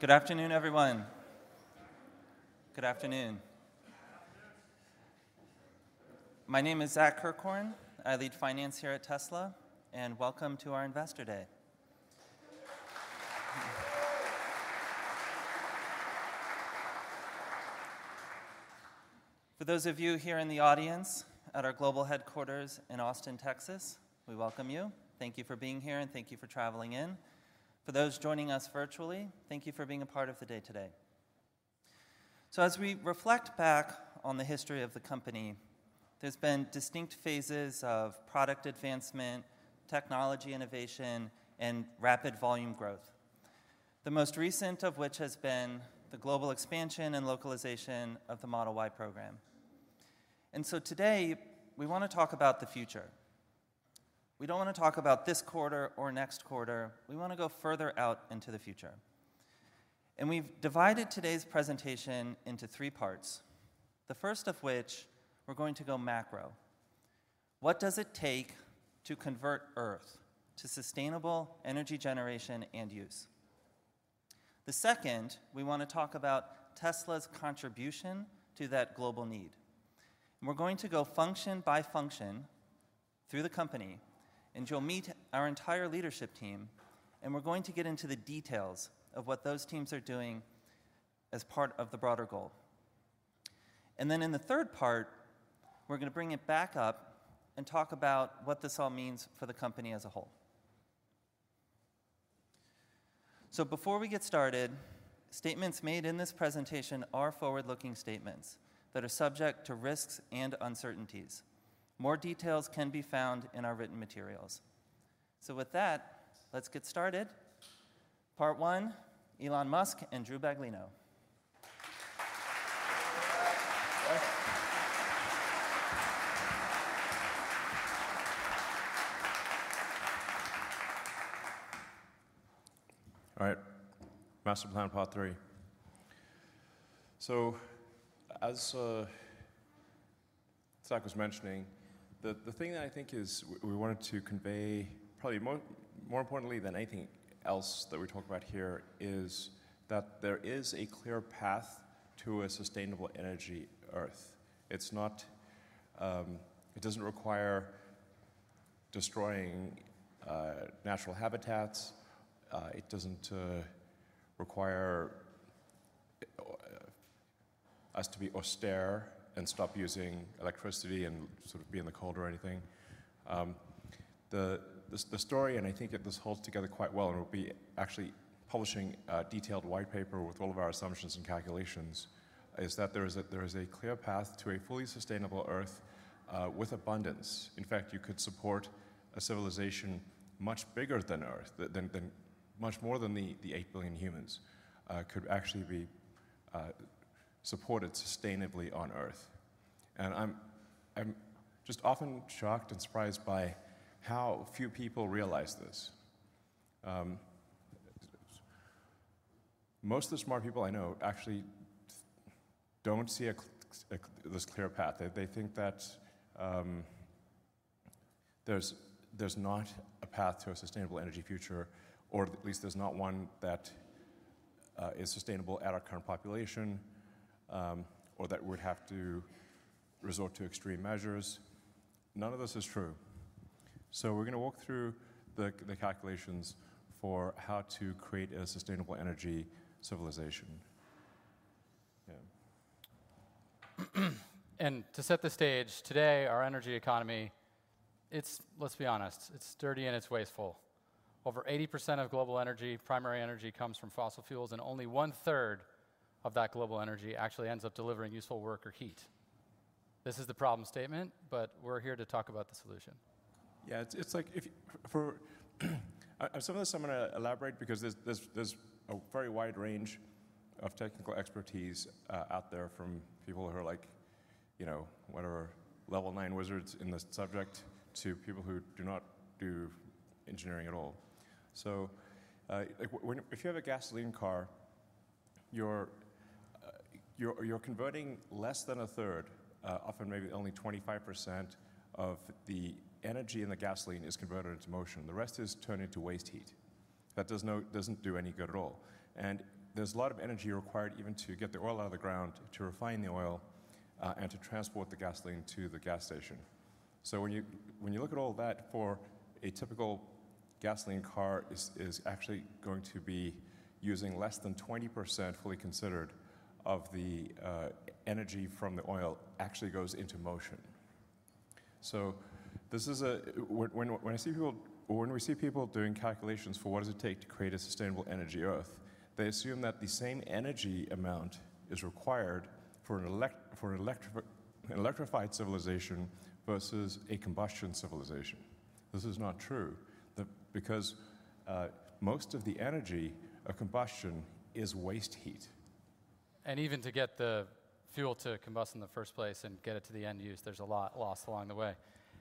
Good afternoon, everyone. Good afternoon. My name is Zach Kirkhorn. I lead finance here at Tesla, and welcome to our Investor Day. For those of you here in the audience at our global headquarters in Austin, Texas, we welcome you. Thank you for being here, and thank you for traveling in. For those joining us virtually, thank you for being a part of the day today. As we reflect back on the history of the company, there's been distinct phases of product advancement, technology innovation, and rapid volume growth, the most recent of which has been the global expansion and localization of the Model Y program. Today, we wanna talk about the future. We don't wanna talk about this quarter or next quarter, we wanna go further out into the future. We've divided today's presentation into three parts, the first of which we're going to go macro. What does it take to convert Earth to sustainable energy generation and use? The second, we want to talk about Tesla's contribution to that global need, and we're going to go function by function through the company, and you'll meet our entire leadership team, and we're going to get into the details of what those teams are doing as part of the broader goal. In the third part, we're going to bring it back up and talk about what this all means for the company as a whole. Before we get started, statements made in this presentation are forward-looking statements that are subject to risks and uncertainties. More details can be found in our written materials. With that, let's get started. Part one, Elon Musk and Drew Baglino. All right. Master Plan Part 3. As Zach Kirkhorn was mentioning, the thing that I think is we wanted to convey probably more importantly than anything else that we talk about here is that there is a clear path to a sustainable energy Earth. It's not, it doesn't require destroying natural habitats. It doesn't require us to be austere and stop using electricity and sort of be in the cold or anything. The story, and I think that this holds together quite well, and we'll be actually publishing a detailed white paper with all of our assumptions and calculations, is that there is a clear path to a fully sustainable Earth with abundance. In fact, you could support a civilization much bigger than Earth, than much more than the 8 billion humans could actually be supported sustainably on Earth. I'm just often shocked and surprised by how few people realize this. Most of the smart people I know actually don't see a clear path. They think that there's not a path to a sustainable energy future, or at least there's not one that is sustainable at our current population, or that we'd have to resort to extreme measures. None of this is true. We're gonna walk through the calculations for how to create a sustainable energy civilization. Yeah. To set the stage, today, our energy economy, it's, let's be honest, it's dirty and it's wasteful. Over 80% of global energy, primary energy comes from fossil fuels, and only 1/3 of that global energy actually ends up delivering useful work or heat. This is the problem statement, but we're here to talk about the solution. Yeah. It's like if, Some of this I'm gonna elaborate because there's a very wide range of technical expertise, out there from people who are like, you know, whatever, level nine wizards in this subject to people who do not do engineering at all. Like when, if you have a gasoline car, you're converting less than a third, often maybe only 25% of the energy in the gasoline is converted into motion. The rest is turned into waste heat. That doesn't do any good at all. There's a lot of energy required even to get the oil out of the ground, to refine the oil, and to transport the gasoline to the gas station. When you look at all that for a typical gasoline car is actually going to be using less than 20%, fully considered, of the energy from the oil actually goes into motion. When I see people or when we see people doing calculations for what does it take to create a sustainable energy Earth, they assume that the same energy amount is required for an electrified civilization versus a combustion civilization. This is not true, the because most of the energy of combustion is waste heat. Even to get the fuel to combust in the first place and get it to the end use, there's a lot lost along the way.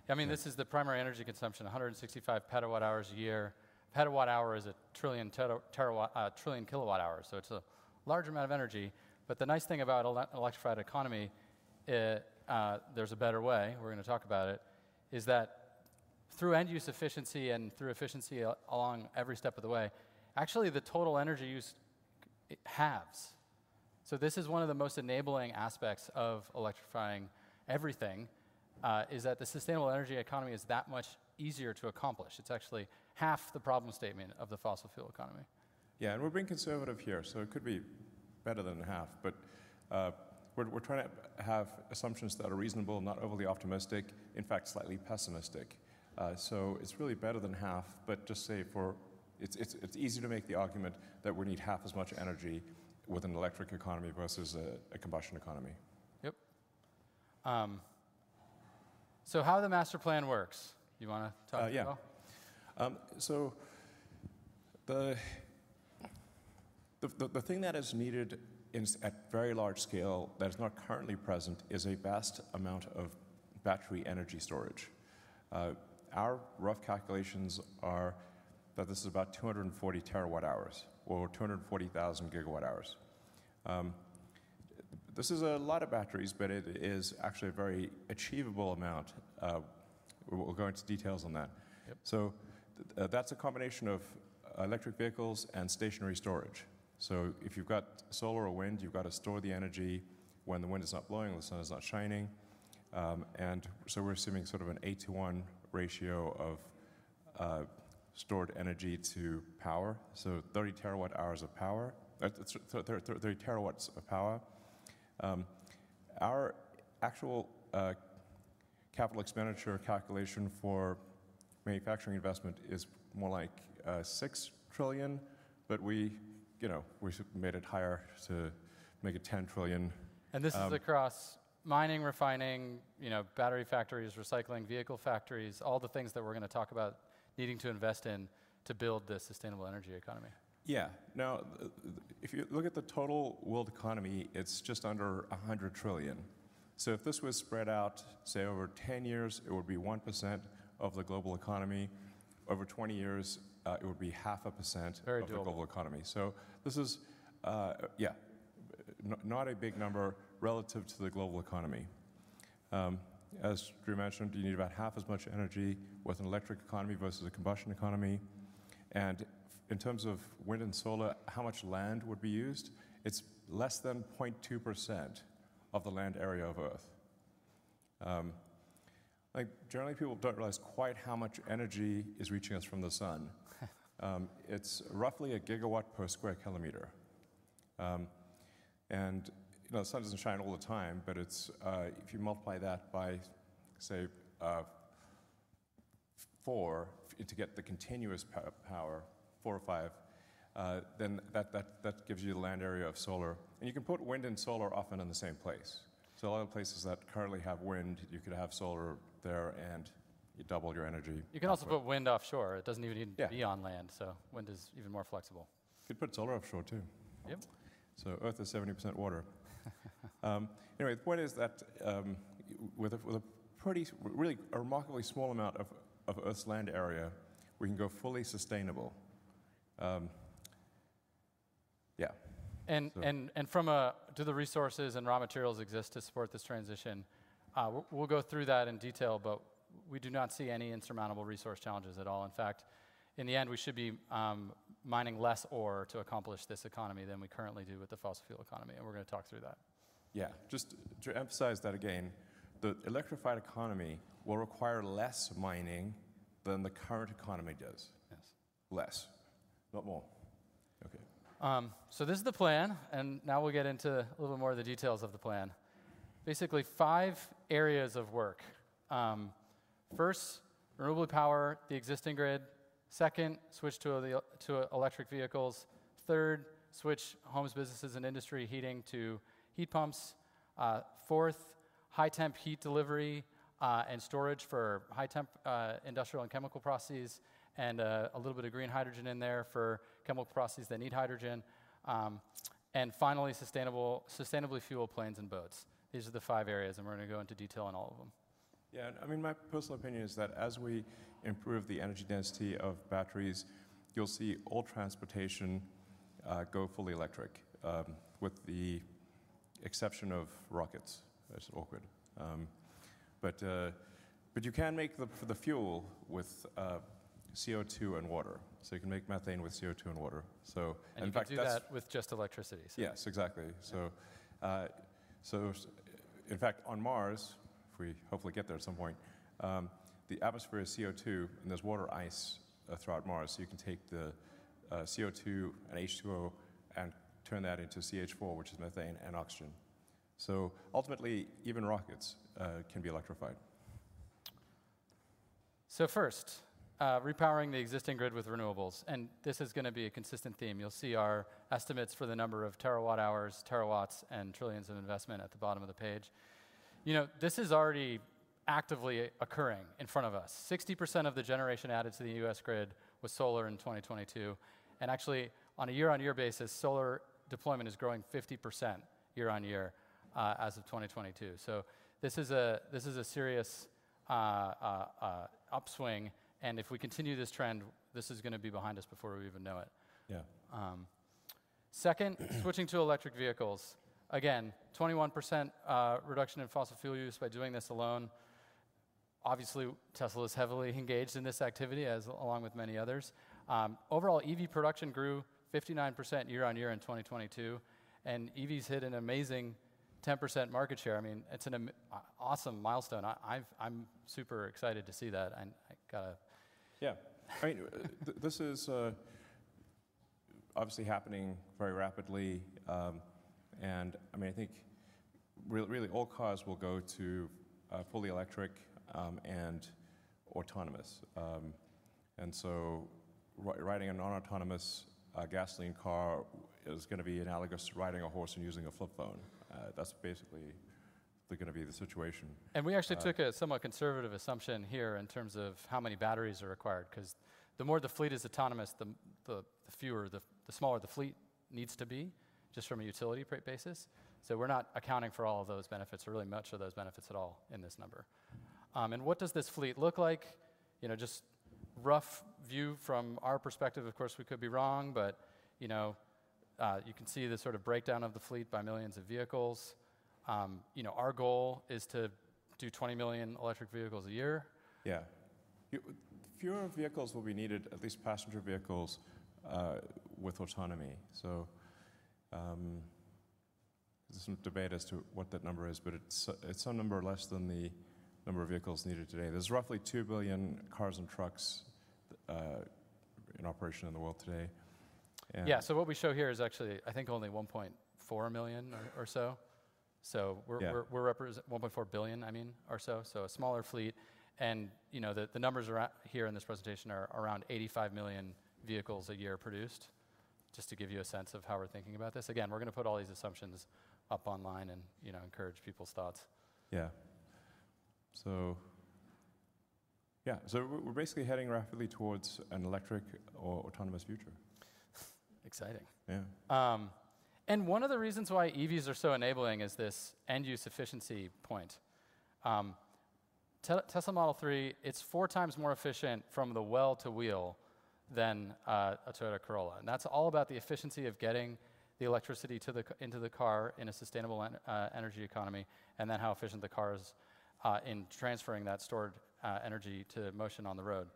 I mean, this is the primary energy consumption, 165 PWh a year. Petawatt-hour is a trillion terawatt, trillion kWh. It's a large amount of energy, but the nice thing about electrified economy, there's a better way, we're gonna talk about it, is that. Through end use efficiency and through efficiency along every step of the way, actually the total energy use, it halves. This is one of the most enabling aspects of electrifying everything, is that the sustainable energy economy is that much easier to accomplish. It's actually half the problem statement of the fossil fuel economy. Yeah, we're being conservative here, so it could be better than half. We're trying to have assumptions that are reasonable, not overly optimistic, in fact, slightly pessimistic. It's really better than half, but it's easy to make the argument that we need half as much energy with an electric economy versus a combustion economy. Yep. how the master plan works. Yeah. The thing that is needed is at very large scale that is not currently present is a vast amount of battery energy storage. Our rough calculations are that this is about 240 TWh or 240,000 gigawatt-hours. This is a lot of batteries, but it is actually a very achievable amount. We'll go into details on that. Yep. That's a combination of electric vehicles and stationary storage. If you've got solar or wind, you've got to store the energy when the wind is not blowing and the sun is not shining. we're assuming sort of an eight to one ratio of stored energy to power, so 30 TWh of power. That's 30 TW of power. Our actual capital expenditure calculation for manufacturing investment is more like $6 trillion, but we, you know, we made it higher to make it $10 trillion. This is across mining, refining, you know, battery factories, recycling, vehicle factories, all the things that we're gonna talk about needing to invest in to build this sustainable energy economy. Yeah. Now, if you look at the total world economy, it's just under 100 trillion. If this was spread out, say over 10 years, it would be 1% of the global economy. Over 20 years, it would be half a percent. Very doable. Of the global economy. This is not a big number relative to the global economy. As Drew mentioned, you need about half as much energy with an electric economy versus a combustion economy. In terms of wind and solar, how much land would be used, it's less than 0.2% of the land area of Earth. Like, generally people don't realize quite how much energy is reaching us from the sun. It's roughly a gigawatt per square kilometer. You know, the sun doesn't shine all the time, but it's if you multiply that by, say, four to get the continuous power, four or five, then that gives you the land area of solar. You can put wind and solar often in the same place. A lot of places that currently have wind, you could have solar there, and you double your energy. You can also put wind offshore. It doesn't even need-. Yeah to be on land, wind is even more flexible. You could put solar offshore too. Yep. Earth is 70% water. Anyway, the point is that with a really remarkably small amount of Earth's land area, we can go fully sustainable. Yeah. Do the resources and raw materials exist to support this transition? We'll go through that in detail, but we do not see any insurmountable resource challenges at all. In fact, in the end, we should be mining less ore to accomplish this economy than we currently do with the fossil fuel economy, and we're gonna talk through that. Yeah. Just to emphasize that again, the electrified economy will require less mining than the current economy does. Yes. Less, not more. Okay. This is the plan, and now we'll get into a little bit more of the details of the plan. Basically, five areas of work. first, renewable power, the existing grid. second, switch to electric vehicles. third, switch homes, businesses, and industry heating to heat pumps. fourth, high temp heat delivery and storage for high temp industrial and chemical processes, and a little bit of green hydrogen in there for chemical processes that need hydrogen. Finally, sustainable, sustainably fuel planes and boats. These are the five areas, and we're gonna go into detail on all of them. Yeah, I mean, my personal opinion is that as we improve the energy density of batteries, you'll see all transportation go fully electric with the exception of rockets. That's awkward. You can make the fuel with CO2 and water. You can make methane with CO2 and water. In fact, that's- You can do that with just electricity. Yes, exactly. Yeah. In fact, on Mars, if we hopefully get there at some point, the atmosphere is CO2, and there's water ice throughout Mars, so you can take the CO2 and H2O and turn that into CH4, which is methane and oxygen. Ultimately, even rockets can be electrified. First, repowering the existing grid with renewables, and this is gonna be a consistent theme. You'll see our estimates for the number of TWh, terawatts, and trillions of investment at the bottom of the page. You know, this is already actively occurring in front of us. 60% of the generation added to the U.S. grid was solar in 2022, and actually, on a year-on-year basis, solar deployment is growing 50% year-on-year as of 2022. this is a serious upswing, and if we continue this trend, this is gonna be behind us before we even know it. Yeah. Second, switching to electric vehicles. Again, 21% reduction in fossil fuel use by doing this alone. Obviously, Tesla is heavily engaged in this activity as, along with many others. overall EV production grew 59% year-over-year in 2022, and EVs hit an amazing 10% market share. I mean, it's an awesome milestone. I'm super excited to see that. Yeah. I mean, this is obviously happening very rapidly, and I mean, I think really all cars will go to fully electric and autonomous. Riding a non-autonomous gasoline car is gonna be analogous to riding a horse and using a flip phone. That's basically gonna be the situation. We actually took a somewhat conservative assumption here in terms of how many batteries are required, 'cause the more the fleet is autonomous, the fewer the smaller the fleet needs to be, just from a utility basis. We're not accounting for all of those benefits or really much of those benefits at all in this number. What does this fleet look like? You know, just rough view from our perspective. Of course, we could be wrong, but, you know, you can see the sort of breakdown of the fleet by millions of vehicles. You know, our goal is to do 20 million electric vehicles a year. Yeah. Fewer vehicles will be needed, at least passenger vehicles, with autonomy. There's some debate as to what that number is, but it's some number less than the number of vehicles needed today. There's roughly 2 billion cars and trucks in operation in the world today. Yeah, what we show here is actually, I think, only $1.4 million or so. Yeah We're $1.4 billion, I mean, or so. A smaller fleet, and you know, the numbers here in this presentation are around 85 million vehicles a year produced, just to give you a sense of how we're thinking about this. Again, we're gonna put all these assumptions up online and you know, encourage people's thoughts. Yeah. We're basically heading rapidly towards an electric or autonomous future. Exciting. Yeah. One of the reasons why EVs are so enabling is this end-use efficiency point. Tesla Model 3, it's 4x more efficient from the well to wheel than a Toyota Corolla, that's all about the efficiency of getting the electricity to the car in a sustainable energy economy, and then how efficient the car is in transferring that stored energy to motion on the road.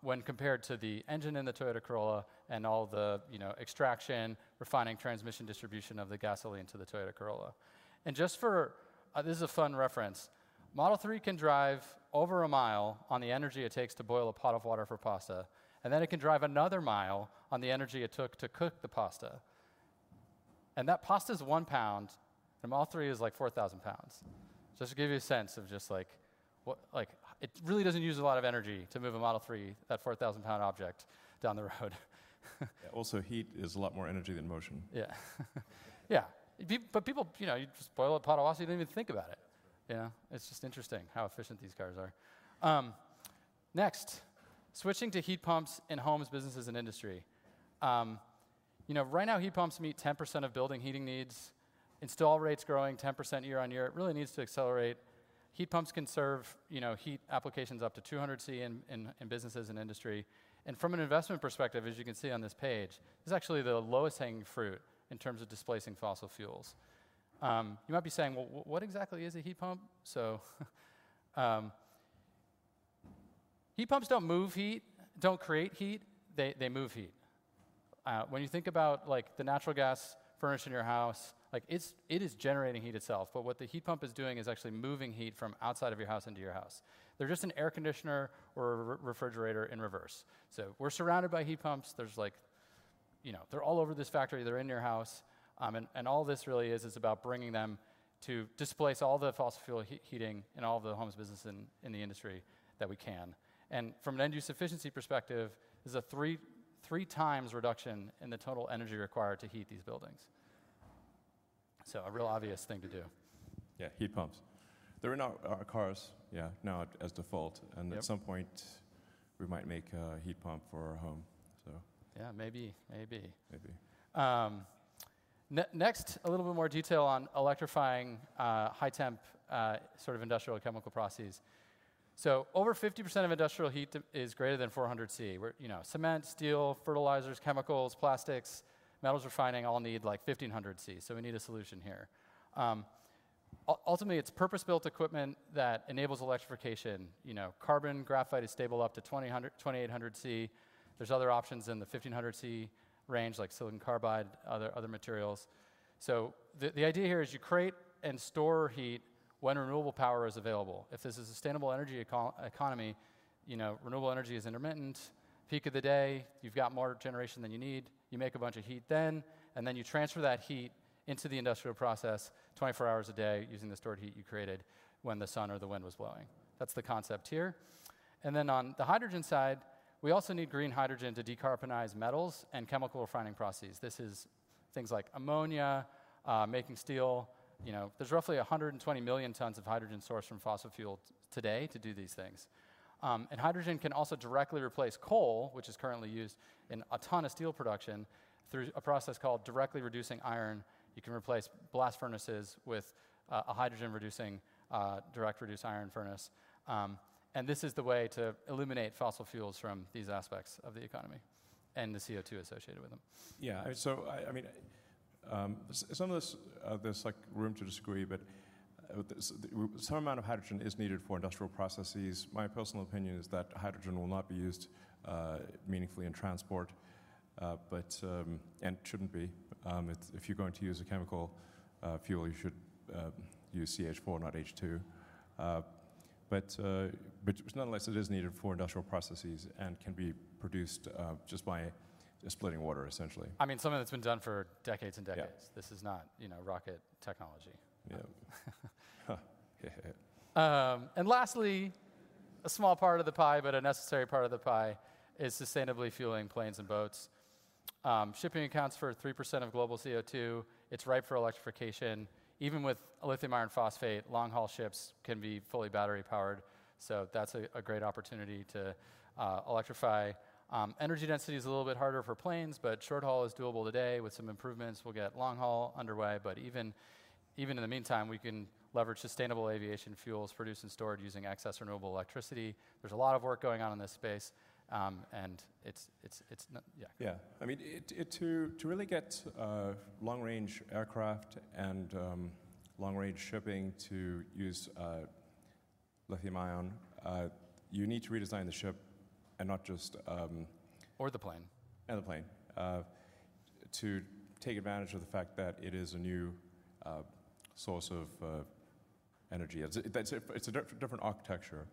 When compared to the engine in the Toyota Corolla and all the, you know, extraction, refining, transmission, distribution of the gasoline to the Toyota Corolla. Just for, this is a fun reference. Model 3 can drive over a mile on the energy it takes to boil a pot of water for pasta, and then it can drive another mile on the energy it took to cook the pasta. That pasta's one pound. The Model 3 is, like, 4,000 pounds. Just to give you a sense of just, like, what, like, it really doesn't use a lot of energy to move a Model 3, that 4,000-pound object, down the road. Heat is a lot more energy than motion. Yeah. Yeah. but people, you know, you just boil a pot of water, you don't even think about it. You know? It's just interesting how efficient these cars are. Next, switching to heat pumps in homes, businesses, and industry. you know, right now, heat pumps meet 10% of building heating needs. Install rates growing 10% year-on-year. It really needs to accelerate. Heat pumps can serve, you know, heat applications up to 200 degrees Celsius in businesses and industry. From an investment perspective, as you can see on this page, this is actually the lowest hanging fruit in terms of displacing fossil fuels. you might be saying, "Well, what exactly is a heat pump?" heat pumps don't create heat, they move heat. When you think about, like, the natural gas furnace in your house, like, it's, it is generating heat itself, but what the heat pump is doing is actually moving heat from outside of your house into your house. They're just an air conditioner or refrigerator in reverse. We're surrounded by heat pumps. There's, like, you know, they're all over this factory, they're in your house, and all this really is about bringing them to displace all the fossil fuel heating in all the homes, businesses, and in the industry that we can. From an end-use efficiency perspective, this is a 3x reduction in the total energy required to heat these buildings. A real obvious thing to do. Yeah, heat pumps. They're in our cars, yeah, now as default. Yep And at some point, we might make a heat pump for our home, so. Yeah, maybe. Maybe. Maybe. Next, a little bit more detail on electrifying high temp, sort of industrial and chemical processes. Over 50% of industrial heat is greater than 400 C. We're, you know, cement, steel, fertilizers, chemicals, plastics, metals refining all need, like, 1,500 C, so we need a solution here. Ultimately, it's purpose-built equipment that enables electrification. You know, carbon, graphite is stable up to 2,000, 2,800 C. There's other options in the 1,500 C range, like silicon carbide, other materials. The idea here is you create and store heat when renewable power is available. If this is a sustainable energy economy, you know, renewable energy is intermittent. Peak of the day, you've got more generation than you need, you make a bunch of heat then, you transfer that heat into the industrial process 24 hours a day using the stored heat you created when the sun or the wind was blowing. That's the concept here. On the hydrogen side, we also need green hydrogen to decarbonize metals and chemical refining processes. This is things like ammonia, making steel. You know, there's roughly 120 million tons of hydrogen sourced from fossil fuel today to do these things. Hydrogen can also directly replace coal, which is currently used in a ton of steel production through a process called directly reducing iron. You can replace blast furnaces with a hydrogen reducing direct reduced iron furnace. This is the way to eliminate fossil fuels from these aspects of the economy and the CO2 associated with them. I mean, some of this, there's like room to disagree, but some amount of hydrogen is needed for industrial processes. My personal opinion is that hydrogen will not be used meaningfully in transport, but it shouldn't be. If you're going to use a chemical fuel, you should use CH4 not H2. Nonetheless, it is needed for industrial processes and can be produced just by splitting water essentially. I mean, something that's been done for decades and decades. Yeah. This is not, you know, rocket technology. Yeah. Lastly, a small part of the pie, but a necessary part of the pie is sustainably fueling planes and boats. Shipping accounts for 3% of global CO2. It's ripe for electrification. Even with a lithium iron phosphate, long-haul ships can be fully battery-powered, that's a great opportunity to electrify. Energy density is a little bit harder for planes, but short haul is doable today. With some improvements, we'll get long haul underway. Even in the meantime, we can leverage sustainable aviation fuels produced and stored using excess renewable electricity. There's a lot of work going on in this space, it's Yeah. Yeah. I mean, it to really get long-range aircraft and long-range shipping to use lithium ion, you need to redesign the ship and not just. The plane. The plane. To take advantage of the fact that it is a new source of energy. It's. That's it. It's a different architecture.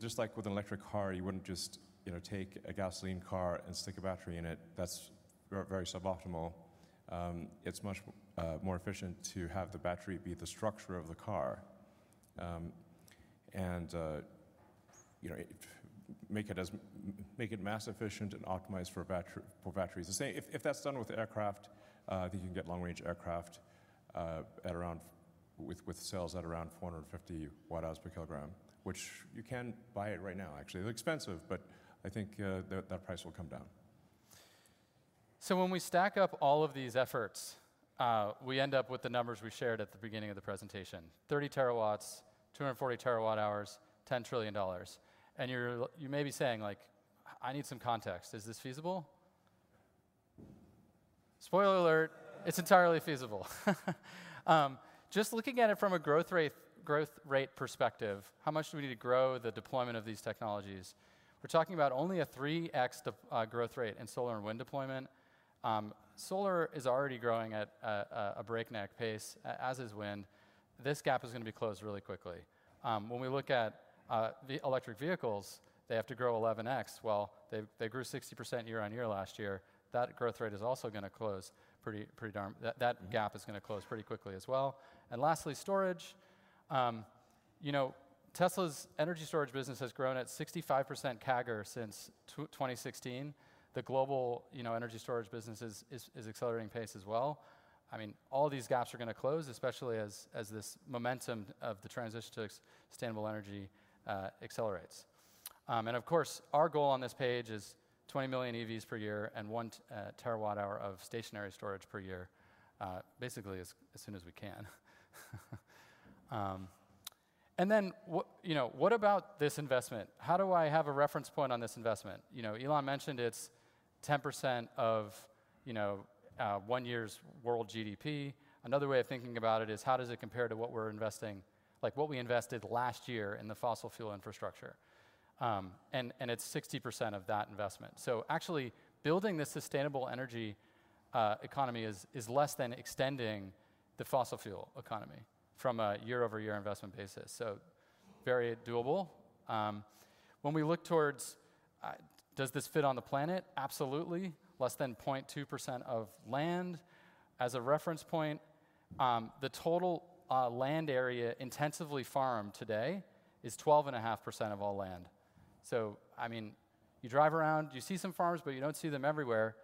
Just like with an electric car, you wouldn't just, you know, take a gasoline car and stick a battery in it. That's very suboptimal. It's much more efficient to have the battery be the structure of the car, and you know, make it mass efficient and optimized for batteries. If that's done with the aircraft, then you can get long-range aircraft with sales at around 450 watt-hours per kilogram, which you can buy it right now, actually. They're expensive, but I think that price will come down. When we stack up all of these efforts, we end up with the numbers we shared at the beginning of the presentation: 30 terawatts, 240 TWh, $10 trillion. You're, you may be saying, like, "I need some context. Is this feasible?" Spoiler alert, it's entirely feasible. Just looking at it from a growth rate perspective, how much do we need to grow the deployment of these technologies? We're talking about only a 3x growth rate in solar and wind deployment. Solar is already growing at a breakneck pace, as is wind. This gap is gonna be closed really quickly. When we look at the electric vehicles, they have to grow 11x. They grew 60% year-on-year last year. That gap is gonna close pretty quickly as well. Lastly, storage. You know, Tesla's energy storage business has grown at 65% CAGR since 2016. The global, you know, energy storage business is accelerating pace as well. I mean, all these gaps are gonna close, especially as this momentum of the transition to sustainable energy accelerates. Of course, our goal on this page is 20 million EVs per year and 1 terawatt-hour of stationary storage per year, basically as soon as we can. You know, what about this investment? How do I have a reference point on this investment? You know, Elon mentioned it's 10% of, you know, 1 year's world GDP. Another way of thinking about it is how does it compare to like what we invested last year in the fossil fuel infrastructure. It's 60% of that investment. Actually building the sustainable energy economy is less than extending the fossil fuel economy from a year-over-year investment basis. Very doable. When we look towards, does this fit on the planet? Absolutely. Less than 0.2% of land. As a reference point, the total land area intensively farmed today is 12.5% of all land. I mean, you drive around, you see some farms, but you don't see them everywhere.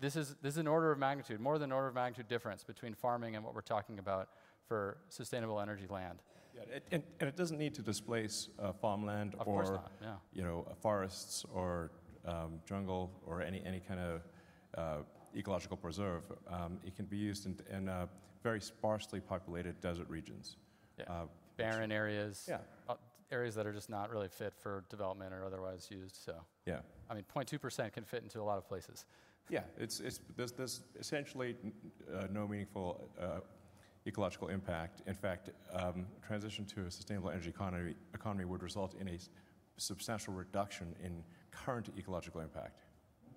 This is an order of magnitude, more than an order of magnitude difference between farming and what we're talking about for sustainable energy land. Yeah. It doesn't need to displace farmland. Of course not, no. You know, forests or jungle or any kind of ecological preserve. It can be used in very sparsely populated desert regions. Barren areas. Yeah. Areas that are just not really fit for development or otherwise used, so. Yeah. I mean, 0.2% can fit into a lot of places. Yeah. There's essentially no meaningful ecological impact. In fact, transition to a sustainable energy economy would result in a substantial reduction in current ecological impact.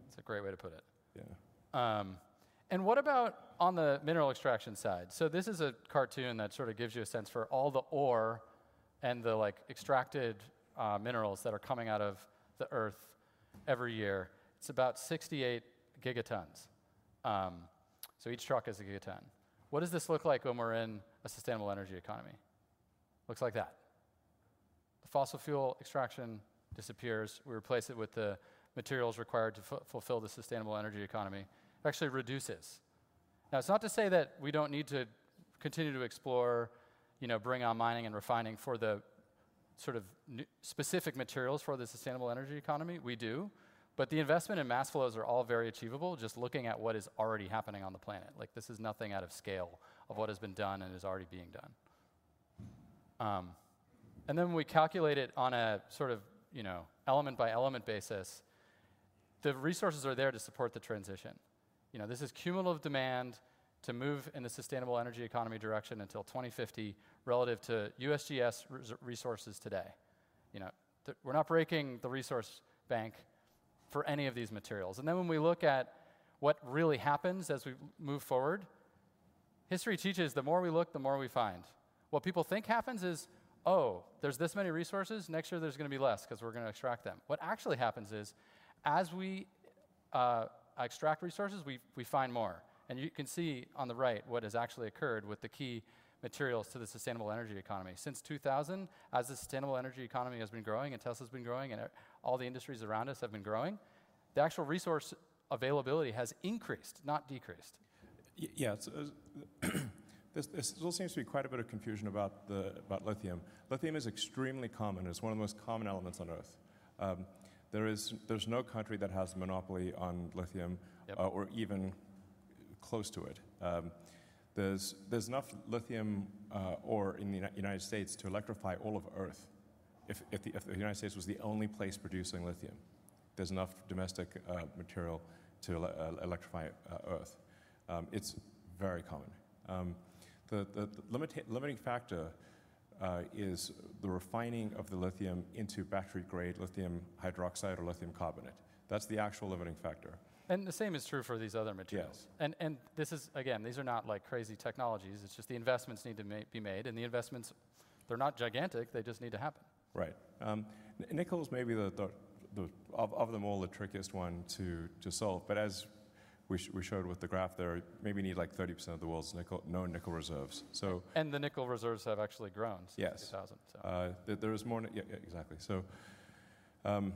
That's a great way to put it. Yeah. What about on the mineral extraction side? This is a cartoon that sort of gives you a sense for all the ore and the, like, extracted minerals that are coming out of the earth every year. It's about 68 gigatons. Each truck is a gigaton. What does this look like when we're in a sustainable energy economy? Looks like that. The fossil fuel extraction disappears. We replace it with the materials required to fulfill the sustainable energy economy. It actually reduces. Now, it's not to say that we don't need to continue to explore, you know, bring on mining and refining for the sort of specific materials for the sustainable energy economy. We do. The investment and mass flows are all very achievable just looking at what is already happening on the planet. Like this is nothing out of scale of what has been done and is already being done. And then we calculate it on a sort of, you know, element by element basis. The resources are there to support the transition. You know, this is cumulative demand to move in a sustainable energy economy direction until 2050 relative to USGS resources today. You know, we're not breaking the resource bank for any of these materials. And then when we look at what really happens as we move forward, history teaches the more we look, the more we find. What people think happens is, oh, there's this many resources, next year there's gonna be less 'cause we're gonna extract them. What actually happens is, as we extract resources, we find more. You can see on the right what has actually occurred with the key materials to the sustainable energy economy. Since 2000, as the sustainable energy economy has been growing, and Tesla's been growing, and all the industries around us have been growing, the actual resource availability has increased, not decreased. Yes. There still seems to be quite a bit of confusion about lithium. Lithium is extremely common. It's one of the most common elements on Earth. There's no country that has a monopoly on lithium. Yep There's enough lithium ore in the United States to electrify all of Earth if the United States was the only place producing lithium. There's enough domestic material to electrify Earth. It's very common. The limiting factor is the refining of the lithium into battery-grade lithium hydroxide or lithium carbonate. That's the actual limiting factor. The same is true for these other materials. Yes. This is, again, these are not like crazy technologies. It's just the investments need to be made, and the investments, they're not gigantic, they just need to happen. Right. Nickel's maybe the of them all the trickiest one to solve, but as we showed with the graph there, maybe need like 30% of the world's nickel, known nickel reserves. The nickel reserves have actually grown since 2000. Exactly.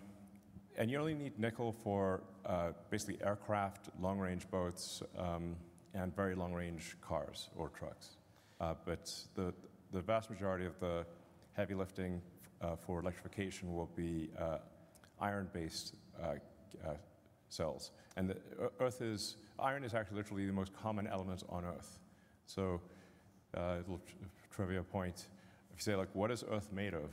You only need nickel for basically aircraft, long range boats, and very long range cars or trucks. The vast majority of the heavy lifting for electrification will be iron-based cells. Iron is actually literally the most common element on Earth. Little trivia point, if you say like, "What is Earth made of?"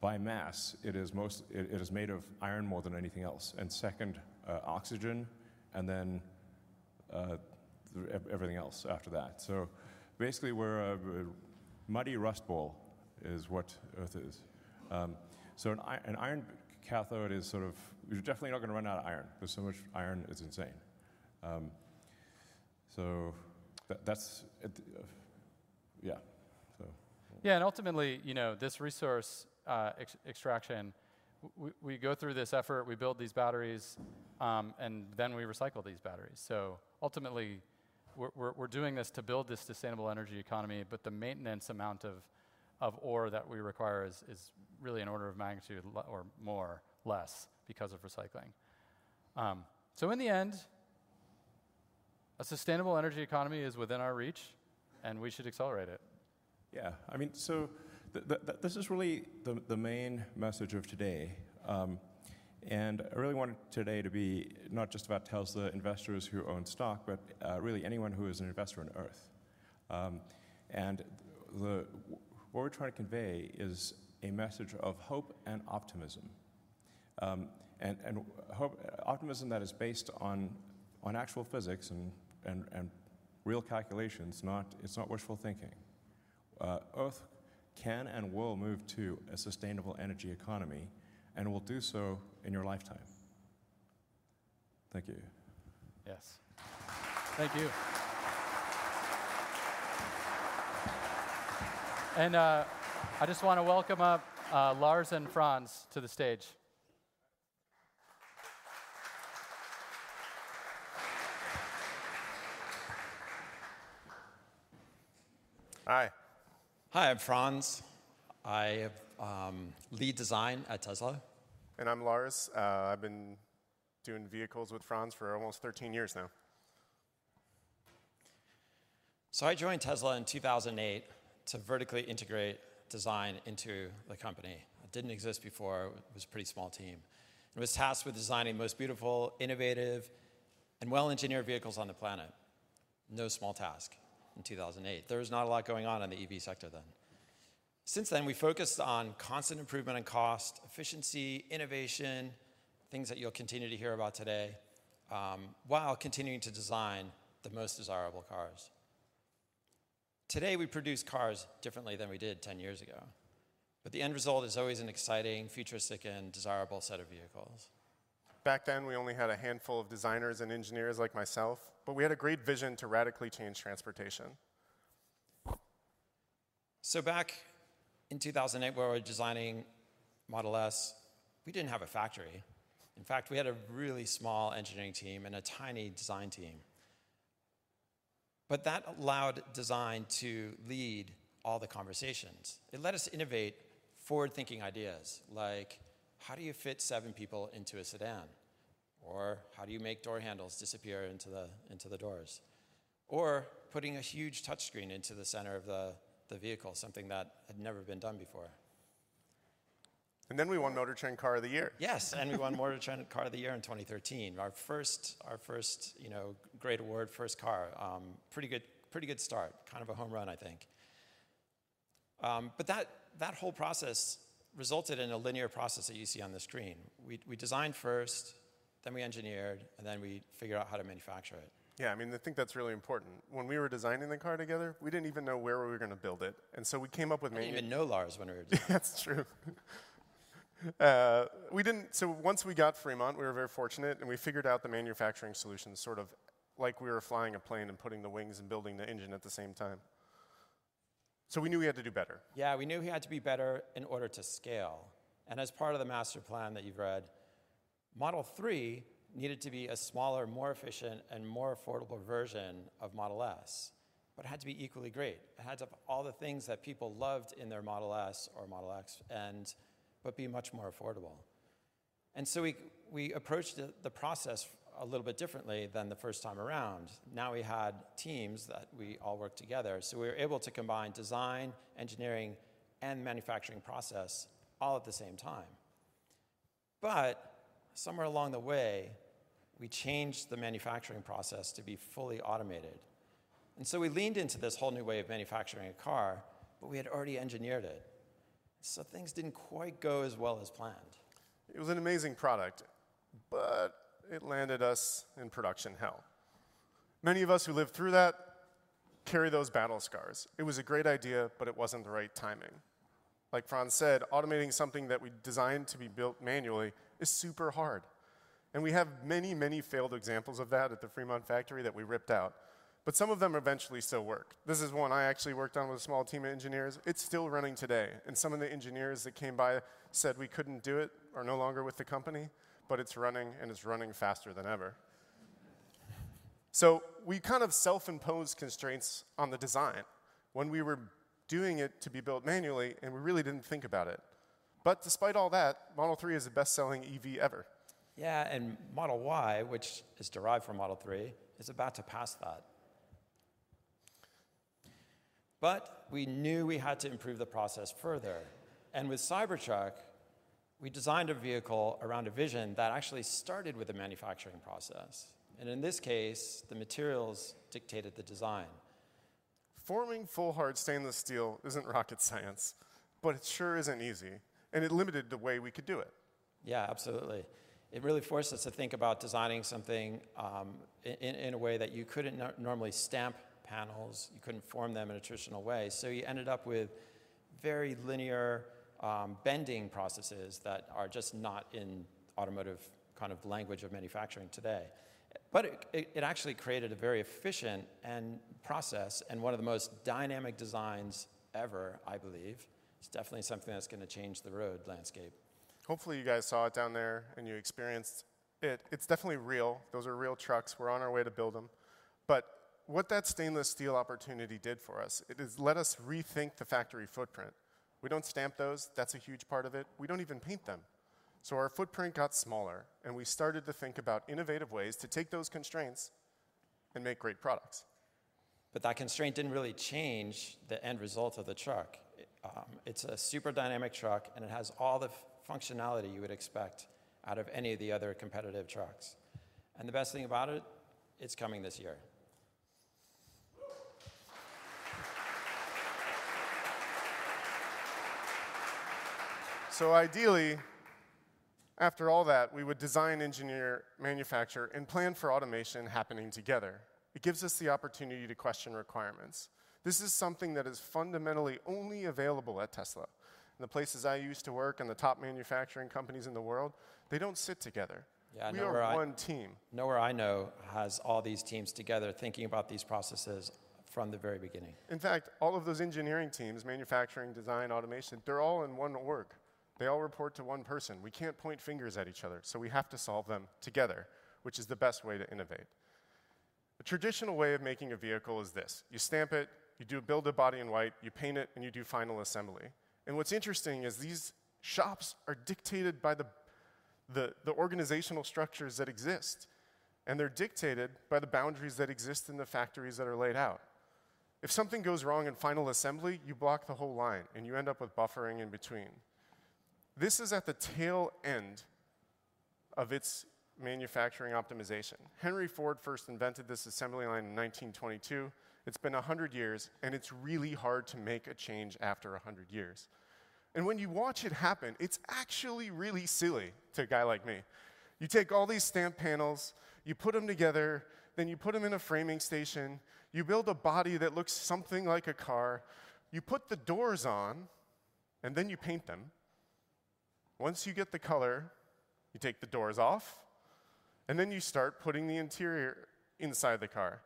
By mass, it is most, it is made of iron more than anything else, and second, oxygen, and then everything else after that. Basically, we're a muddy rust ball is what Earth is. An iron cathode is sort of, we're definitely not gonna run out of iron. There's so much iron, it's insane. That's it, yeah. Ultimately, you know, this resource extraction, we go through this effort, we build these batteries, and then we recycle these batteries. Ultimately, we're doing this to build this sustainable energy economy, but the maintenance amount of ore that we require is really an order of magnitude or more less because of recycling. In the end, a sustainable energy economy is within our reach, and we should accelerate it. Yeah. I mean, this is really the main message of today. I really wanted today to be not just about Tesla investors who own stock, but really anyone who is an investor in Earth. The, what we're trying to convey is a message of hope and optimism. Hope, optimism that is based on actual physics and, and real calculations, not, it's not wishful thinking. Earth can and will move to a sustainable energy economy and will do so in your lifetime. Thank you. Yes. Thank you. I just wanna welcome up Lars and Franz to the stage. Hi. Hi, I'm Franz. I lead design at Tesla. I'm Lars. I've been doing vehicles with Franz for almost 13 years now. I joined Tesla in 2008 to vertically integrate design into the company. It didn't exist before. It was a pretty small team. I was tasked with designing the most beautiful, innovative, and well-engineered vehicles on the planet. No small task in 2008. There was not a lot going on in the EV sector then. Since then, we've focused on constant improvement in cost, efficiency, innovation, things that you'll continue to hear about today, while continuing to design the most desirable cars. Today, we produce cars differently than we did 10 years ago, but the end result is always an exciting, futuristic, and desirable set of vehicles. Back then, we only had a handful of designers and engineers like myself, but we had a great vision to radically change transportation. Back in 2008, when we were designing Model S, we didn't have a factory. In fact, we had a really small engineering team and a tiny design team. That allowed design to lead all the conversations. It let us innovate forward-thinking ideas, like how do you fit seven people into a sedan? How do you make door handles disappear into the doors? Putting a huge touchscreen into the center of the vehicle, something that had never been done before. We won Motor Trend Car of the Year. Yes, we won Motor Trend Car of the Year in 2013. Our first, you know, great award, first car. Pretty good start. Kind of a home run, I think. That whole process resulted in a linear process that you see on the screen. We designed first, then we engineered, and then we figured out how to manufacture it. Yeah, I mean, I think that's really important. When we were designing the car together, we didn't even know where we were gonna build it. We came up with. We didn't even know Lars when we were designing the car. That's true. Once we got Fremont, we were very fortunate, and we figured out the manufacturing solutions sort of like we were flying a plane and putting the wings and building the engine at the same time. We knew we had to do better. Yeah, we knew we had to be better in order to scale. As part of the master plan that you've read, Model 3 needed to be a smaller, more efficient, and more affordable version of Model S, but had to be equally great. It had to have all the things that people loved in their Model S or Model X, but be much more affordable. So we approached the process a little bit differently than the first time around. Now we had teams that we all worked together, so we were able to combine design, engineering, and manufacturing process all at the same time. Somewhere along the way, we changed the manufacturing process to be fully automated. We leaned into this whole new way of manufacturing a car, but we had already engineered it, so things didn't quite go as well as planned. It was an amazing product, it landed us in production hell. Many of us who lived through that carry those battle scars. It was a great idea, it wasn't the right timing. Like Franz said, automating something that we designed to be built manually is super hard, and we have many failed examples of that at the Fremont factory that we ripped out. Some of them eventually still work. This is one I actually worked on with a small team of engineers. It's still running today, and some of the engineers that came by said we couldn't do it are no longer with the company, but it's running, and it's running faster than ever. We kind of self-imposed constraints on the design when we were doing it to be built manually, and we really didn't think about it. Despite all that, Model 3 is the best-selling EV ever. Yeah, Model Y, which is derived from Model 3, is about to pass that. We knew we had to improve the process further. With Cybertruck, we designed a vehicle around a vision that actually started with the manufacturing process, and in this case, the materials dictated the design. Forming full hard stainless steel isn't rocket science, but it sure isn't easy, and it limited the way we could do it. Absolutely. It really forced us to think about designing something in a way that you couldn't normally stamp panels, you couldn't form them in a traditional way. You ended up with very linear bending processes that are just not in automotive kind of language of manufacturing today. It actually created a very efficient and process and one of the most dynamic designs ever, I believe. It's definitely something that's gonna change the road landscape. Hopefully, you guys saw it down there and you experienced it. It's definitely real. Those are real trucks. We're on our way to build them. What that stainless steel opportunity did for us, it has let us rethink the factory footprint. We don't stamp those. That's a huge part of it. We don't even paint them. Our footprint got smaller, and we started to think about innovative ways to take those constraints and make great products. That constraint didn't really change the end result of the truck. It's a super dynamic truck, and it has all the functionality you would expect out of any of the other competitive trucks. The best thing about it's coming this year. Ideally, after all that, we would design, engineer, manufacture, and plan for automation happening together. It gives us the opportunity to question requirements. This is something that is fundamentally only available at Tesla. The places I used to work and the top manufacturing companies in the world, they don't sit together. Yeah, nowhere. We are one team. Nowhere I know has all these teams together thinking about these processes from the very beginning. In fact, all of those engineering teams, manufacturing, design, automation, they're all in one org. They all report to one person. We can't point fingers at each other. We have to solve them together, which is the best way to innovate. The traditional way of making a vehicle is this: You stamp it, you build a body in white, you paint it, and you do final assembly. What's interesting is these shops are dictated by the organizational structures that exist, and they're dictated by the boundaries that exist in the factories that are laid out. If something goes wrong in final assembly, you block the whole line, and you end up with buffering in between. This is at the tail end of its manufacturing optimization. Henry Ford first invented this assembly line in 1922. It's been 100 years, and it's really hard to make a change after 100 years. When you watch it happen, it's actually really silly to a guy like me. You take all these stamped panels, you put them together, then you put them in a framing station, you build a body that looks something like a car, you put the doors on, and then you paint them. Once you get the color, you take the doors off, and then you start putting the interior inside the car.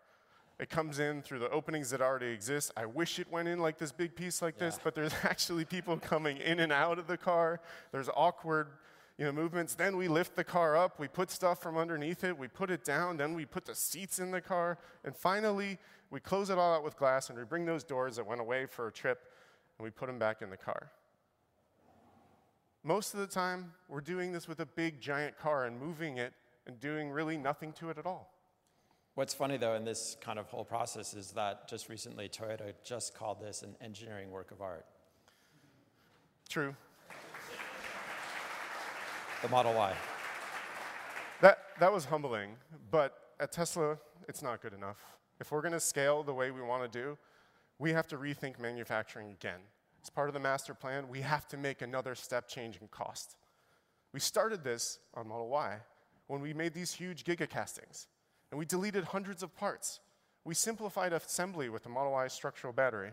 It comes in through the openings that already exist. I wish it went in like this big piece like this- Yeah There's actually people coming in and out of the car. There's awkward, you know, movements. We lift the car up, we put stuff from underneath it, we put it down, then we put the seats in the car, and finally, we close it all up with glass, and we bring those doors that went away for a trip, and we put them back in the car. Most of the time, we're doing this with a big, giant car and moving it and doing really nothing to it at all. What's funny, though, in this kind of whole process is that just recently Toyota just called this an engineering work of art. True. The Model Y. That was humbling. At Tesla, it's not good enough. If we're going to scale the way we want to do, we have to rethink manufacturing again. As part of the Master Plan, we have to make another step change in cost. We started this on Model Y when we made these huge Giga Castings, and we deleted hundreds of parts. We simplified assembly with the Model Y structural battery,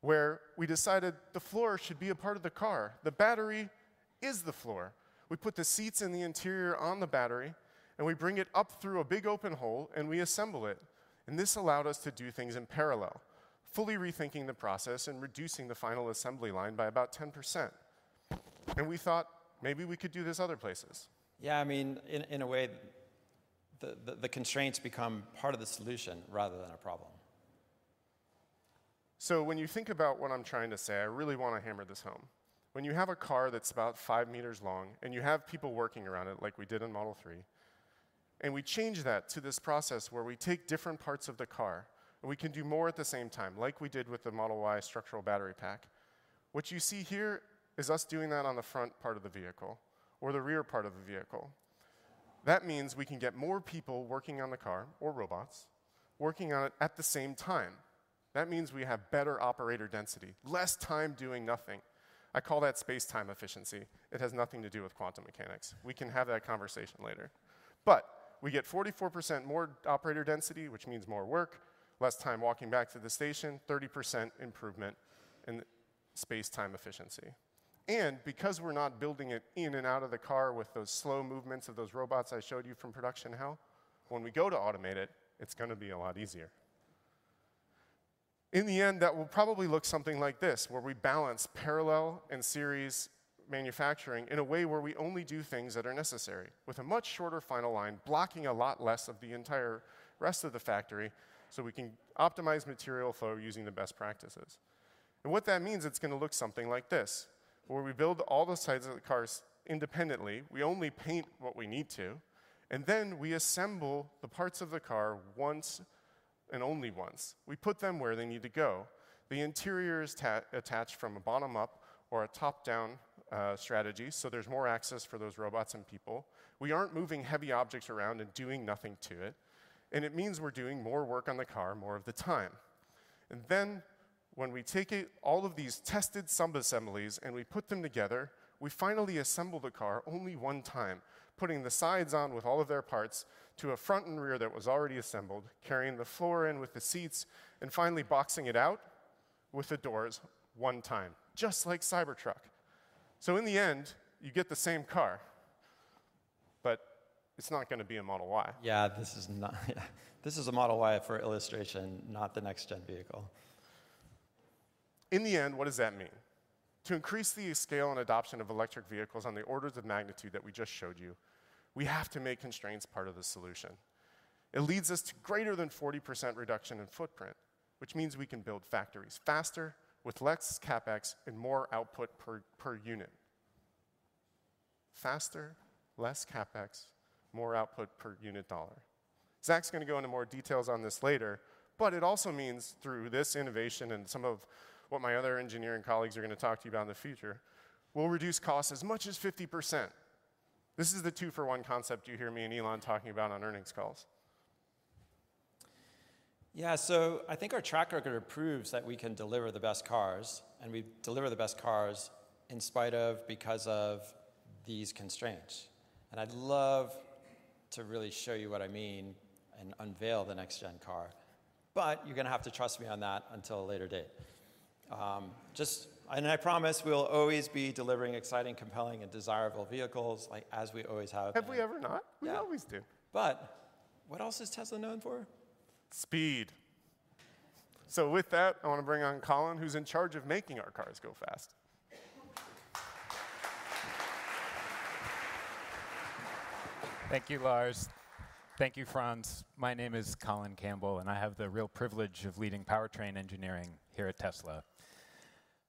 where we decided the floor should be a part of the car. The battery is the floor. We put the seats and the interior on the battery, and we bring it up through a big open hole, and we assemble it. This allowed us to do things in parallel, fully rethinking the process and reducing the final assembly line by about 10%. We thought maybe we could do this other places. Yeah, I mean, in a way, the constraints become part of the solution rather than a problem. When you think about what I'm trying to say, I really wanna hammer this home. When you have a car that's about 5 meters long, and you have people working around it like we did in Model 3, and we change that to this process where we take different parts of the car, and we can do more at the same time like we did with the Model Y structural battery pack. What you see here is us doing that on the front part of the vehicle or the rear part of the vehicle. That means we can get more people working on the car, or robots, working on it at the same time. That means we have better operator density, less time doing nothing. I call that space-time efficiency. It has nothing to do with quantum mechanics. We can have that conversation later. We get 44% more operator density, which means more work, less time walking back to the station, 30% improvement in space-time efficiency. Because we're not building it in and out of the car with those slow movements of those robots I showed you from production hell, when we go to automate it's gonna be a lot easier. In the end, that will probably look something like this, where we balance parallel and series manufacturing in a way where we only do things that are necessary, with a much shorter final line blocking a lot less of the entire rest of the factory, so we can optimize material flow using the best practices. What that means, it's going to look something like this, where we build all the sides of the cars independently, we only paint what we need to, and then we assemble the parts of the car once and only once. We put them where they need to go. The interior is attached from a bottom up or a top-down strategy, so there's more access for those robots and people. We aren't moving heavy objects around and doing nothing to it. It means we're doing more work on the car more of the time. When we take it, all of these tested sub-assemblies and we put them together, we finally assemble the car only one time, putting the sides on with all of their parts to a front and rear that was already assembled, carrying the floor in with the seats and finally boxing it out with the doors one time, just like Cybertruck. In the end, you get the same car, but it's not gonna be a Model Y. This is a Model Y for illustration, not the next-gen vehicle. In the end, what does that mean? To increase the scale and adoption of electric vehicles on the orders of magnitude that we just showed you, we have to make constraints part of the solution. It leads us to greater than 40% reduction in footprint, which means we can build factories faster with less CapEx and more output per unit. Faster, less CapEx, more output per unit dollar. Zach's gonna go into more details on this later, but it also means through this innovation and some of what my other engineering colleagues are gonna talk to you about in the future, we'll reduce costs as much as 50%. This is the two-for-one concept you hear me and Elon talking about on earnings calls. Yeah. I think our track record proves that we can deliver the best cars, and we deliver the best cars in spite of, because of these constraints. I'd love to really show you what I mean and unveil the next-gen car, but you're gonna have to trust me on that until a later date. I promise we'll always be delivering exciting, compelling, and desirable vehicles, like, as we always have. Have we ever not? Yeah. We always do. What else is Tesla known for? Speed. With that, I wanna bring on Colin, who's in charge of making our cars go fast. Thank you, Lars. Thank you, Franz. My name is Colin Campbell, I have the real privilege of leading powertrain engineering here at Tesla.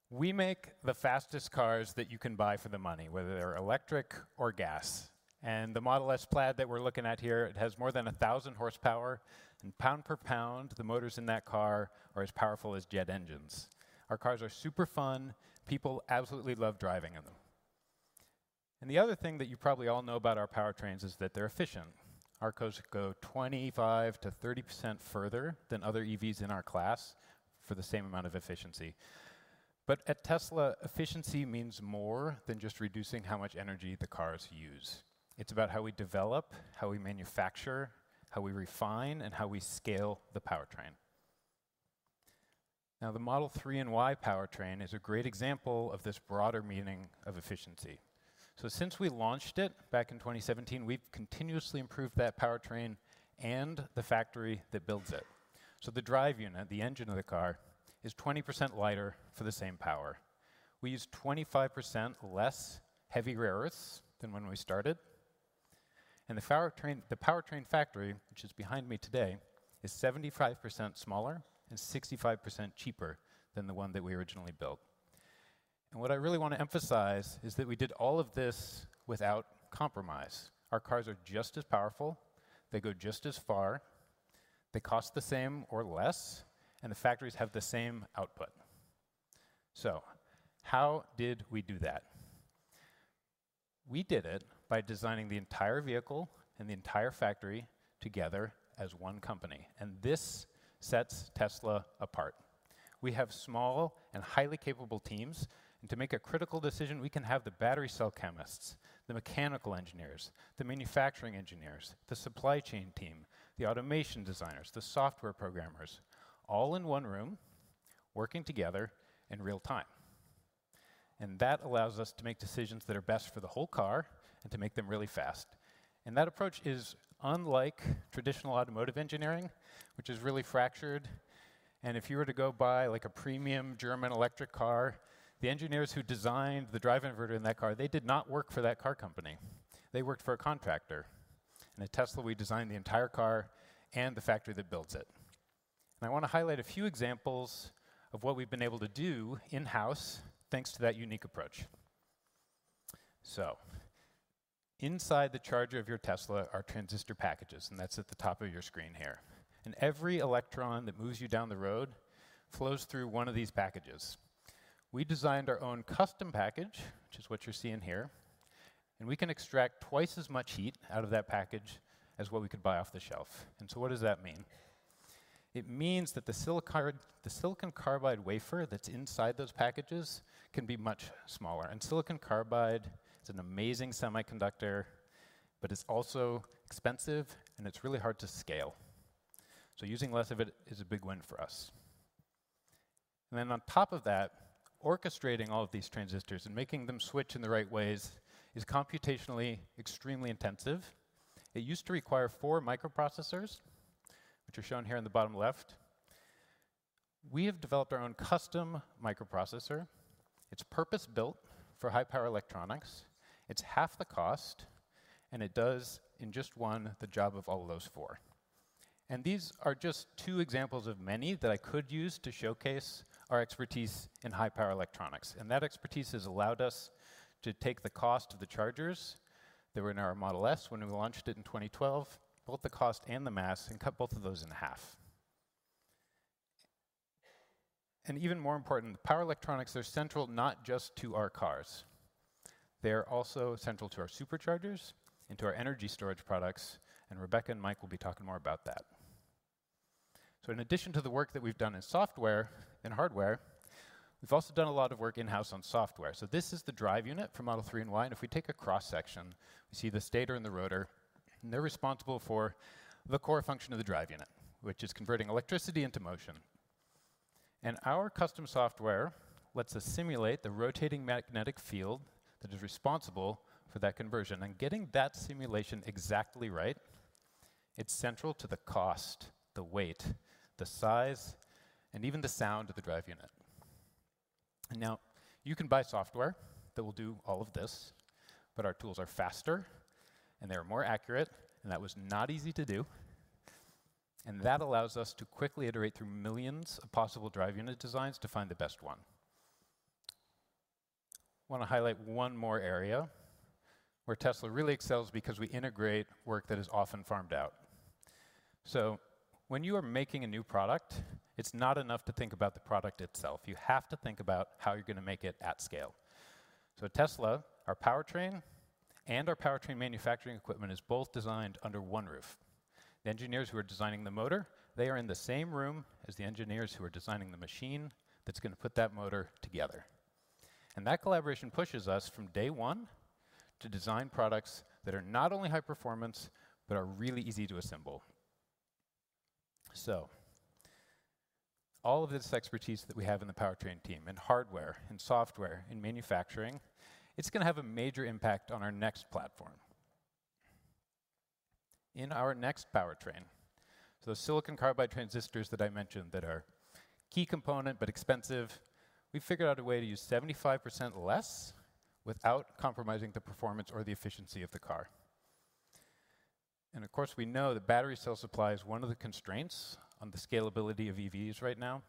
We make the fastest cars that you can buy for the money, whether they're electric or gas. The Model S Plaid that we're looking at here, it has more than 1,000 horsepower, and pound per pound, the motors in that car are as powerful as jet engines. Our cars are super fun. People absolutely love driving in them. The other thing that you probably all know about our powertrains is that they're efficient. Our cars go 25%-30% further than other EVs in our class for the same amount of efficiency. At Tesla, efficiency means more than just reducing how much energy the cars use. It's about how we develop, how we manufacture, how we refine, and how we scale the powertrain. The Model 3 and Model Y powertrain is a great example of this broader meaning of efficiency. Since we launched it back in 2017, we've continuously improved that powertrain and the factory that builds it. The drive unit, the engine of the car, is 20% lighter for the same power. We use 25% less heavy rare earths than when we started. The powertrain, the powertrain factory, which is behind me today, is 75% smaller and 65% cheaper than the one that we originally built. What I really wanna emphasize is that we did all of this without compromise. Our cars are just as powerful, they go just as far, they cost the same or less, and the factories have the same output. How did we do that? We did it by designing the entire vehicle and the entire factory together as one company. This sets Tesla apart. We have small and highly capable teams. To make a critical decision, we can have the battery cell chemists, the mechanical engineers, the manufacturing engineers, the supply chain team, the automation designers, the software programmers, all in one room working together in real time. That allows us to make decisions that are best for the whole car and to make them really fast. That approach is unlike traditional automotive engineering, which is really fractured. If you were to go buy, like, a premium German electric car, the engineers who designed the drive inverter in that car, they did not work for that car company. They worked for a contractor. At Tesla, we design the entire car and the factory that builds it. I wanna highlight a few examples of what we've been able to do in-house, thanks to that unique approach. Inside the charger of your Tesla are transistor packages, that's at the top of your screen here. Every electron that moves you down the road flows through one of these packages. We designed our own custom package, which is what you're seeing here, we can extract twice as much heat out of that package as what we could buy off the shelf. What does that mean? It means that the silicon carbide wafer that's inside those packages can be much smaller. Silicon carbide, it's an amazing semiconductor, but it's also expensive and it's really hard to scale. Using less of it is a big win for us. On top of that, orchestrating all of these transistors and making them switch in the right ways is computationally extremely intensive. It used to require four microprocessors, which are shown here on the bottom left. We have developed our own custom microprocessor. It's purpose-built for high-power electronics. It's half the cost, and it does in just one the job of all those four. These are just two examples of many that I could use to showcase our expertise in high-power electronics. That expertise has allowed us to take the cost of the chargers that were in our Model S when we launched it in 2012, both the cost and the mass, and cut both of those in half. Even more important, power electronics are central not just to our cars. They're also central to our Superchargers and to our energy storage products, and Rebecca and Mike will be talking more about that. In addition to the work that we've done in software and hardware, we've also done a lot of work in-house on software. This is the drive unit for Model 3 and Y, and if we take a cross-section, we see the stator and the rotor, and they're responsible for the core function of the drive unit, which is converting electricity into motion. Our custom software lets us simulate the rotating magnetic field that is responsible for that conversion. Getting that simulation exactly right, it's central to the cost, the weight, the size, and even the sound of the drive unit. Now, you can buy software that will do all of this, but our tools are faster, and they are more accurate. That was not easy to do. That allows us to quickly iterate through millions of possible drive unit designs to find the best one. Wanna highlight one more area where Tesla really excels because we integrate work that is often farmed out. When you are making a new product, it's not enough to think about the product itself. You have to think about how you're gonna make it at scale. At Tesla, our powertrain and our powertrain manufacturing equipment is both designed under one roof. The engineers who are designing the motor, they are in the same room as the engineers who are designing the machine that's gonna put that motor together. That collaboration pushes us from day one to design products that are not only high performance, but are really easy to assemble. All of this expertise that we have in the powertrain team, in hardware, in software, in manufacturing, it's gonna have a major impact on our next platform. In our next powertrain, those silicon carbide transistors that I mentioned that are key component but expensive, we figured out a way to use 75% less without compromising the performance or the efficiency of the car. Of course, we know that battery cell supply is one of the constraints on the scalability of EVs right now.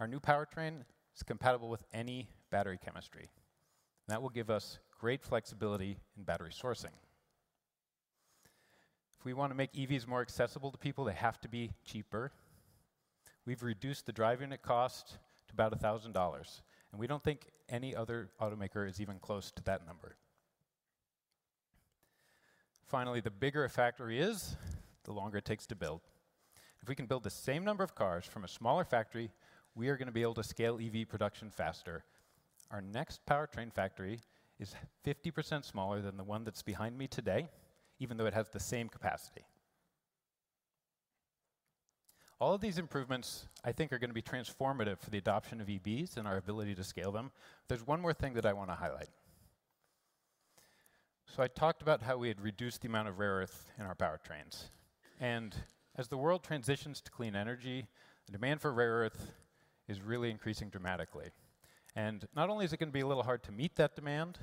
Our new powertrain is compatible with any battery chemistry. That will give us great flexibility in battery sourcing. If we wanna make EVs more accessible to people, they have to be cheaper. We've reduced the drive unit cost to about $1,000. We don't think any other automaker is even close to that number. Finally, the bigger a factory is, the longer it takes to build. If we can build the same number of cars from a smaller factory, we are gonna be able to scale EV production faster. Our next powertrain factory is 50% smaller than the one that's behind me today, even though it has the same capacity. All of these improvements, I think, are gonna be transformative for the adoption of EVs and our ability to scale them. There's one more thing that I wanna highlight. I talked about how we had reduced the amount of rare earth in our powertrains. As the world transitions to clean energy, the demand for rare earth is really increasing dramatically. Not only is it gonna be a little hard to meet that demand,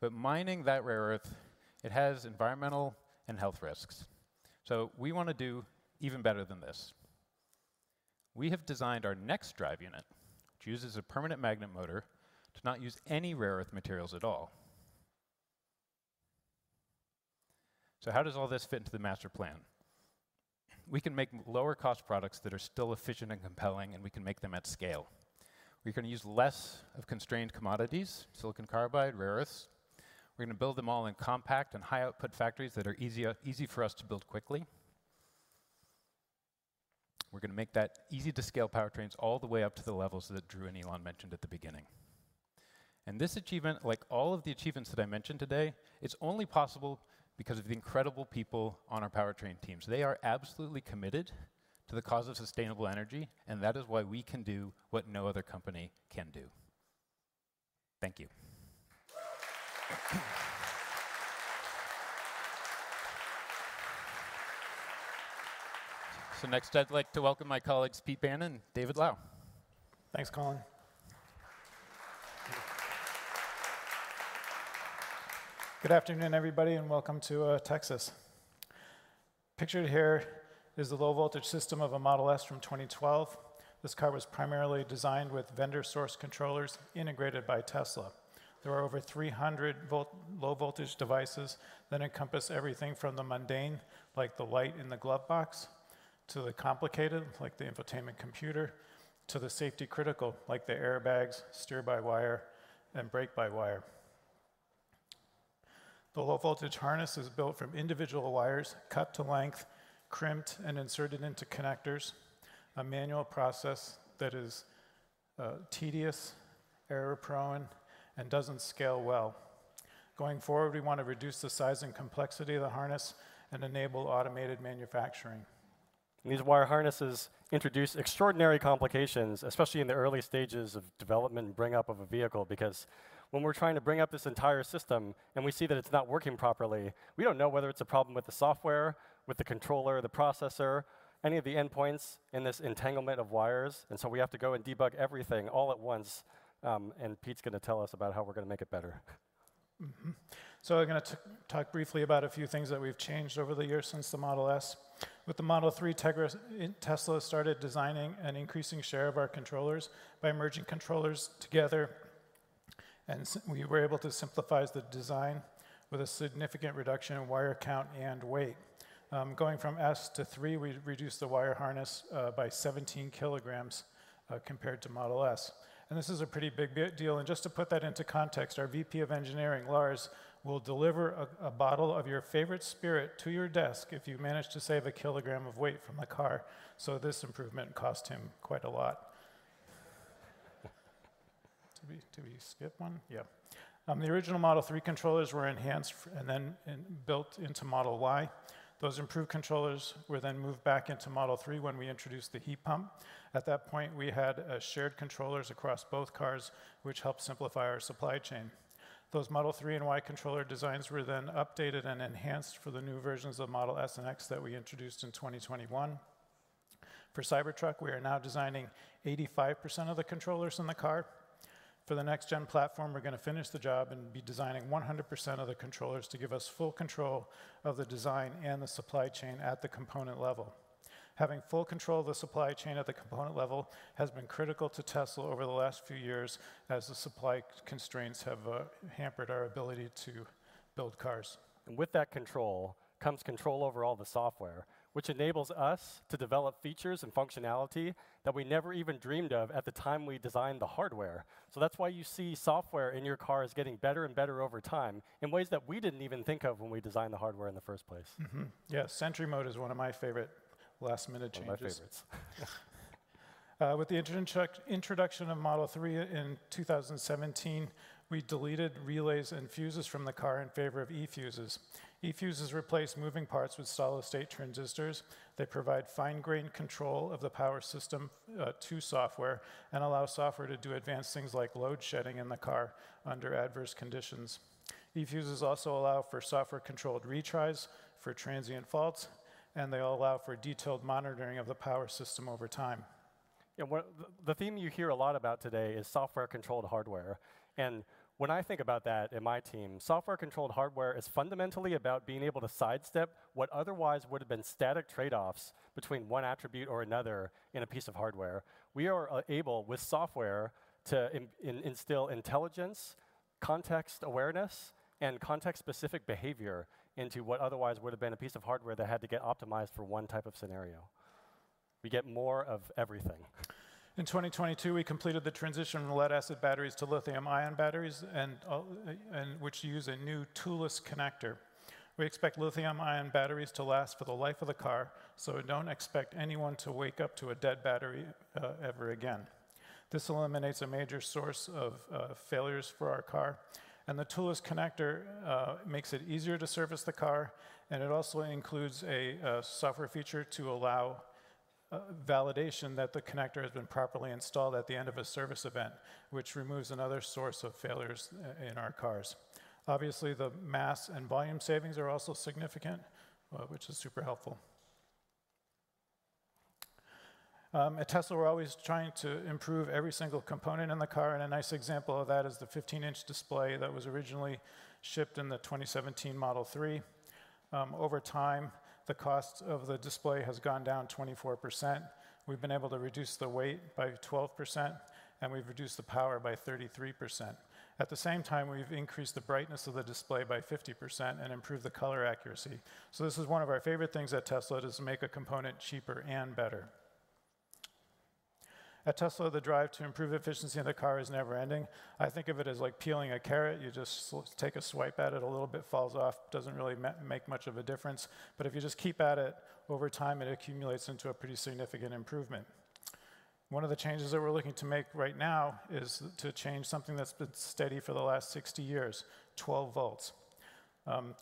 but mining that rare earth, it has environmental and health risks. We wanna do even better than this. We have designed our next drive unit, which uses a permanent magnet motor to not use any rare earth materials at all. How does all this fit into the master plan? We can make lower cost products that are still efficient and compelling, and we can make them at scale. We can use less of constrained commodities, silicon carbide, rare earths. We're gonna build them all in compact and high output factories that are easy for us to build quickly. We're gonna make that easy to scale powertrains all the way up to the levels that Drew and Elon mentioned at the beginning. This achievement, like all of the achievements that I mentioned today, is only possible because of the incredible people on our powertrain teams. They are absolutely committed to the cause of sustainable energy, and that is why we can do what no other company can do. Thank you. Next, I'd like to welcome my colleagues, Pete Bannon and David Lau. Thanks, Colin. Good afternoon, everybody, and welcome to Texas. Pictured here is the low voltage system of a Model S from 2012. This car was primarily designed with vendor source controllers integrated by Tesla. There are over 300 low voltage devices that encompass everything from the mundane, like the light in the glove box, to the complicated, like the infotainment computer, to the safety critical, like the airbags, steer-by-wire, and brake-by-wire. The low voltage harness is built from individual wires cut to length, crimped, and inserted into connectors, a manual process that is tedious, error-prone, and doesn't scale well. Going forward, we want to reduce the size and complexity of the harness and enable automated manufacturing. These wire harnesses introduce extraordinary complications, especially in the early stages of development and bring up of a vehicle, because when we're trying to bring up this entire system and we see that it's not working properly, we don't know whether it's a problem with the software, with the controller, the processor, any of the endpoints in this entanglement of wires. We have to go and debug everything all at once. Pete's gonna tell us about how we're gonna make it better. We're gonna talk briefly about a few things that we've changed over the years since the Model S. With the Model 3, Tesla started designing an increasing share of our controllers by merging controllers together, and we were able to simplify the design with a significant reduction in wire count and weight. Going from S-3, we reduced the wire harness by 17 kilograms compared to Model S. This is a pretty big deal, and just to put that into context, our VP of Engineering, Lars, will deliver a bottle of your favorite spirit to your desk if you manage to save 1 kilogram of weight from the car. This improvement cost him quite a lot. Did we skip one? Yeah. The original Model 3 controllers were enhanced and then built into Model Y. Those improved controllers were then moved back into Model 3 when we introduced the heat pump. At that point, we had shared controllers across both cars, which helped simplify our supply chain. Those Model 3 and Y controller designs were then updated and enhanced for the new versions of Model S and X that we introduced in 2021. For Cybertruck, we are now designing 85% of the controllers in the car. For the next gen platform, we're gonna finish the job and be designing 100% of the controllers to give us full control of the design and the supply chain at the component level. Having full control of the supply chain at the component level has been critical to Tesla over the last few years as the supply constraints have hampered our ability to build cars. With that control comes control over all the software, which enables us to develop features and functionality that we never even dreamed of at the time we designed the hardware. That's why you see software in your cars getting better and better over time in ways that we didn't even think of when we designed the hardware in the first place. Mm-hmm. Yeah. Sentry Mode is one of my favorite last-minute changes. One of my favorites. With the introduction of Model 3 in 2017, we deleted relays and fuses from the car in favor of eFuses. eFuses replace moving parts with solid-state transistors that provide fine-grained control of the power system to software and allow software to do advanced things like load shedding in the car under adverse conditions. eFuses also allow for software-controlled retries for transient faults, they allow for detailed monitoring of the power system over time. The theme you hear a lot about today is software-controlled hardware, and when I think about that in my team, software-controlled hardware is fundamentally about being able to sidestep what otherwise would have been static trade-offs between one attribute or another in a piece of hardware. We are able, with software, to instill intelligence, context awareness, and context-specific behavior into what otherwise would have been a piece of hardware that had to get optimized for one type of scenario. We get more of everything. In 2022, we completed the transition from lead-acid batteries to lithium-ion batteries and which use a new toolless connector. We expect lithium-ion batteries to last for the life of the car, so don't expect anyone to wake up to a dead battery ever again. This eliminates a major source of failures for our car, and the toolless connector makes it easier to service the car, and it also includes a software feature to allow validation that the connector has been properly installed at the end of a service event, which removes another source of failures in our cars. Obviously, the mass and volume savings are also significant, which is super helpful. At Tesla we're always trying to improve every single component in the car, and a nice example of that is the 15-inch display that was originally shipped in the 2017 Model 3. Over time, the cost of the display has gone down 24%. We've been able to reduce the weight by 12%, and we've reduced the power by 33%. At the same time, we've increased the brightness of the display by 50% and improved the color accuracy. This is one of our favorite things at Tesla, is to make a component cheaper and better. At Tesla, the drive to improve efficiency in the car is never-ending. I think of it as like peeling a carrot. You just take a swipe at it, a little bit falls off, doesn't really make much of a difference. If you just keep at it, over time it accumulates into a pretty significant improvement. One of the changes that we're looking to make right now is to change something that's been steady for the last 60 years: 12 volts.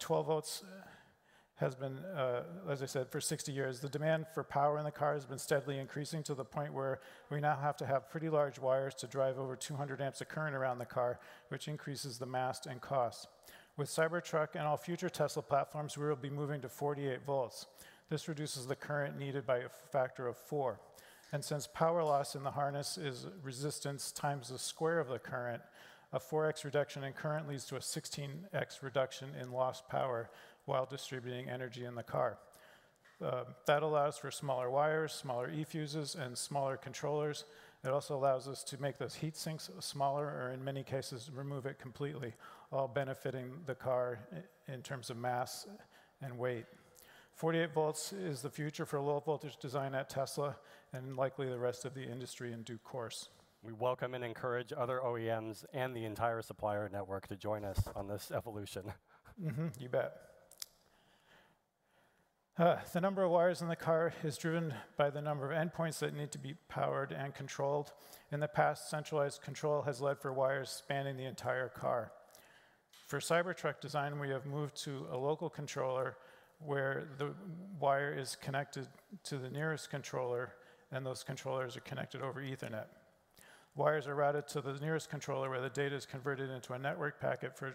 12 volts has been, as I said, for 60 years. The demand for power in the car has been steadily increasing to the point where we now have to have pretty large wires to drive over 200 amps of current around the car, which increases the mass and cost. With Cybertruck and all future Tesla platforms, we will be moving to 48 volts. This reduces the current needed by a factor of 4. Since power loss in the harness is resistance times the square of the current, a 4x reduction in current leads to a 16x reduction in lost power while distributing energy in the car. That allows for smaller wires, smaller eFuses, and smaller controllers. It also allows us to make those heat sinks smaller, or in many cases, remove it completely, all benefiting the car in terms of mass and weight. 48 volts is the future for low voltage design at Tesla, and likely the rest of the industry in due course. We welcome and encourage other OEMs and the entire supplier network to join us on this evolution. You bet. The number of wires in the car is driven by the number of endpoints that need to be powered and controlled. In the past, centralized control has led for wires spanning the entire car. For Cybertruck design, we have moved to a local controller where the wire is connected to the nearest controller, and those controllers are connected over Ethernet. Wires are routed to the nearest controller, where the data is converted into a network packet for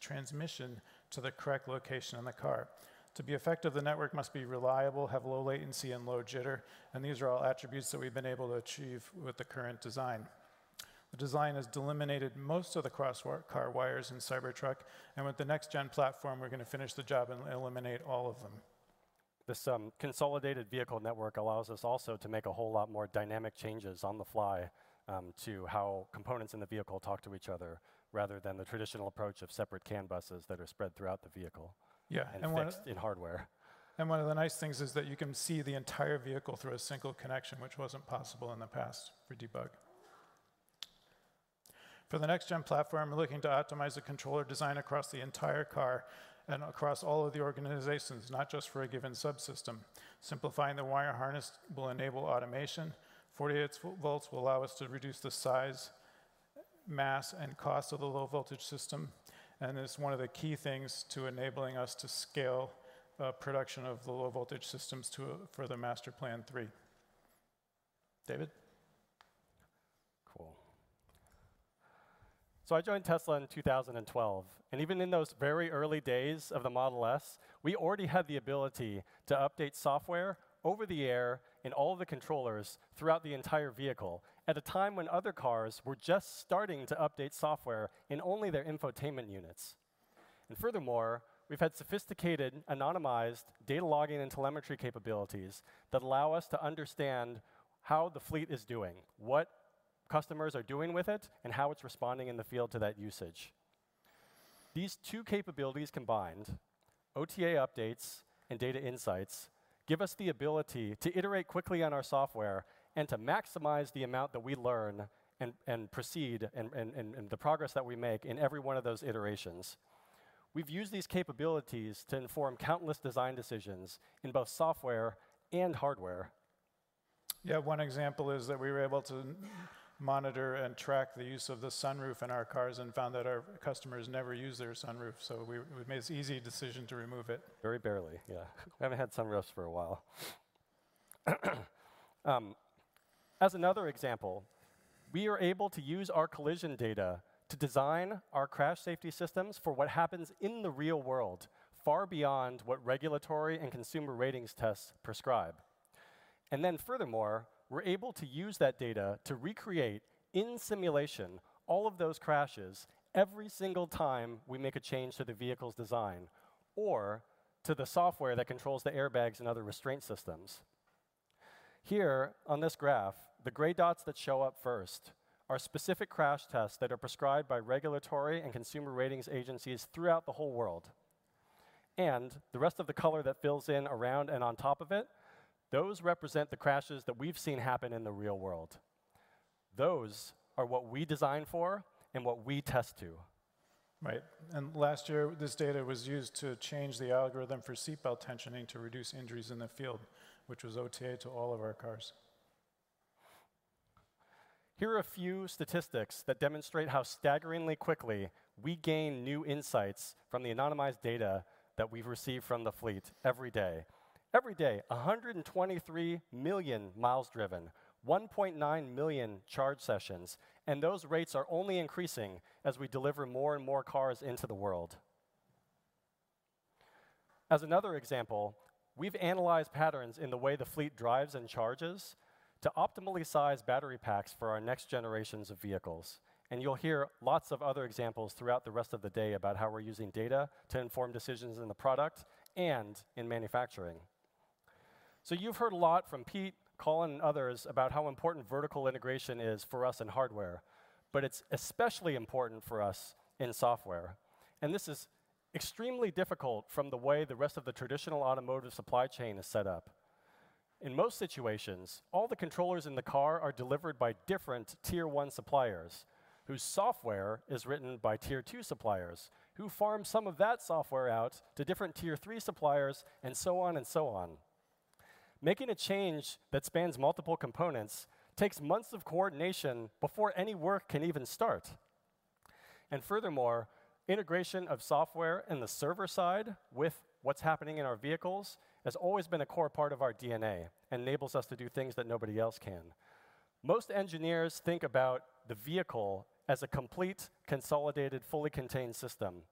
transmission to the correct location in the car. To be effective, the network must be reliable, have low latency and low jitter. These are all attributes that we've been able to achieve with the current design. The design has eliminated most of the cross-car wires in Cybertruck, with the next-gen platform, we're gonna finish the job and eliminate all of them. This consolidated vehicle network allows us also to make a whole lot more dynamic changes on the fly to how components in the vehicle talk to each other, rather than the traditional approach of separate CAN buses that are spread throughout the vehicle. Yeah. fixed in hardware. One of the nice things is that you can see the entire vehicle through a single connection, which wasn't possible in the past for debug. For the next-gen platform, we're looking to optimize the controller design across the entire car and across all of the organizations, not just for a given subsystem. Simplifying the wire harness will enable automation. 48 V will allow us to reduce the size, mass, and cost of the low voltage system, and is one of the key things to enabling us to scale production of the low voltage systems to for the Master Plan 3. David? Cool. I joined Tesla in 2012, even in those very early days of the Model S, we already had the ability to update software over the air in all the controllers throughout the entire vehicle at a time when other cars were just starting to update software in only their infotainment units. Furthermore, we've had sophisticated, anonymized data logging and telemetry capabilities that allow us to understand how the fleet is doing, what customers are doing with it, and how it's responding in the field to that usage. These two capabilities combined, OTA updates and data insights, give us the ability to iterate quickly on our software and to maximize the amount that we learn and proceed and the progress that we make in every one of those iterations. We've used these capabilities to inform countless design decisions in both software and hardware. Yeah, one example is that we were able to monitor and track the use of the sunroof in our cars and found that our customers never use their sunroof, so we made this easy decision to remove it. Very barely, yeah. We haven't had sunroofs for a while. As another example, we are able to use our collision data to design our crash safety systems for what happens in the real world, far beyond what regulatory and consumer ratings tests prescribe. Furthermore, we're able to use that data to recreate, in simulation, all of those crashes every single time we make a change to the vehicle's design or to the software that controls the airbags and other restraint systems. Here on this graph, the gray dots that show up first are specific crash tests that are prescribed by regulatory and consumer ratings agencies throughout the whole world. The rest of the color that fills in around and on top of it, those represent the crashes that we've seen happen in the real world. Those are what we design for and what we test to. Right. Last year, this data was used to change the algorithm for seatbelt tensioning to reduce injuries in the field, which was OTA to all of our cars. Here are a few statistics that demonstrate how staggeringly quickly we gain new insights from the anonymized data that we've received from the fleet every day. Every day, 123 million miles driven, 1.9 million charge sessions, and those rates are only increasing as we deliver more and more cars into the world. As another example, we've analyzed patterns in the way the fleet drives and charges to optimally size battery packs for our next generations of vehicles. You'll hear lots of other examples throughout the rest of the day about how we're using data to inform decisions in the product and in manufacturing. You've heard a lot from Pete, Colin, and others about how important vertical integration is for us in hardware, but it's especially important for us in software. This is extremely difficult from the way the rest of the traditional automotive supply chain is set up. In most situations, all the controllers in the car are delivered by different tier one suppliers, whose software is written by tier two suppliers, who farm some of that software out to different tier three suppliers, and so on and so on. Making a change that spans multiple components takes months of coordination before any work can even start. Furthermore, integration of software in the server side with what's happening in our vehicles has always been a core part of our DNA and enables us to do things that nobody else can. Most engineers think about the vehicle as a complete, consolidated, fully contained system.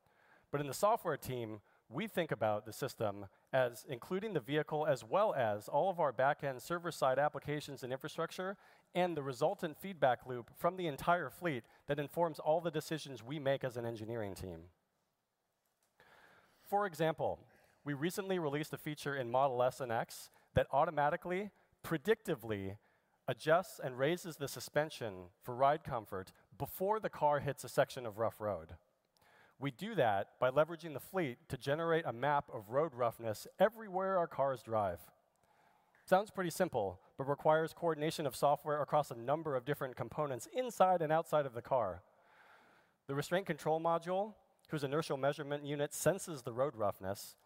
In the software team, we think about the system as including the vehicle as well as all of our back-end server-side applications and infrastructure and the resultant feedback loop from the entire fleet that informs all the decisions we make as an engineering team. For example, we recently released a feature in Model S and X that automatically, predictively adjusts and raises the suspension for ride comfort before the car hits a section of rough road. We do that by leveraging the fleet to generate a map of road roughness everywhere our cars drive. Sounds pretty simple, requires coordination of software across a number of different components inside and outside of the car. The restraint control module, whose inertial measurement unit senses the road roughness,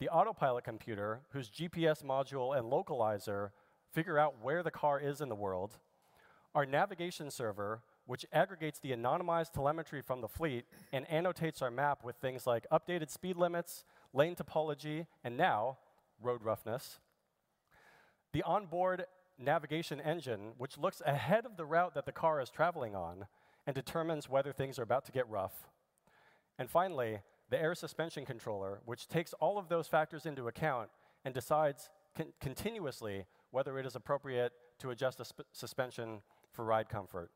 the Autopilot computer, whose GPS module and localizer figure out where the car is in the world, our navigation server, which aggregates the anonymized telemetry from the fleet and annotates our map with things like updated speed limits, lane topology, and now road roughness. The onboard navigation engine, which looks ahead of the route that the car is traveling on and determines whether things are about to get rough. Finally, the air suspension controller, which takes all of those factors into account and decides continuously whether it is appropriate to adjust the suspension for ride comfort.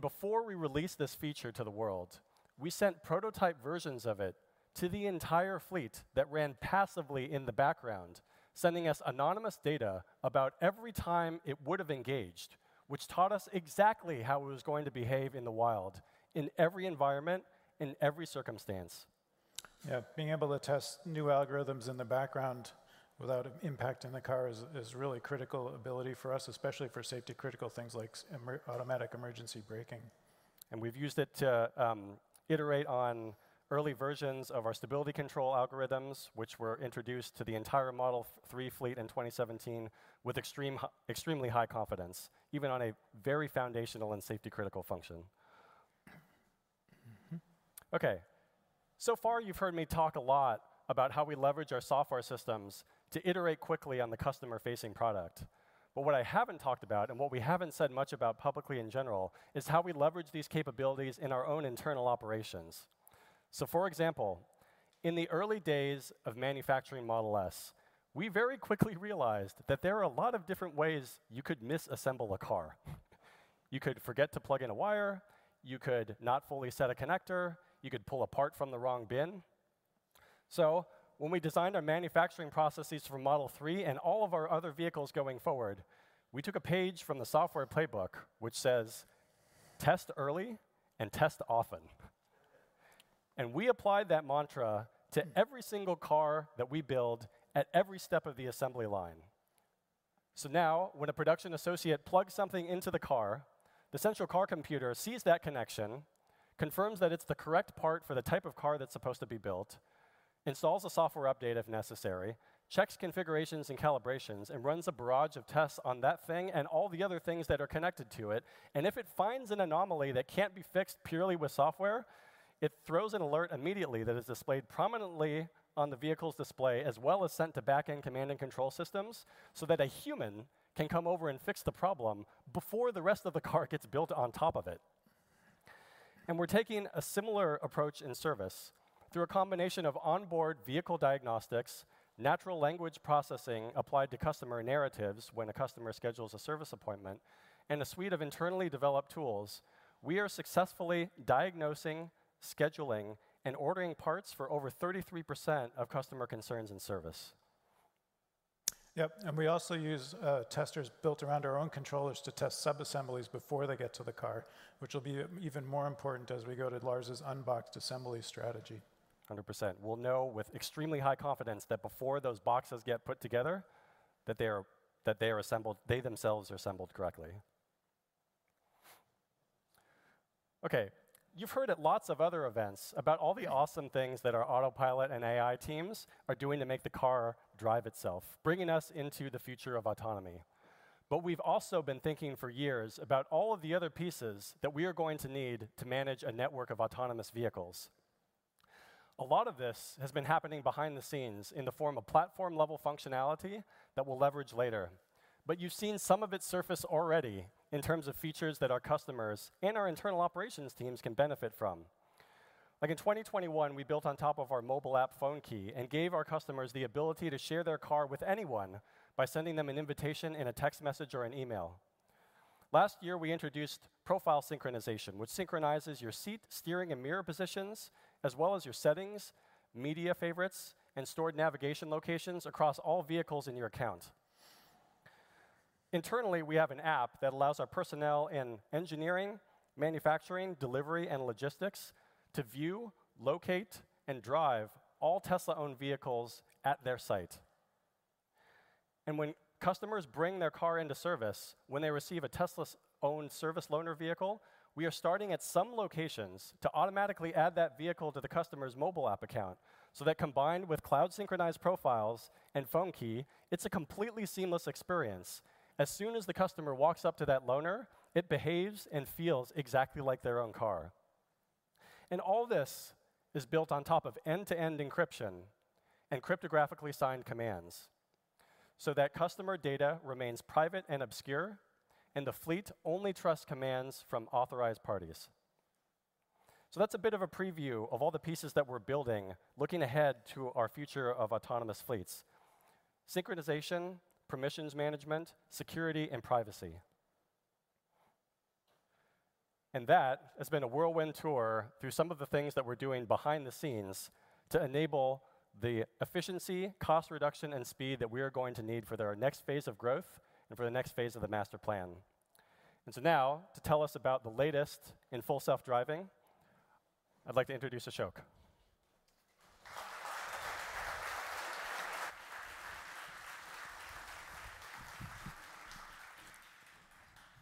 Before we released this feature to the world, we sent prototype versions of it to the entire fleet that ran passively in the background, sending us anonymous data about every time it would have engaged, which taught us exactly how it was going to behave in the wild, in every environment, in every circumstance. Yeah. Being able to test new algorithms in the background without impacting the car is really critical ability for us, especially for safety critical things like automatic emergency braking. We've used it to iterate on early versions of our stability control algorithms, which were introduced to the entire Model 3 fleet in 2017 with extremely high confidence, even on a very foundational and safety-critical function. So far, you've heard me talk a lot about how we leverage our software systems to iterate quickly on the customer-facing product. What I haven't talked about, and what we haven't said much about publicly in general, is how we leverage these capabilities in our own internal operations. For example, in the early days of manufacturing Model S, we very quickly realized that there are a lot of different ways you could misassemble a car. You could forget to plug in a wire, you could not fully set a connector, you could pull a part from the wrong bin. When we designed our manufacturing processes for Model 3 and all of our other vehicles going forward, we took a page from the software playbook, which says, "Test early and test often." We applied that mantra to every single car that we build at every step of the assembly line. Now, when a production associate plugs something into the car, the central car computer sees that connection, confirms that it's the correct part for the type of car that's supposed to be built, installs a software update if necessary, checks configurations and calibrations, and runs a barrage of tests on that thing and all the other things that are connected to it. If it finds an anomaly that can't be fixed purely with software, it throws an alert immediately that is displayed prominently on the vehicle's display as well as sent to back-end command and control systems so that a human can come over and fix the problem before the rest of the car gets built on top of it. We're taking a similar approach in service. Through a combination of onboard vehicle diagnostics, natural language processing applied to customer narratives when a customer schedules a service appointment, and a suite of internally developed tools, we are successfully diagnosing, scheduling, and ordering parts for over 33% of customer concerns in service. Yep. We also use testers built around our own controllers to test subassemblies before they get to the car, which will be even more important as we go to Lars' unboxed assembly strategy. 100%. We'll know with extremely high confidence that before those boxes get put together, that they are assembled correctly. Okay. You've heard at lots of other events about all the awesome things that our Autopilot and AI teams are doing to make the car drive itself, bringing us into the future of autonomy. We've also been thinking for years about all of the other pieces that we are going to need to manage a network of autonomous vehicles. A lot of this has been happening behind the scenes in the form of platform-level functionality that we'll leverage later. You've seen some of it surface already in terms of features that our customers and our internal operations teams can benefit from. Like in 2021, we built on top of our mobile app Phone Key and gave our customers the ability to share their car with anyone by sending them an invitation in a text message or an email. Last year, we introduced profile synchronization, which synchronizes your seat, steering, and mirror positions, as well as your settings, media favorites, and stored navigation locations across all vehicles in your account. Internally, we have an app that allows our personnel in engineering, manufacturing, delivery, and logistics to view, locate, and drive all Tesla-owned vehicles at their site. When customers bring their car into service, when they receive a Tesla-owned service loaner vehicle, we are starting at some locations to automatically add that vehicle to the customer's mobile app account, so that combined with cloud-synchronized profiles and Phone Key, it's a completely seamless experience. As soon as the customer walks up to that loaner, it behaves and feels exactly like their own car. All this is built on top of end-to-end encryption and cryptographically signed commands so that customer data remains private and obscure, and the fleet only trusts commands from authorized parties. That's a bit of a preview of all the pieces that we're building looking ahead to our future of autonomous fleets: synchronization, permissions management, security, and privacy. That has been a whirlwind tour through some of the things that we're doing behind the scenes to enable the efficiency, cost reduction, and speed that we are going to need for their next phase of growth and for the next phase of the Master Plan. Now, to tell us about the latest in Full Self-Driving, I'd like to introduce Ashok.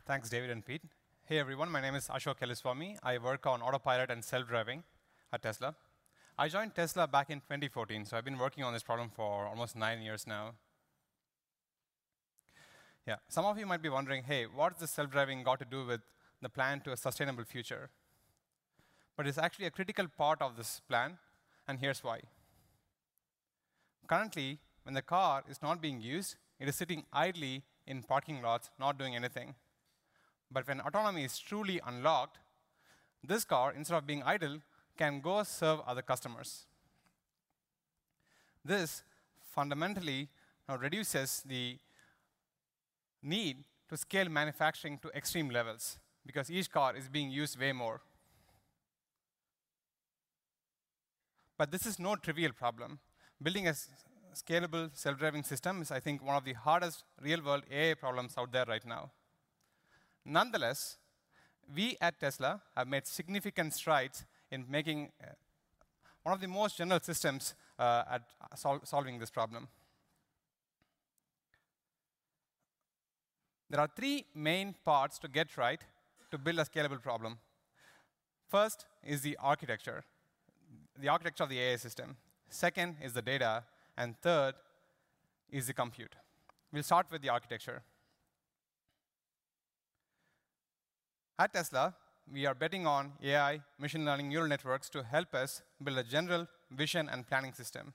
Thanks, David and Pete. Hey, everyone. My name is Ashok Elluswamy. I work on Autopilot and self-driving at Tesla. I joined Tesla back in 2014, so I've been working on this problem for almost 9 years now. Yeah. Some of you might be wondering, "Hey, what's the self-driving got to do with the plan to a sustainable future?" It's actually a critical part of this plan, and here's why. Currently, when the car is not being used, it is sitting idly in parking lots, not doing anything. When autonomy is truly unlocked, this car, instead of being idle, can go serve other customers. This fundamentally reduces the need to scale manufacturing to extreme levels because each car is being used way more. This is no trivial problem. Building a scalable self-driving system is, I think, one of the hardest real-world AI problems out there right now. Nonetheless, we at Tesla have made significant strides in making one of the most general systems at solving this problem. There are three main parts to get right to build a scalable problem. First is the architecture, the architecture of the AI system. Second is the data, third is the compute. We'll start with the architecture. At Tesla, we are betting on AI machine learning neural networks to help us build a general vision and planning system.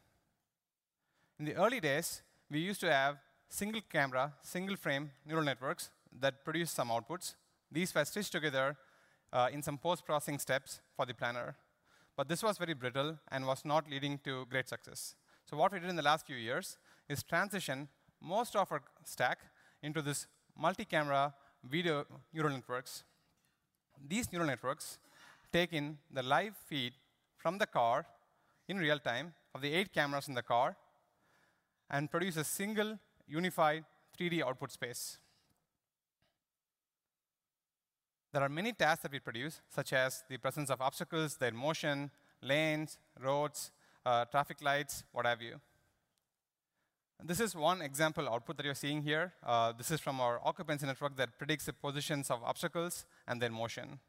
In the early days, we used to have single camera, single frame neural networks that produced some outputs. These were stitched together in some post-processing steps for the planner, this was very brittle and was not leading to great success. What we did in the last few years is transition most of our stack into this multi-camera video neural networks. These neural networks take in the live feed from the car in real-time of the eight cameras in the car and produce a single unified 3D output space. There are many tasks that we produce, such as the presence of obstacles, their motion, lanes, roads, traffic lights, what have you. This is one example output that you're seeing here. This is from our occupancy network that predicts the positions of obstacles and their motion.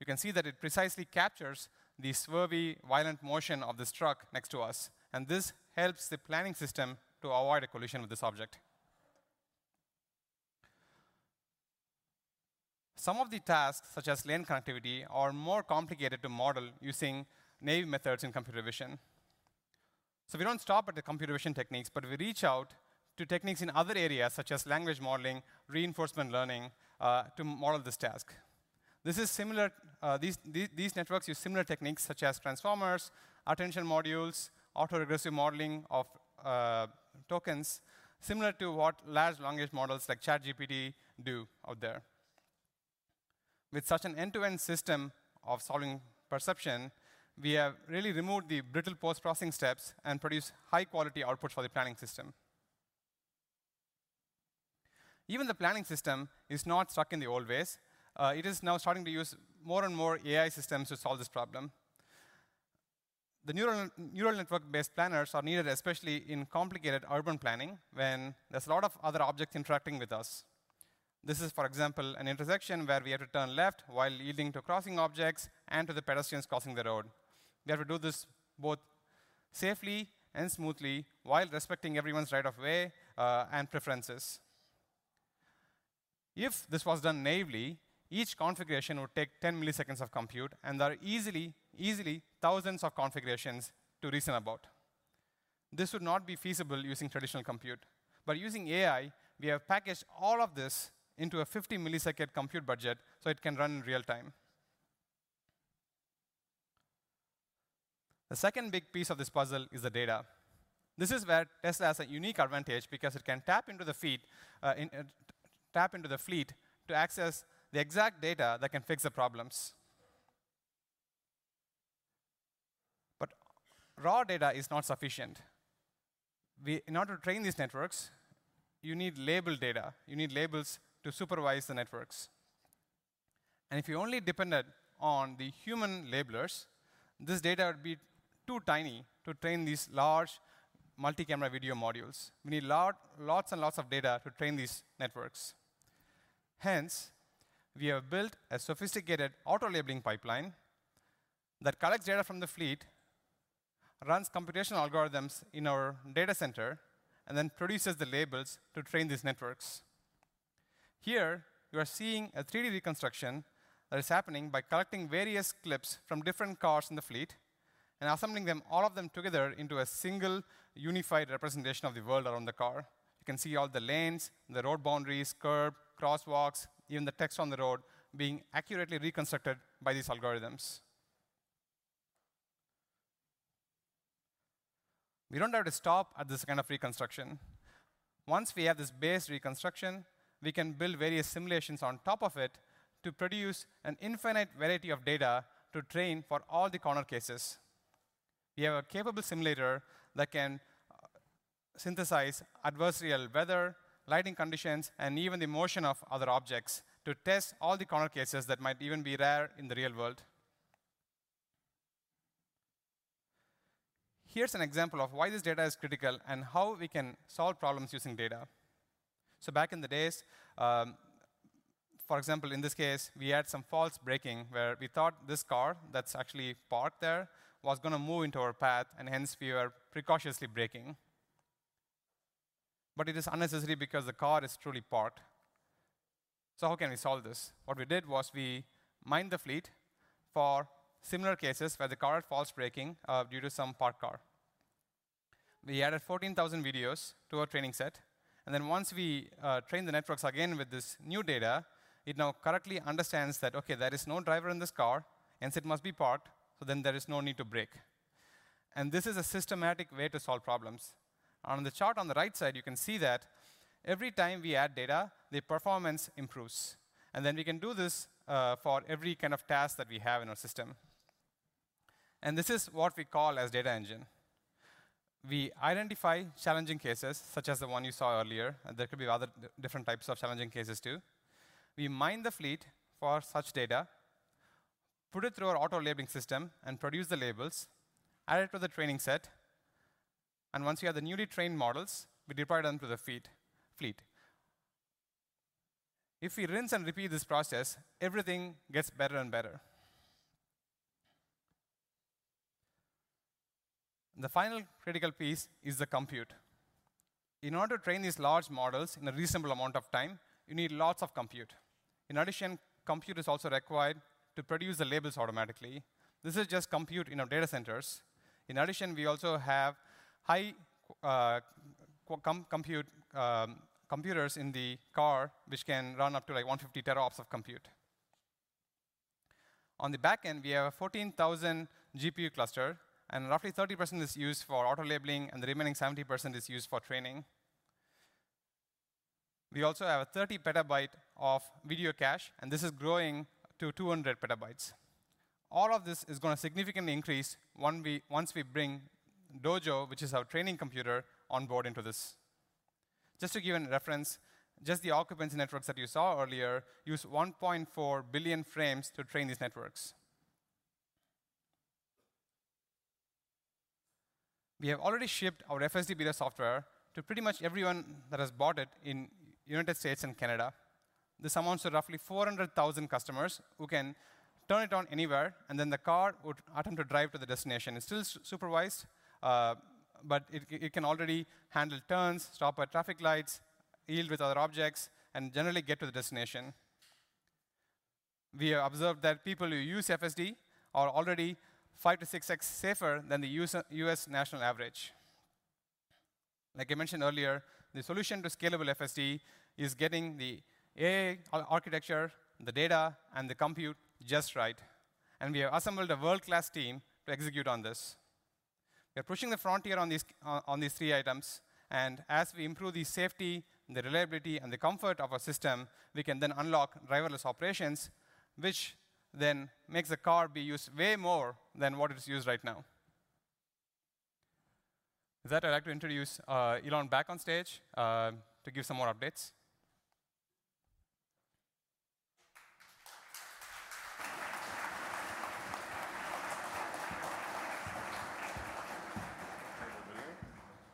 You can see that it precisely captures the swervy, violent motion of this truck next to us, and this helps the planning system to avoid a collision with this object. Some of the tasks, such as lane connectivity, are more complicated to model using naive methods in computer vision. We don't stop at the computer vision techniques, but we reach out to techniques in other areas such as language modeling, reinforcement learning, to model this task. This is similar, these networks use similar techniques such as transformers, attention modules, autoregressive modeling of tokens, similar to what large language models like ChatGPT do out there. With such an end-to-end system of solving perception, we have really removed the brittle post-processing steps and produced high-quality outputs for the planning system. Even the planning system is not stuck in the old ways. It is now starting to use more and more AI systems to solve this problem. The neural network-based planners are needed especially in complicated urban planning when there's a lot of other objects interacting with us. This is, for example, an intersection where we have to turn left while yielding to crossing objects and to the pedestrians crossing the road. We have to do this both safely and smoothly while respecting everyone's right of way and preferences. If this was done naively, each configuration would take 10 milliseconds of compute, and there are easily thousands of configurations to reason about. This would not be feasible using traditional compute. By using AI, we have packaged all of this into a 50-millisecond compute budget so it can run in real-time. The second big piece of this puzzle is the data. This is where Tesla has a unique advantage because it can tap into the fleet to access the exact data that can fix the problems. Raw data is not sufficient. We... In order to train these networks, you need label data. You need labels to supervise the networks. If you only depended on the human labelers, this data would be too tiny to train these large multi-camera video modules. We need lots and lots of data to train these networks. Hence, we have built a sophisticated auto-labeling pipeline that collects data from the fleet, runs computational algorithms in our data center, and then produces the labels to train these networks. Here, you are seeing a 3D reconstruction that is happening by collecting various clips from different cars in the fleet and assembling them, all of them together into a single unified representation of the world around the car. You can see all the lanes, the road boundaries, curb, crosswalks, even the text on the road being accurately reconstructed by these algorithms. We don't have to stop at this kind of reconstruction. Once we have this base reconstruction, we can build various simulations on top of it to produce an infinite variety of data to train for all the corner cases. We have a capable simulator that can synthesize adversarial weather, lighting conditions, and even the motion of other objects to test all the corner cases that might even be rare in the real world. Here's an example of why this data is critical and how we can solve problems using data. Back in the days, for example, in this case, we had some false braking where we thought this car that's actually parked there was gonna move into our path, and hence we are precautiously braking. It is unnecessary because the car is truly parked. How can we solve this? What we did was we mined the fleet for similar cases where the car had false braking due to some parked car. We added 14,000 videos to our training set, once we trained the networks again with this new data, it now correctly understands that, okay, there is no driver in this car, hence it must be parked, there is no need to brake. This is a systematic way to solve problems. On the chart on the right side, you can see that every time we add data, the performance improves. We can do this for every kind of task that we have in our system. This is what we call as data engine. We identify challenging cases, such as the one you saw earlier. There could be other different types of challenging cases too. We mine the fleet for such data, put it through our auto-labeling system and produce the labels, add it to the training set, and once we have the newly trained models, we deploy them to the fleet. If we rinse and repeat this process, everything gets better and better. The final critical piece is the compute. In order to train these large models in a reasonable amount of time, you need lots of compute. In addition, compute is also required to produce the labels automatically. This is just compute in our data centers. In addition, we also have high compute computers in the car which can run up to, like, 150 TOPS of compute. On the back end, we have a 14,000 GPU cluster, and roughly 30% is used for auto-labeling, and the remaining 70% is used for training. We also have a 30 petabyte of video cache. This is growing to 200 petabytes. All of this is gonna significantly increase once we bring Dojo, which is our training computer, on board into this. Just to give you a reference, just the occupancy networks that you saw earlier use 1.4 billion frames to train these networks. We have already shipped our FSD Beta software to pretty much everyone that has bought it in United States and Canada. This amounts to roughly 400,000 customers who can turn it on anywhere. The car would attempt to drive to the destination. It's still supervised, it can already handle turns, stop at traffic lights, yield with other objects, and generally get to the destination. We have observed that people who use FSD are already 5 to 6x safer than the U.S. national average. Like I mentioned earlier, the solution to scalable FSD is getting the AI architecture, the data, and the compute just right, and we have assembled a world-class team to execute on this. We are pushing the frontier on these three items, and as we improve the safety, the reliability, and the comfort of our system, we can then unlock driverless operations, which then makes the car be used way more than what it is used right now. With that, I'd like to introduce Elon back on stage to give some more updates.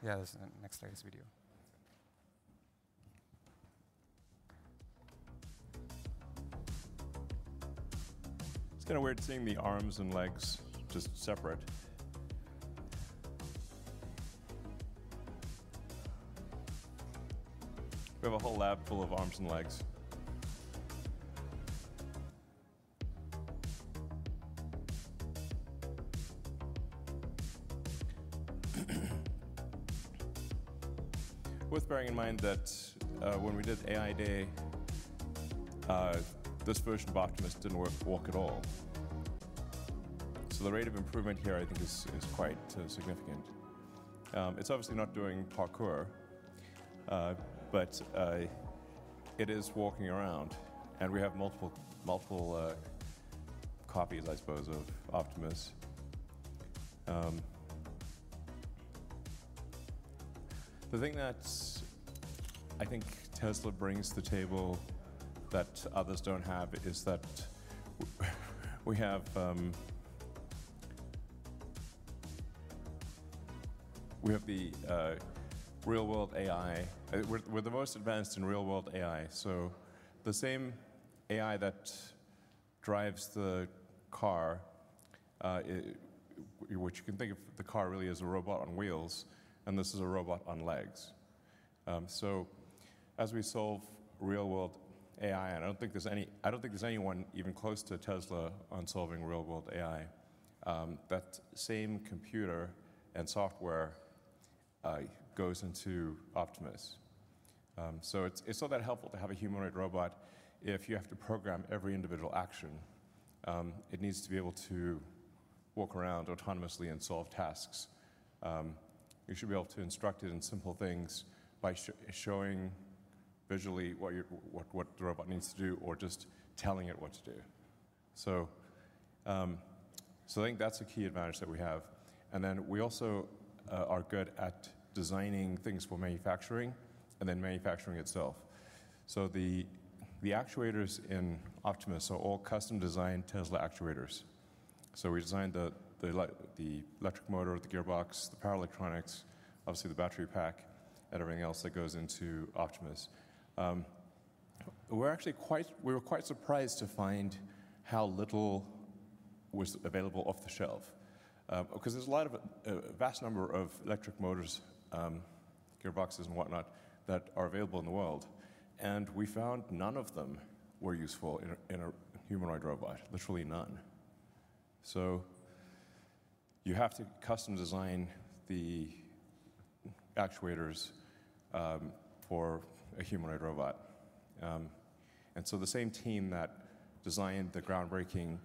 Play the video? Yeah, this is the next latest video. Okay. It's kind of weird seeing the arms and legs just separate. We have a whole lab full of arms and legs. Worth bearing in mind that, when we did AI Day, this version of Optimus didn't work, walk at all. The rate of improvement here I think is quite significant. It's obviously not doing parkour, but it is walking around, and we have multiple copies, I suppose, of Optimus. The thing that's, I think Tesla brings to the table that others don't have is that we have the real world AI. We're the most advanced in real world AI. The same AI that drives the car, which you can think of the car really as a robot on wheels, and this is a robot on legs. As we solve real world AI, and I don't think there's anyone even close to Tesla on solving real world AI, that same computer and software goes into Optimus. It's not that helpful to have a humanoid robot if you have to program every individual action. It needs to be able to walk around autonomously and solve tasks. You should be able to instruct it in simple things by showing visually what you're, what the robot needs to do or just telling it what to do. I think that's a key advantage that we have. We also are good at designing things for manufacturing and then manufacturing itself. The actuators in Optimus are all custom designed Tesla actuators. We designed the electric motor, the gearbox, the power electronics, obviously the battery pack and everything else that goes into Optimus. We were quite surprised to find how little was available off the shelf. 'Cause there's a lot of a vast number of electric motors, gearboxes and whatnot that are available in the world, and we found none of them were useful in a, in a humanoid robot, literally none. You have to custom design the actuators for a humanoid robot. The same team that designed the groundbreaking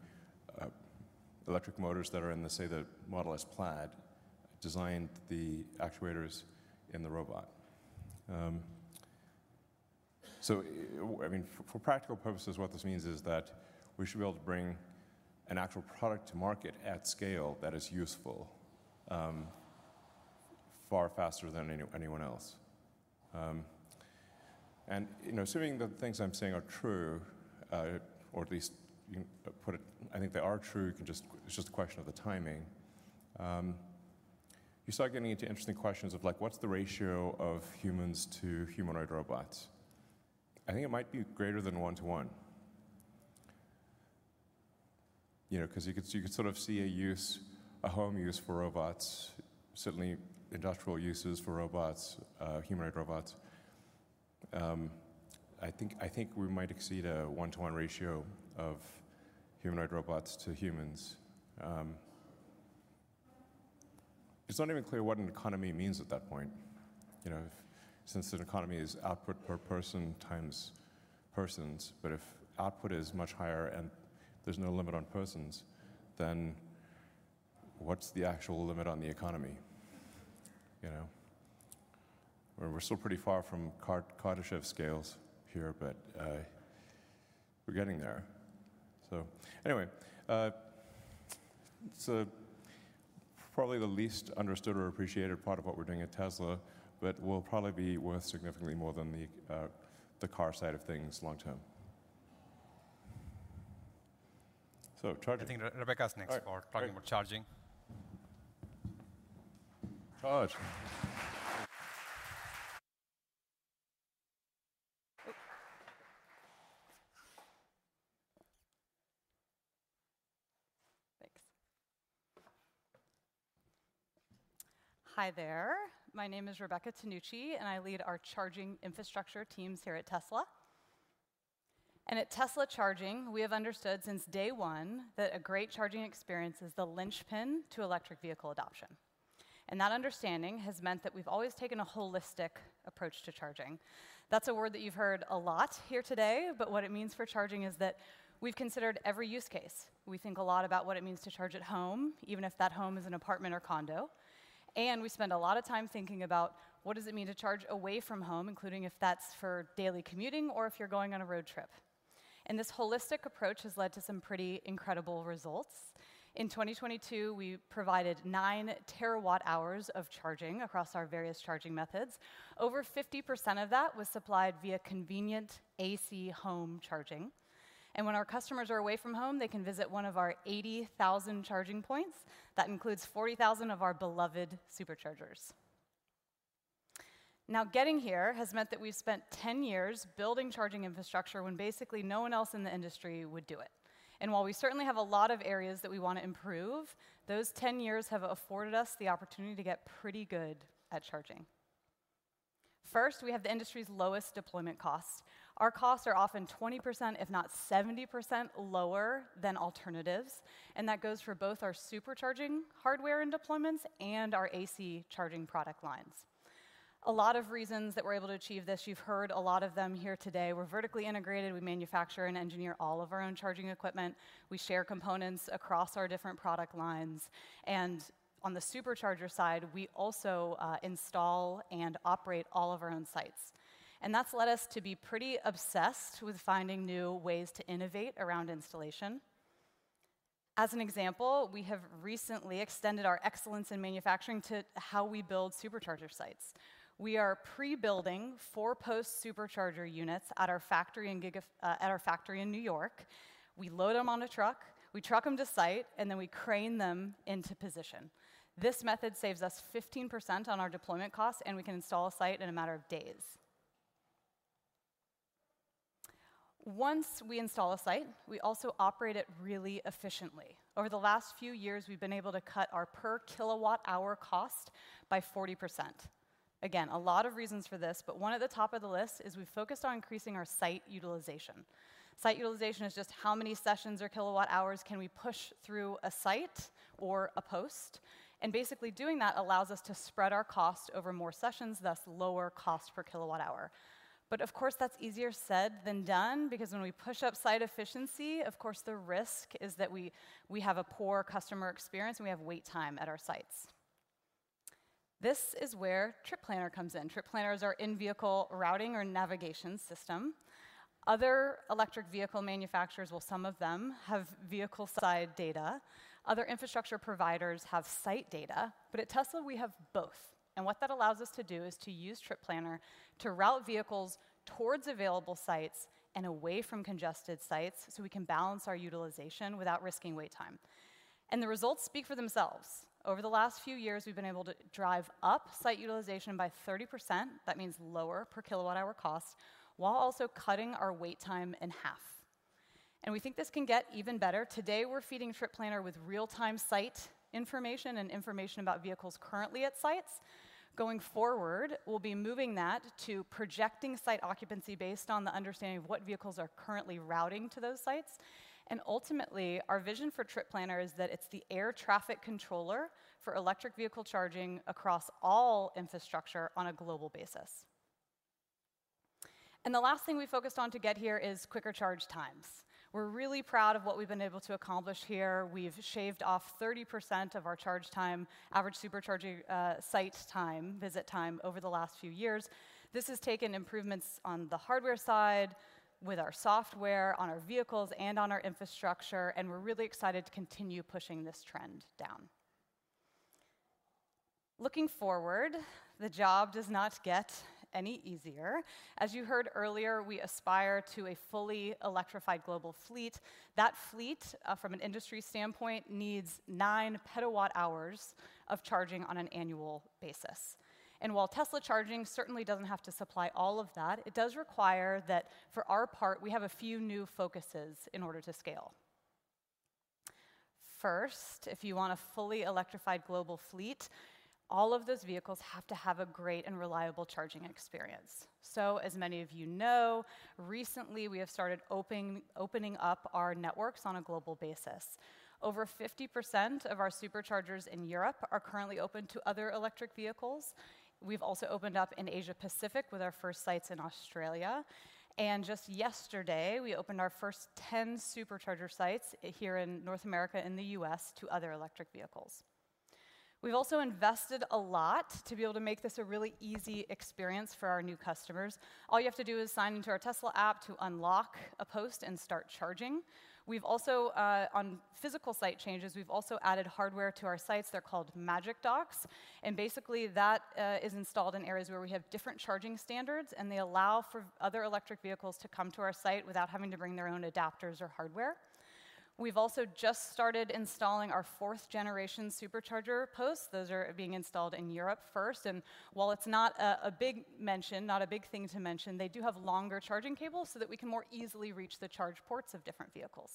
electric motors that are in the, say, the Model S Plaid, designed the actuators in the robot. So I mean, for practical purposes, what this means is that we should be able to bring an actual product to market at scale that is useful, far faster than anyone else. You know, assuming the things I'm saying are true, or at least you can put it, I think they are true, it's just a question of the timing. You start getting into interesting questions of, like, what's the ratio of humans to humanoid robots? I think it might be greater than one to one. You know, 'cause you could, you could sort of see a use, a home use for robots, certainly industrial uses for robots, humanoid robots. I think we might exceed a one-to-one ratio of humanoid robots to humans. It's not even clear what an economy means at that point, you know, since an economy is output per person times persons, but if output is much higher and there's no limit on persons, then what's the actual limit on the economy, you know? We're still pretty far from Kardashev Scale here, but we're getting there. It's probably the least understood or appreciated part of what we're doing at Tesla, but will probably be worth significantly more than the car side of things long term. I think Rebecca's next. All right, great. for talking about charging. Charge. Thanks. Hi there. My name is Rebecca Tinucci, I lead our charging infrastructure teams here at Tesla. At Tesla Charging, we have understood since day one that a great charging experience is the linchpin to electric vehicle adoption. That understanding has meant that we've always taken a holistic approach to charging. That's a word that you've heard a lot here today, but what it means for charging is that we've considered every use case. We think a lot about what it means to charge at home, even if that home is an apartment or condo, and we spend a lot of time thinking about what does it mean to charge away from home, including if that's for daily commuting or if you're going on a road trip. This holistic approach has led to some pretty incredible results. In 2022, we provided 9 TWh of charging across our various charging methods. Over 50% of that was supplied via convenient AC home charging. When our customers are away from home, they can visit one of our 80,000 charging points. That includes 40,000 of our beloved Superchargers. Getting here has meant that we've spent 10 years building charging infrastructure when basically no one else in the industry would do it. While we certainly have a lot of areas that we want to improve, those 10 years have afforded us the opportunity to get pretty good at charging. First, we have the industry's lowest deployment costs. Our costs are often 20%, if not 70% lower than alternatives, and that goes for both our Supercharging hardware and deployments and our AC charging product lines. A lot of reasons that we're able to achieve this, you've heard a lot of them here today. We're vertically integrated, we manufacture and engineer all of our own charging equipment, we share components across our different product lines, and on the Supercharger side, we also install and operate all of our own sites. That's led us to be pretty obsessed with finding new ways to innovate around installation. As an example, we have recently extended our excellence in manufacturing to how we build Supercharger sites. We are pre-building four-post Supercharger units at our factory in New York. We load them on a truck, we truck them to site, and then we crane them into position. This method saves us 15% on our deployment costs, and we can install a site in a matter of days. Once we install a site, we also operate it really efficiently. Over the last few years, we've been able to cut our per kWh cost by 40%. A lot of reasons for this, but one at the top of the list is we've focused on increasing our site utilization. Site utilization is just how many sessions or kWh can we push through a site or a post, basically doing that allows us to spread our cost over more sessions, thus lower cost per kWh. Of course, that's easier said than done because when we push up site efficiency, of course, the risk is that we have a poor customer experience and we have wait time at our sites. This is where Trip Planner comes in. Trip Planner is our in-vehicle routing or navigation system. Other electric vehicle manufacturers, well, some of them have vehicle-side data. Other infrastructure providers have site data. At Tesla, we have both. What that allows us to do is to use Trip Planner to route vehicles towards available sites and away from congested sites, so we can balance our utilization without risking wait time. The results speak for themselves. Over the last few years, we've been able to drive up site utilization by 30%. That means lower per kWh cost, while also cutting our wait time in half. We think this can get even better. Today, we're feeding Trip Planner with real-time site information and information about vehicles currently at sites. Going forward, we'll be moving that to projecting site occupancy based on the understanding of what vehicles are currently routing to those sites. Ultimately, our vision for Trip Planner is that it's the air traffic controller for electric vehicle charging across all infrastructure on a global basis. The last thing we focused on to get here is quicker charge times. We're really proud of what we've been able to accomplish here. We've shaved off 30% of our charge time, average Supercharging site time, visit time over the last few years. This has taken improvements on the hardware side, with our software, on our vehicles, and on our infrastructure, and we're really excited to continue pushing this trend down. Looking forward, the job does not get any easier. As you heard earlier, we aspire to a fully electrified global fleet. That fleet, from an industry standpoint, needs 9 PWh of charging on an annual basis. While Tesla charging certainly doesn't have to supply all of that, it does require that for our part, we have a few new focuses in order to scale. First, if you want a fully electrified global fleet, all of those vehicles have to have a great and reliable charging experience. As many of you know, recently, we have started opening up our networks on a global basis. Over 50% of our Superchargers in Europe are currently open to other electric vehicles. We've also opened up in Asia-Pacific with our first sites in Australia. Just yesterday, we opened our first 10 Supercharger sites here in North America, in the U.S., to other electric vehicles. We've also invested a lot to be able to make this a really easy experience for our new customers. All you have to do is sign into our Tesla app to unlock a post and start charging. We've also on physical site changes, we've also added hardware to our sites. They're called Magic Docks, and basically, that is installed in areas where we have different charging standards, and they allow for other electric vehicles to come to our site without having to bring their own adapters or hardware. We've also just started installing our fourth-generation Supercharger posts. Those are being installed in Europe first. While it's not a big mention, not a big thing to mention, they do have longer charging cables so that we can more easily reach the charge ports of different vehicles.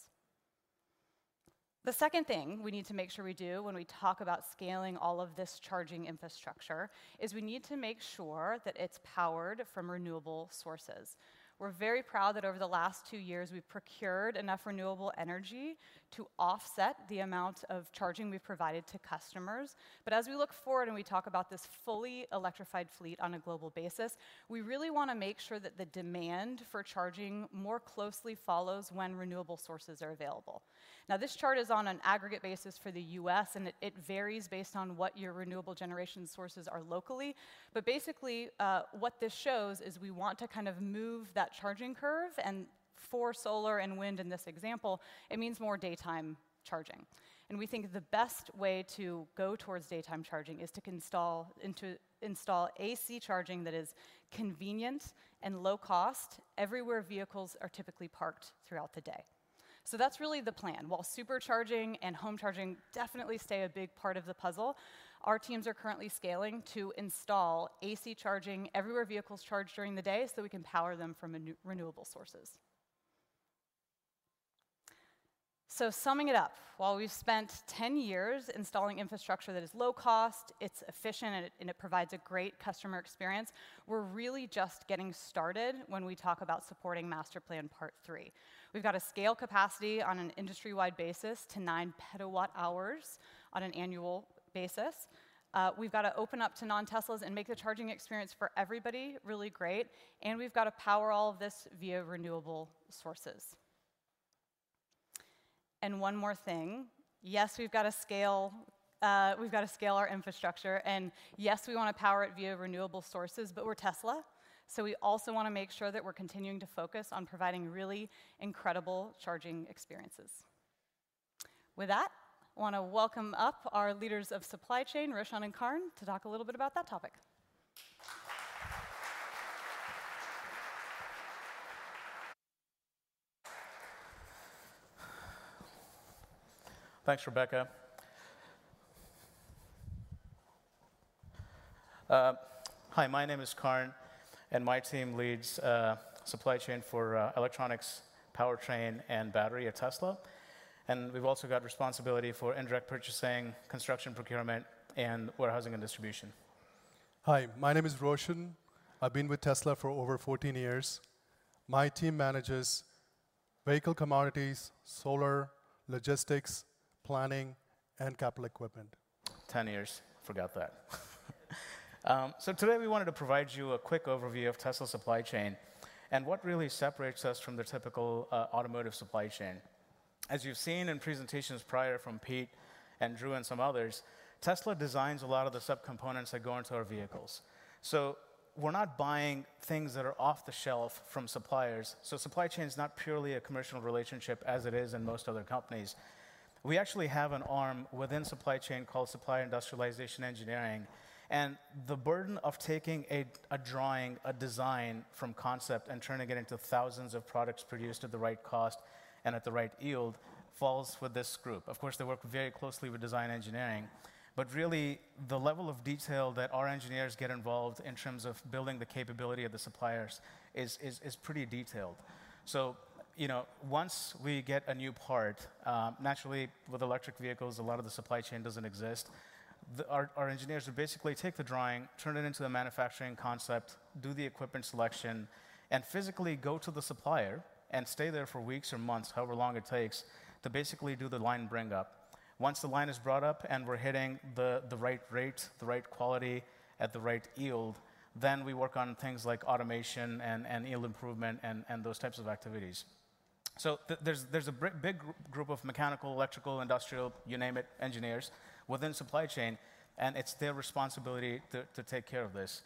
The second thing we need to make sure we do when we talk about scaling all of this charging infrastructure is we need to make sure that it's powered from renewable sources. We're very proud that over the last two years, we've procured enough renewable energy to offset the amount of charging we've provided to customers. As we look forward and we talk about this fully electrified fleet on a global basis, we really wanna make sure that the demand for charging more closely follows when renewable sources are available. This chart is on an aggregate basis for the U.S., and it varies based on what your renewable generation sources are locally. Basically, what this shows is we want to kind of move that charging curve. For solar and wind in this example, it means more daytime charging. We think the best way to go towards daytime charging is to install AC charging that is convenient and low cost everywhere vehicles are typically parked throughout the day. That's really the plan. While supercharging and home charging definitely stay a big part of the puzzle, our teams are currently scaling to install AC charging everywhere vehicles charge during the day, so we can power them from renewable sources. Summing it up, while we've spent 10 years installing infrastructure that is low cost, it's efficient and it provides a great customer experience, we're really just getting started when we talk about supporting Master Plan Part 3. We've got to scale capacity on an industry-wide basis to 9 PWh on an annual basis. We've got to open up to non-Teslas and make the charging experience for everybody really great, and we've got to power all of this via renewable sources. One more thing, yes, we've got to scale, we've got to scale our infrastructure, and yes, we wanna power it via renewable sources, but we're Tesla, so we also wanna make sure that we're continuing to focus on providing really incredible charging experiences. With that, I wanna welcome up our leaders of supply chain, Roshan and Karn, to talk a little bit about that topic. Thanks, Rebecca. Hi, my name is Karn, and my team leads, supply chain for, electronics, powertrain, and battery at Tesla. We've also got responsibility for indirect purchasing, construction procurement, and warehousing and distribution. Hi. My name is Roshan. I've been with Tesla for over 14 years. My team manages vehicle commodities, solar, logistics, planning, and capital equipment. 10 years. Forgot that. Today we wanted to provide you a quick overview of Tesla's supply chain and what really separates us from the typical automotive supply chain. As you've seen in presentations prior from Pete and Drew and some others, Tesla designs a lot of the subcomponents that go into our vehicles. We're not buying things that are off-the-shelf from suppliers, so supply chain is not purely a commercial relationship as it is in most other companies. We actually have an arm within supply chain called Supplier Industrialization Engineering, and the burden of taking a drawing, a design from concept and turning it into thousands of products produced at the right cost and at the right yield falls with this group. Of course, they work very closely with design engineering, really, the level of detail that our engineers get involved in terms of building the capability of the suppliers is pretty detailed. You know, once we get a new part, naturally with electric vehicles, a lot of the supply chain doesn't exist. Our engineers will basically take the drawing, turn it into a manufacturing concept, do the equipment selection, and physically go to the supplier and stay there for weeks or months, however long it takes, to basically do the line bring-up. Once the line is brought up and we're hitting the right rate, the right quality at the right yield, then we work on things like automation and yield improvement and those types of activities. There's a big group of mechanical, electrical, industrial, you name it, engineers within supply chain, and it's their responsibility to take care of this.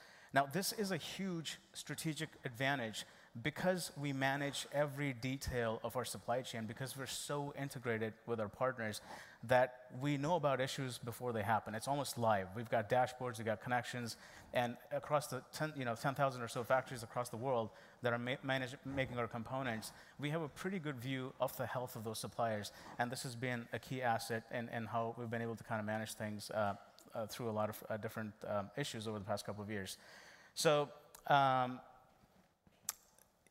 This is a huge strategic advantage because we manage every detail of our supply chain, because we're so integrated with our partners that we know about issues before they happen. It's almost live. We've got dashboards, we've got connections, and across the 10, you know, 10,000 or so factories across the world that are making our components, we have a pretty good view of the health of those suppliers, and this has been a key asset in how we've been able to kinda manage things through a lot of different issues over the past couple of years. You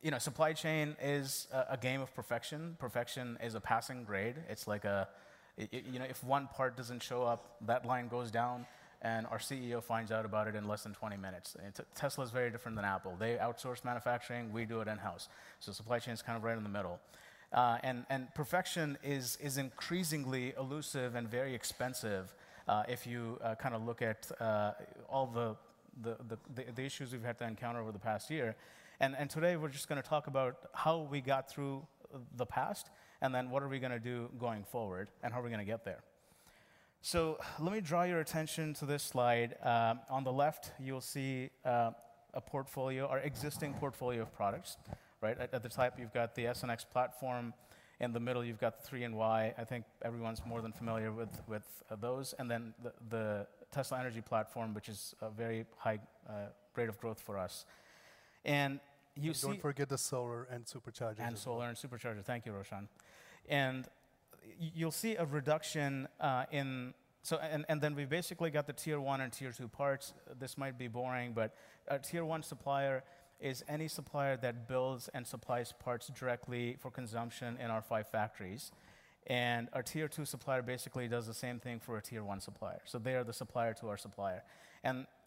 know, supply chain is a game of perfection. Perfection is a passing grade. It's like, you know, if one part doesn't show up, that line goes down, and our CEO finds out about it in less than 20 minutes. Tesla is very different than Apple. They outsource manufacturing, we do it in-house, so supply chain's kind of right in the middle. And perfection is increasingly elusive and very expensive, if you kinda look at all the issues we've had to encounter over the past year. Today we're just gonna talk about how we got through the past, and then what are we gonna do going forward, and how are we gonna get there. Let me draw your attention to this slide. On the left, you'll see a portfolio, our existing portfolio of products, right? At the top you've got the S and X platform, in the middle you've got the 3 and Y. I think everyone's more than familiar with those. Then the Tesla Energy platform, which is a very high rate of growth for us. Don't forget the solar and Superchargers as well. And solar and Supercharger. Thank you, Roshan. You'll see a reduction. We've basically got the tier 1 and tier 2 parts. This might be boring, but a tier 1 supplier is any supplier that builds and supplies parts directly for consumption in our five factories. Our tier 2 supplier basically does the same thing for a tier 1 supplier, so they are the supplier to our supplier.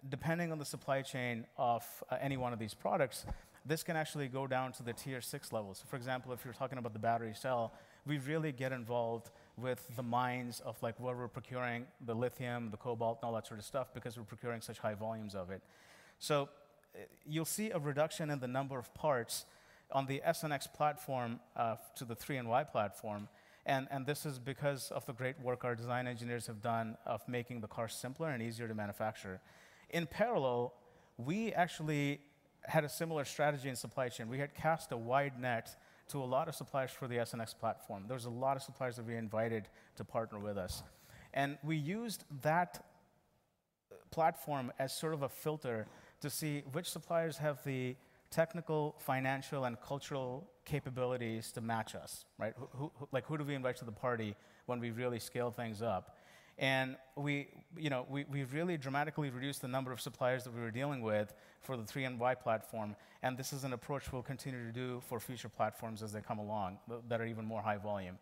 Depending on the supply chain of any one of these products, this can actually go down to the tier 6 levels. For example, if you're talking about the battery cell, we really get involved with the mines of, like, where we're procuring the lithium, the cobalt, and all that sort of stuff because we're procuring such high volumes of it. You'll see a reduction in the number of parts on the S and X platform, to the 3 and Y platform, and this is because of the great work our design engineers have done of making the car simpler and easier to manufacture. In parallel, we actually had a similar strategy in supply chain. We had cast a wide net to a lot of suppliers for the S and X platform. There was a lot of suppliers that we invited to partner with us. We used that platform as sort of a filter to see which suppliers have the technical, financial, and cultural capabilities to match us, right? Who, like who do we invite to the party when we really scale things up? We, you know, we've really dramatically reduced the number of suppliers that we were dealing with for the Model Y platform. This is an approach we'll continue to do for future platforms as they come along that are even more high volume.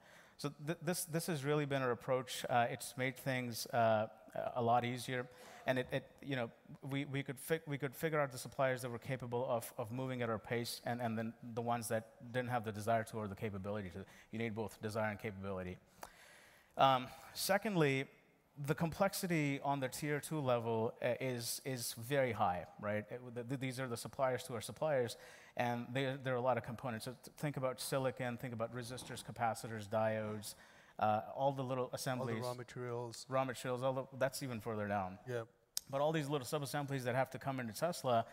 This has really been our approach. It's made things a lot easier and it, you know, we could figure out the suppliers that were capable of moving at our pace and then the ones that didn't have the desire to or the capability to. You need both desire and capability. Secondly, the complexity on the tier two level is very high, right? These are the suppliers to our suppliers. There are a lot of components. Think about silicon, think about resistors, capacitors, diodes, all the little assemblies- All the raw materials. Raw materials, all the... That's even further down. Yeah. All these little sub-assemblies that have to come into Tesla,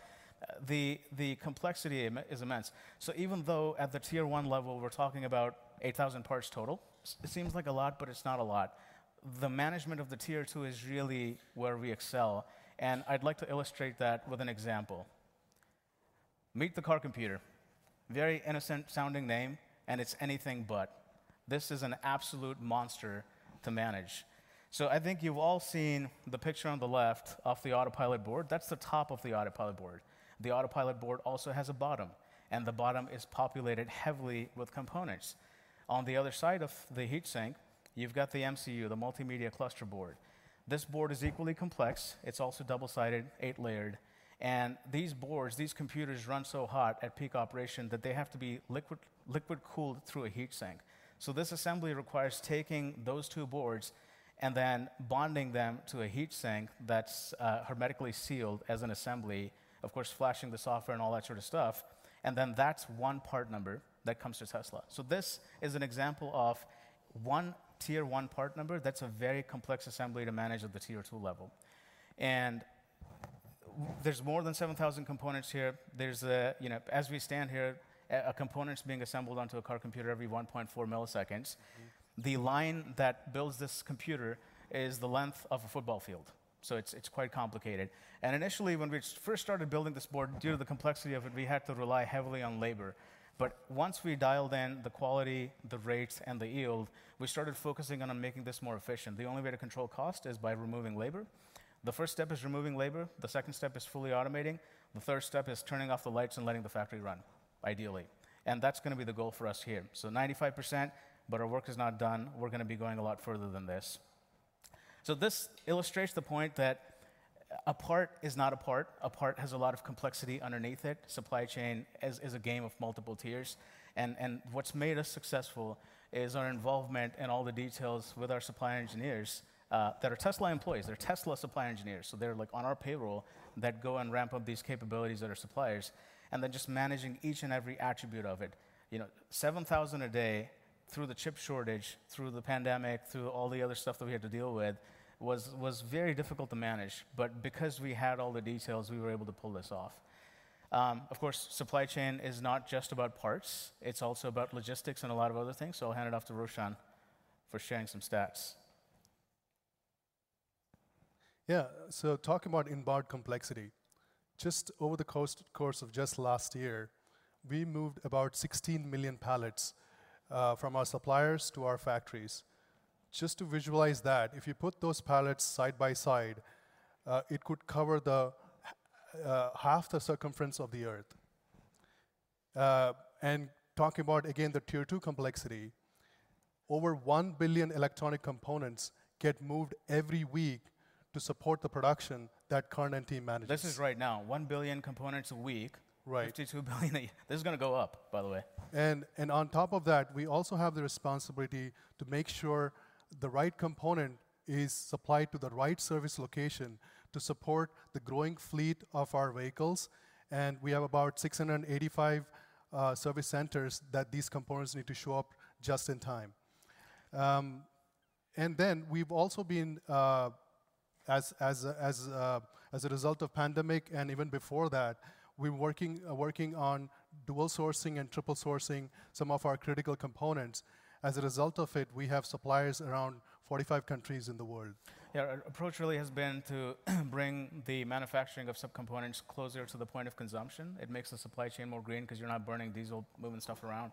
the complexity is immense. Even though at the tier one level we're talking about 8,000 parts total, it seems like a lot, but it's not a lot. The management of the tier two is really where we excel, and I'd like to illustrate that with an example. Meet the car computer, very innocent-sounding name, and it's anything but. This is an absolute monster to manage. I think you've all seen the picture on the left of the Autopilot board. That's the top of the Autopilot board. The Autopilot board also has a bottom, and the bottom is populated heavily with components. On the other side of the heat sink, you've got the MCU, the multimedia cluster board. This board is equally complex. It's also double-sided, 8-layered, and these boards, these computers run so hot at peak operation that they have to be liquid cooled through a heat sink. This assembly requires taking those two boards and then bonding them to a heat sink that's hermetically sealed as an assembly. Of course, flashing the software and all that sort of stuff, and then that's 1 part number that comes to Tesla. This is an example of 1 tier 1 part number that's a very complex assembly to manage at the tier 2 level. There's more than 7,000 components here. There's a, you know, as we stand here, a component's being assembled onto a car computer every 1.4 milliseconds. The line that builds this computer is the length of a football field, so it's quite complicated. Initially, when we first started building this board, due to the complexity of it, we had to rely heavily on labor. Once we dialed in the quality, the rates, and the yield, we started focusing on making this more efficient. The only way to control cost is by removing labor. The first step is removing labor. The second step is fully automating. The third step is turning off the lights and letting the factory run, ideally. That's gonna be the goal for us here. 95%, but our work is not done. We're gonna be going a lot further than this. This illustrates the point that a part is not a part. A part has a lot of complexity underneath it. Supply chain is a game of multiple tiers. What's made us successful is our involvement in all the details with our supply engineers that are Tesla employees. They're Tesla supply engineers, so they're like on our payroll that go and ramp up these capabilities at our suppliers, and then just managing each and every attribute of it. You know, 7,000 a day through the chip shortage, through the pandemic, through all the other stuff that we had to deal with, was very difficult to manage. Because we had all the details, we were able to pull this off. Of course, supply chain is not just about parts. It's also about logistics and a lot of other things, I'll hand it off to Roshan for sharing some stats. Talking about inbound complexity, just over the cost-course of just last year, we moved about 16 million pallets from our suppliers to our factories. Just to visualize that, if you put those pallets side by side, it could cover the half the circumference of the Earth. Talking about, again, the tier two complexity, over 1 billion electronic components get moved every week to support the production that Karn and team manages. This is right now, 1 billion components a week. Right. $52 billion a year. This is gonna go up, by the way. On top of that, we also have the responsibility to make sure the right component is supplied to the right service location to support the growing fleet of our vehicles, and we have about 685 service centers that these components need to show up just in time. We've also been as a result of pandemic and even before that, we're working on dual sourcing and triple sourcing some of our critical components. As a result of it, we have suppliers around 45 countries in the world. Yeah. Our approach really has been to bring the manufacturing of sub-components closer to the point of consumption. It makes the supply chain more green 'cause you're not burning diesel moving stuff around,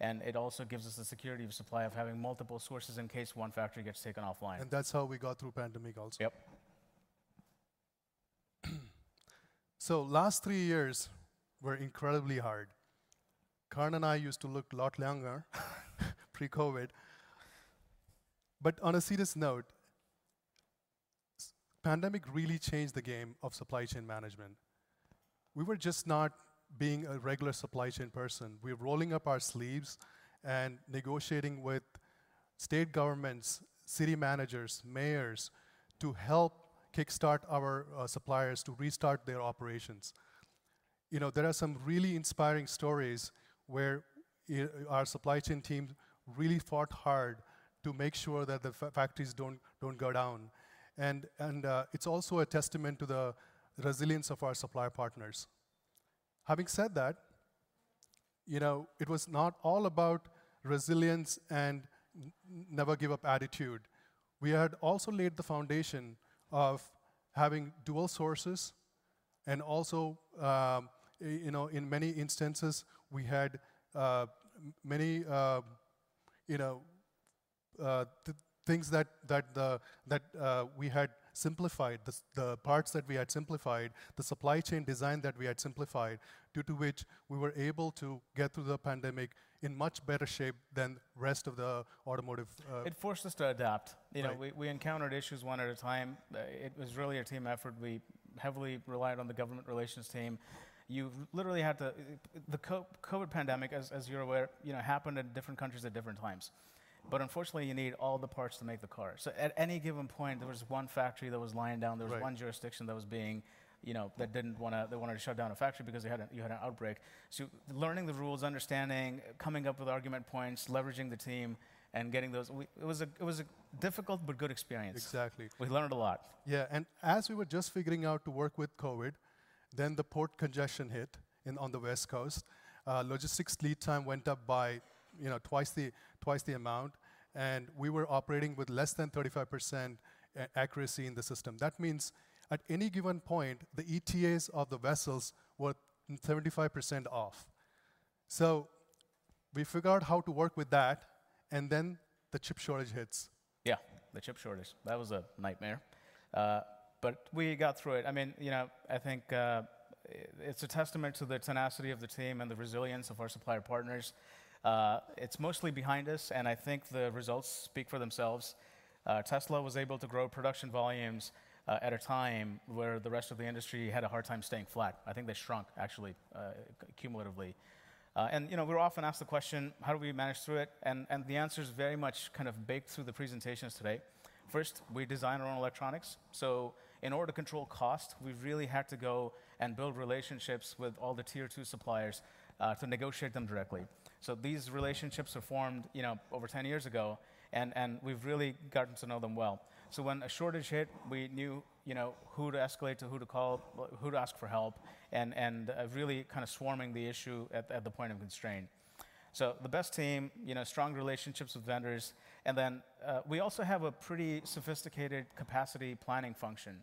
and it also gives us the security of supply of having multiple sources in case one factory gets taken offline. That's how we got through pandemic also. Yep. Last 3 years were incredibly hard. Karn and I used to look a lot younger pre-COVID. On a serious note, pandemic really changed the game of supply chain management. We were just not being a regular supply chain person. We're rolling up our sleeves and negotiating with state governments, city managers, mayors to help kickstart our suppliers to restart their operations. You know, there are some really inspiring stories where our supply chain teams really fought hard to make sure that the factories don't go down. It's also a testament to the resilience of our supplier partners. Having said that. You know, it was not all about resilience and never give up attitude. We had also laid the foundation of having dual sources and also, you know, in many instances, we had many, you know, things that we had simplified, the parts that we had simplified, the supply chain design that we had simplified, due to which we were able to get through the pandemic in much better shape than rest of the automotive. It forced us to adapt. Right. You know, we encountered issues one at a time. It was really a team effort. We heavily relied on the government relations team. The COVID pandemic, as you're aware, you know, happened in different countries at different times. Unfortunately, you need all the parts to make the car. At any given point, there was one factory that was lying down. Right There was one jurisdiction that was being, you know. They wanted to shut down a factory because you had an outbreak. Learning the rules, understanding, coming up with argument points, leveraging the team, and getting those. It was a difficult but good experience. Exactly. We learned a lot. Yeah. As we were just figuring out to work with COVID, then the port congestion hit in, on the West Coast. logistics lead time went up by, you know, twice the amount, and we were operating with less than 35% accuracy in the system. That means at any given point, the ETAs of the vessels were 75% off. We figured out how to work with that, and then the chip shortage hits. The chip shortage. That was a nightmare. We got through it. I mean, you know, I think it's a testament to the tenacity of the team and the resilience of our supplier partners. It's mostly behind us, and I think the results speak for themselves. Tesla was able to grow production volumes at a time where the rest of the industry had a hard time staying flat. I think they shrunk, actually, cumulatively. You know, we're often asked the question, how do we manage through it? And the answer is very much kind of baked through the presentations today. First, we design our own electronics. In order to control cost, we really had to go and build relationships with all the tier two suppliers to negotiate them directly. These relationships were formed, you know, over 10 years ago, and we've really gotten to know them well. When a shortage hit, we knew, you know, who to escalate to, who to call, who to ask for help, and really kind of swarming the issue at the point of constraint. The best team, you know, strong relationships with vendors. We also have a pretty sophisticated capacity planning function.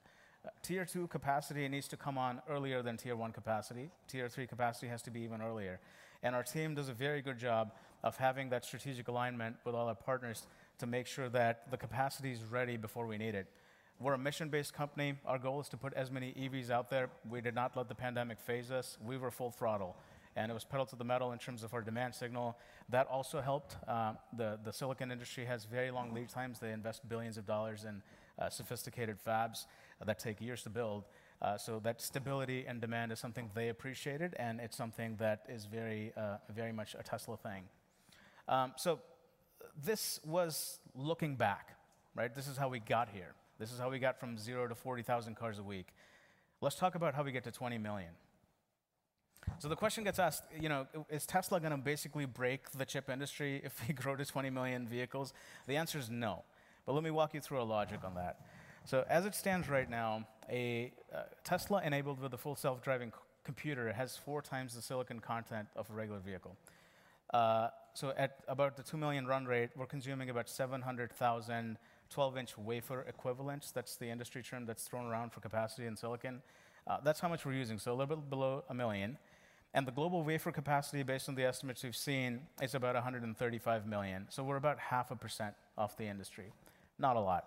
Tier 2 capacity needs to come on earlier than Tier 1 capacity. Tier 3 capacity has to be even earlier. Our team does a very good job of having that strategic alignment with all our partners to make sure that the capacity is ready before we need it. We're a mission-based company. Our goal is to put as many EVs out there. We did not let the pandemic phase us. We were full throttle, it was pedal to the metal in terms of our demand signal. That also helped. The silicon industry has very long lead times. They invest billions of dollars in sophisticated fabs that take years to build. So that stability and demand is something they appreciated, and it's something that is very much a Tesla thing. This was looking back, right? This is how we got here. This is how we got from 0 to 40,000 cars a week. Let's talk about how we get to 20 million. The question gets asked, you know, is Tesla gonna basically break the chip industry if we grow to 20 million vehicles? The answer is no. Let me walk you through our logic on that. As it stands right now, a Tesla enabled with a Full Self-Driving computer has four times the silicon content of a regular vehicle. At about the 2 million run rate, we're consuming about 700,000 12-inch wafer equivalents. That's the industry term that's thrown around for capacity in silicon. That's how much we're using, so a little below 1 million. The global wafer capacity, based on the estimates we've seen, is about 135 million. We're about 0.5% of the industry. Not a lot.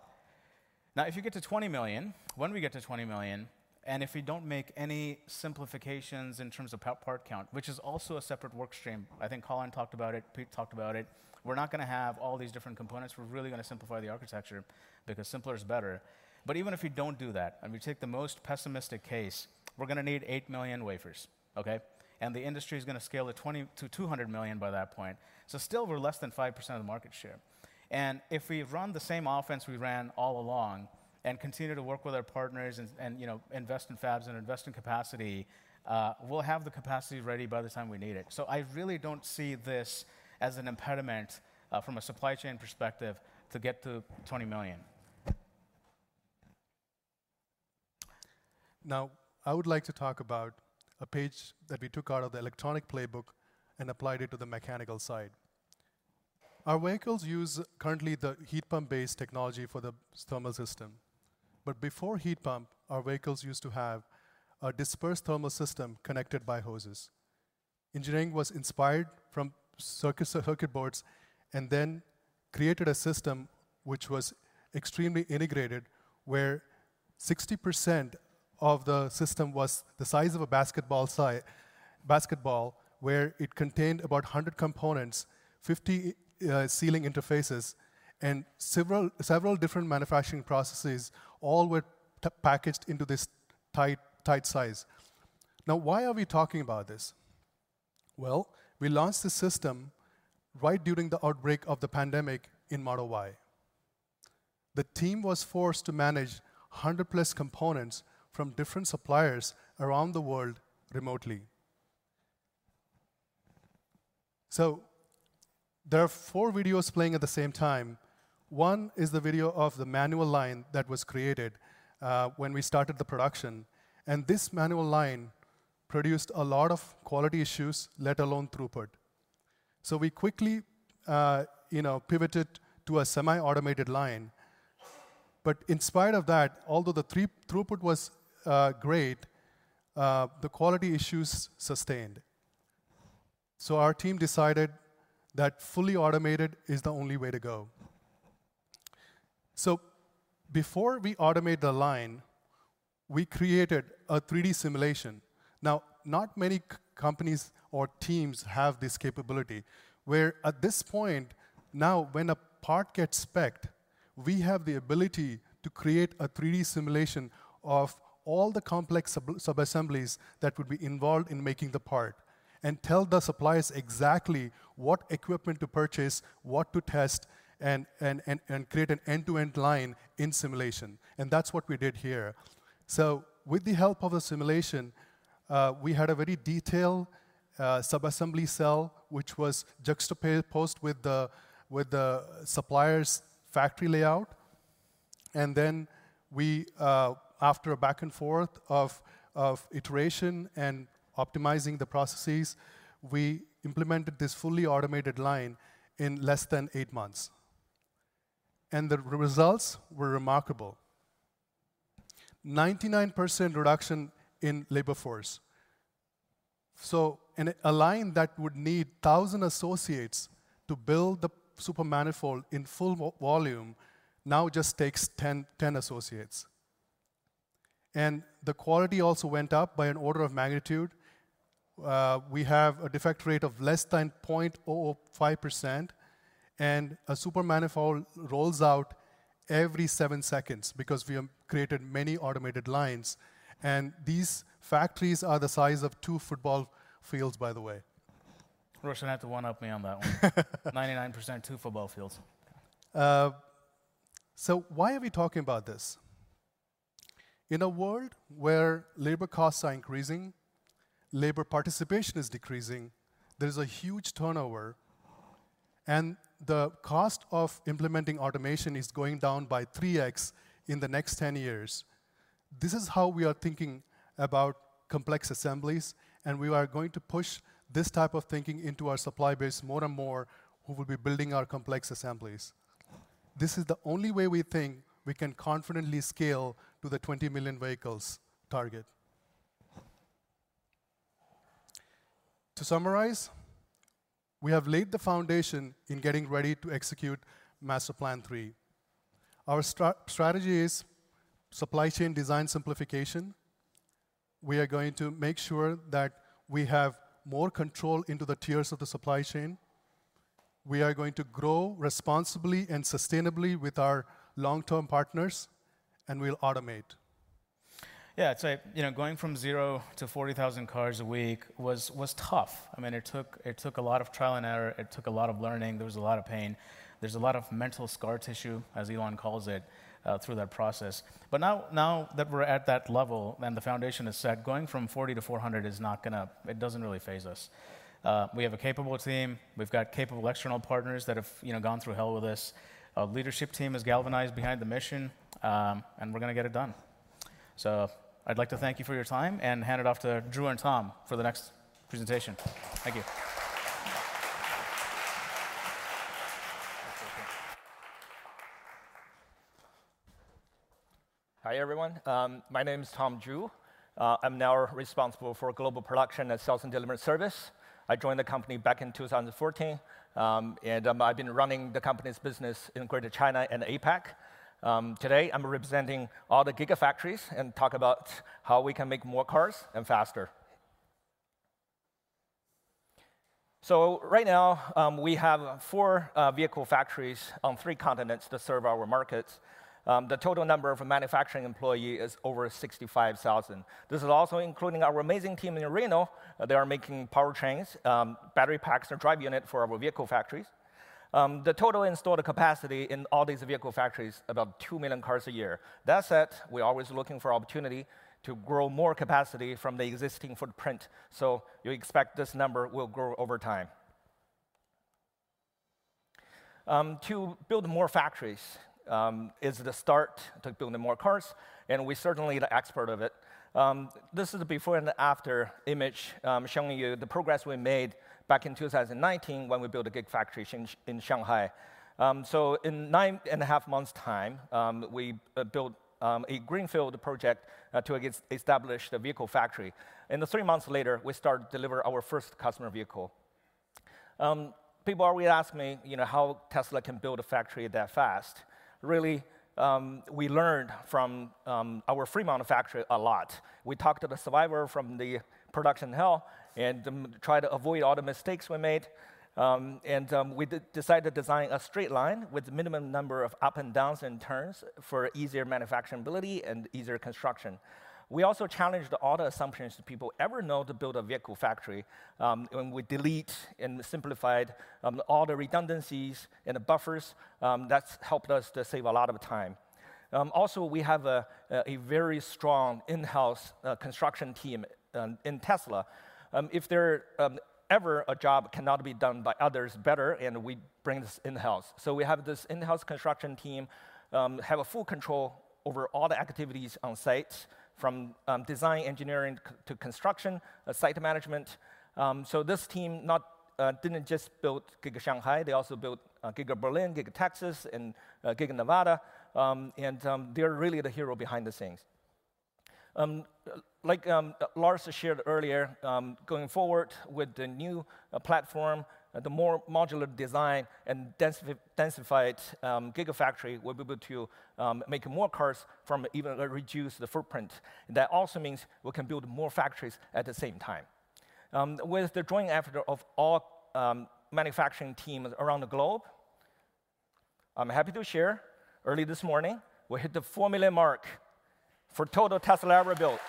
If you get to 20 million, when we get to 20 million, and if we don't make any simplifications in terms of part count, which is also a separate work stream. I think Colin talked about it, Pete talked about it. We're not gonna have all these different components. We're really gonna simplify the architecture because simpler is better. Even if we don't do that, and we take the most pessimistic case, we're gonna need 8 million wafers, okay. The industry is gonna scale to 200 million by that point. Still, we're less than 5% of the market share. If we run the same offense we ran all along and continue to work with our partners and, you know, invest in fabs and invest in capacity, we'll have the capacity ready by the time we need it. I really don't see this as an impediment from a supply chain perspective to get to 20 million. I would like to talk about a page that we took out of the electronic playbook and applied it to the mechanical side. Our vehicles use currently the heat pump-based technology for the thermal system. Before heat pump, our vehicles used to have a dispersed thermal system connected by hoses. Engineering was inspired from circuits of circuit boards created a system which was extremely integrated, where 60% of the system was the size of a basketball, where it contained about 100 components, 50 sealing interfaces, and several different manufacturing processes all were packaged into this tight size. Why are we talking about this? Well, we launched the system right during the outbreak of the pandemic in Model Y. The team was forced to manage 100-plus components from different suppliers around the world remotely. There are four videos playing at the same time. One is the video of the manual line that was created when we started the production. This manual line produced a lot of quality issues, let alone throughput. We quickly, you know, pivoted to a semi-automated line. In spite of that, although the throughput was great, the quality issues sustained. Our team decided that fully automated is the only way to go. Before we automate the line, we created a 3D simulation. Not many companies or teams have this capability, where at this point, now when a part gets spec'd, we have the ability to create a 3D simulation of all the complex sub-subassemblies that would be involved in making the part and tell the suppliers exactly what equipment to purchase, what to test, and create an end-to-end line in simulation. That's what we did here. With the help of the simulation, we had a very detailed subassembly cell, which was juxtaposed with the suppliers' factory layout. We after a back and forth of iteration and optimizing the processes, we implemented this fully automated line in less than 8 months. The results were remarkable. 99% reduction in labor force. In a line that would need 1,000 associates to build the Supermanifold in full volume now just takes 10 associates. The quality also went up by an order of magnitude. We have a defect rate of less than 0.05%, and a Supermanifold rolls out every 7 seconds because we have created many automated lines, and these factories are the size of 2 football fields, by the way. Roshan had to one-up me on that one. 99%, 2 football fields. Why are we talking about this? In a world where labor costs are increasing, labor participation is decreasing, there's a huge turnover, and the cost of implementing automation is going down by 3x in the next 10 years. This is how we are thinking about complex assemblies, and we are going to push this type of thinking into our supply base more and more, who will be building our complex assemblies. This is the only way we think we can confidently scale to the 20 million vehicles target. To summarize, we have laid the foundation in getting ready to execute Master Plan 3. Our strategy is supply chain design simplification. We are going to make sure that we have more control into the tiers of the supply chain. We are going to grow responsibly and sustainably with our long-term partners, and we'll automate. Yeah. It's like, you know, going from 0 to 40,000 cars a week was tough. I mean, it took a lot of trial and error. It took a lot of learning. There was a lot of pain. There's a lot of mental scar tissue, as Elon calls it, through that process. But now that we're at that level and the foundation is set, going from 40 to 400. It doesn't really phase us. We have a capable team. We've got capable external partners that have, you know, gone through hell with us. Our leadership team is galvanized behind the mission, and we're gonna get it done. I'd like to thank you for your time and hand it off to Drew and Tom for the next presentation. Thank you. Hi, everyone. My name is Tom Zhu. I'm now responsible for global production and sales and delivery service. I joined the company back in 2014, and I've been running the company's business in Greater China and APAC. Today I'm representing all the Gigafactories and talk about how we can make more cars and faster. Right now, we have four vehicle factories on three continents to serve our markets. The total number of manufacturing employee is over 65,000. This is also including our amazing team in Reno. They are making powertrains, battery packs and drive unit for our vehicle factories. The total installed capacity in all these vehicle factories, about 2 million cars a year. That said, we're always looking for opportunity to grow more capacity from the existing footprint. You expect this number will grow over time. To build more factories is the start to building more cars, and we're certainly the expert of it. This is the before and after image showing you the progress we made back in 2019 when we built a Gigafactory in Shanghai. In 9 and a half months' time, we built a greenfield project to establish the vehicle factory. 3 months later, we start deliver our first customer vehicle. People always ask me, you know, how Tesla can build a factory that fast? Really, we learned from our Fremont factory a lot. We talked to the survivor from the production hell and try to avoid all the mistakes we made. We decided to design a straight line with minimum number of up and downs and turns for easier manufacturability and easier construction. We also challenged all the assumptions that people ever know to build a vehicle factory, when we delete and simplified all the redundancies and the buffers, that's helped us to save a lot of time. Also, we have a very strong in-house construction team in Tesla. If there ever a job cannot be done by others better and we bring this in-house. We have this in-house construction team have a full control over all the activities on site from design engineering to construction site management. This team not didn't just build Giga Shanghai, they also built Giga Berlin, Giga Texas, and Giga Nevada. They're really the hero behind the scenes. Like Lars shared earlier, going forward with the new platform, the more modular design and densified Gigafactory, we're be able to make more cars from even reduce the footprint. That also means we can build more factories at the same time. With the joint effort of all manufacturing teams around the globe, I'm happy to share early this morning we hit the 4 million mark for total Tesla ever built.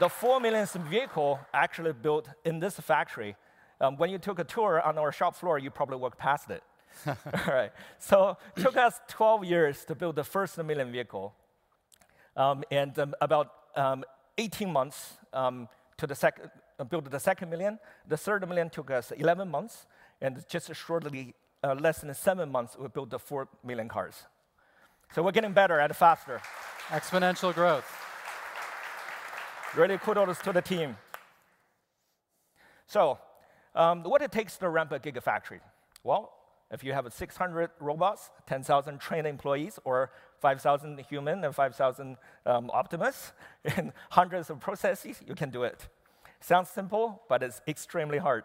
The 4 millionth vehicle actually built in this factory, when you took a tour on our shop floor, you probably walked past it. Took us 12 years to build the 1 million vehicle, and about 18 months to build the 2 million. The third million took us 11 months, and just shortly, less than seven months, we built the four million cars. We're getting better and faster. Exponential growth. Really kudos to the team. What it takes to ramp a Gigafactory? Well, if you have 600 robots, 10,000 trained employees, or 5,000 human and 5,000 Optimus, and hundreds of processes, you can do it. Sounds simple, but it's extremely hard.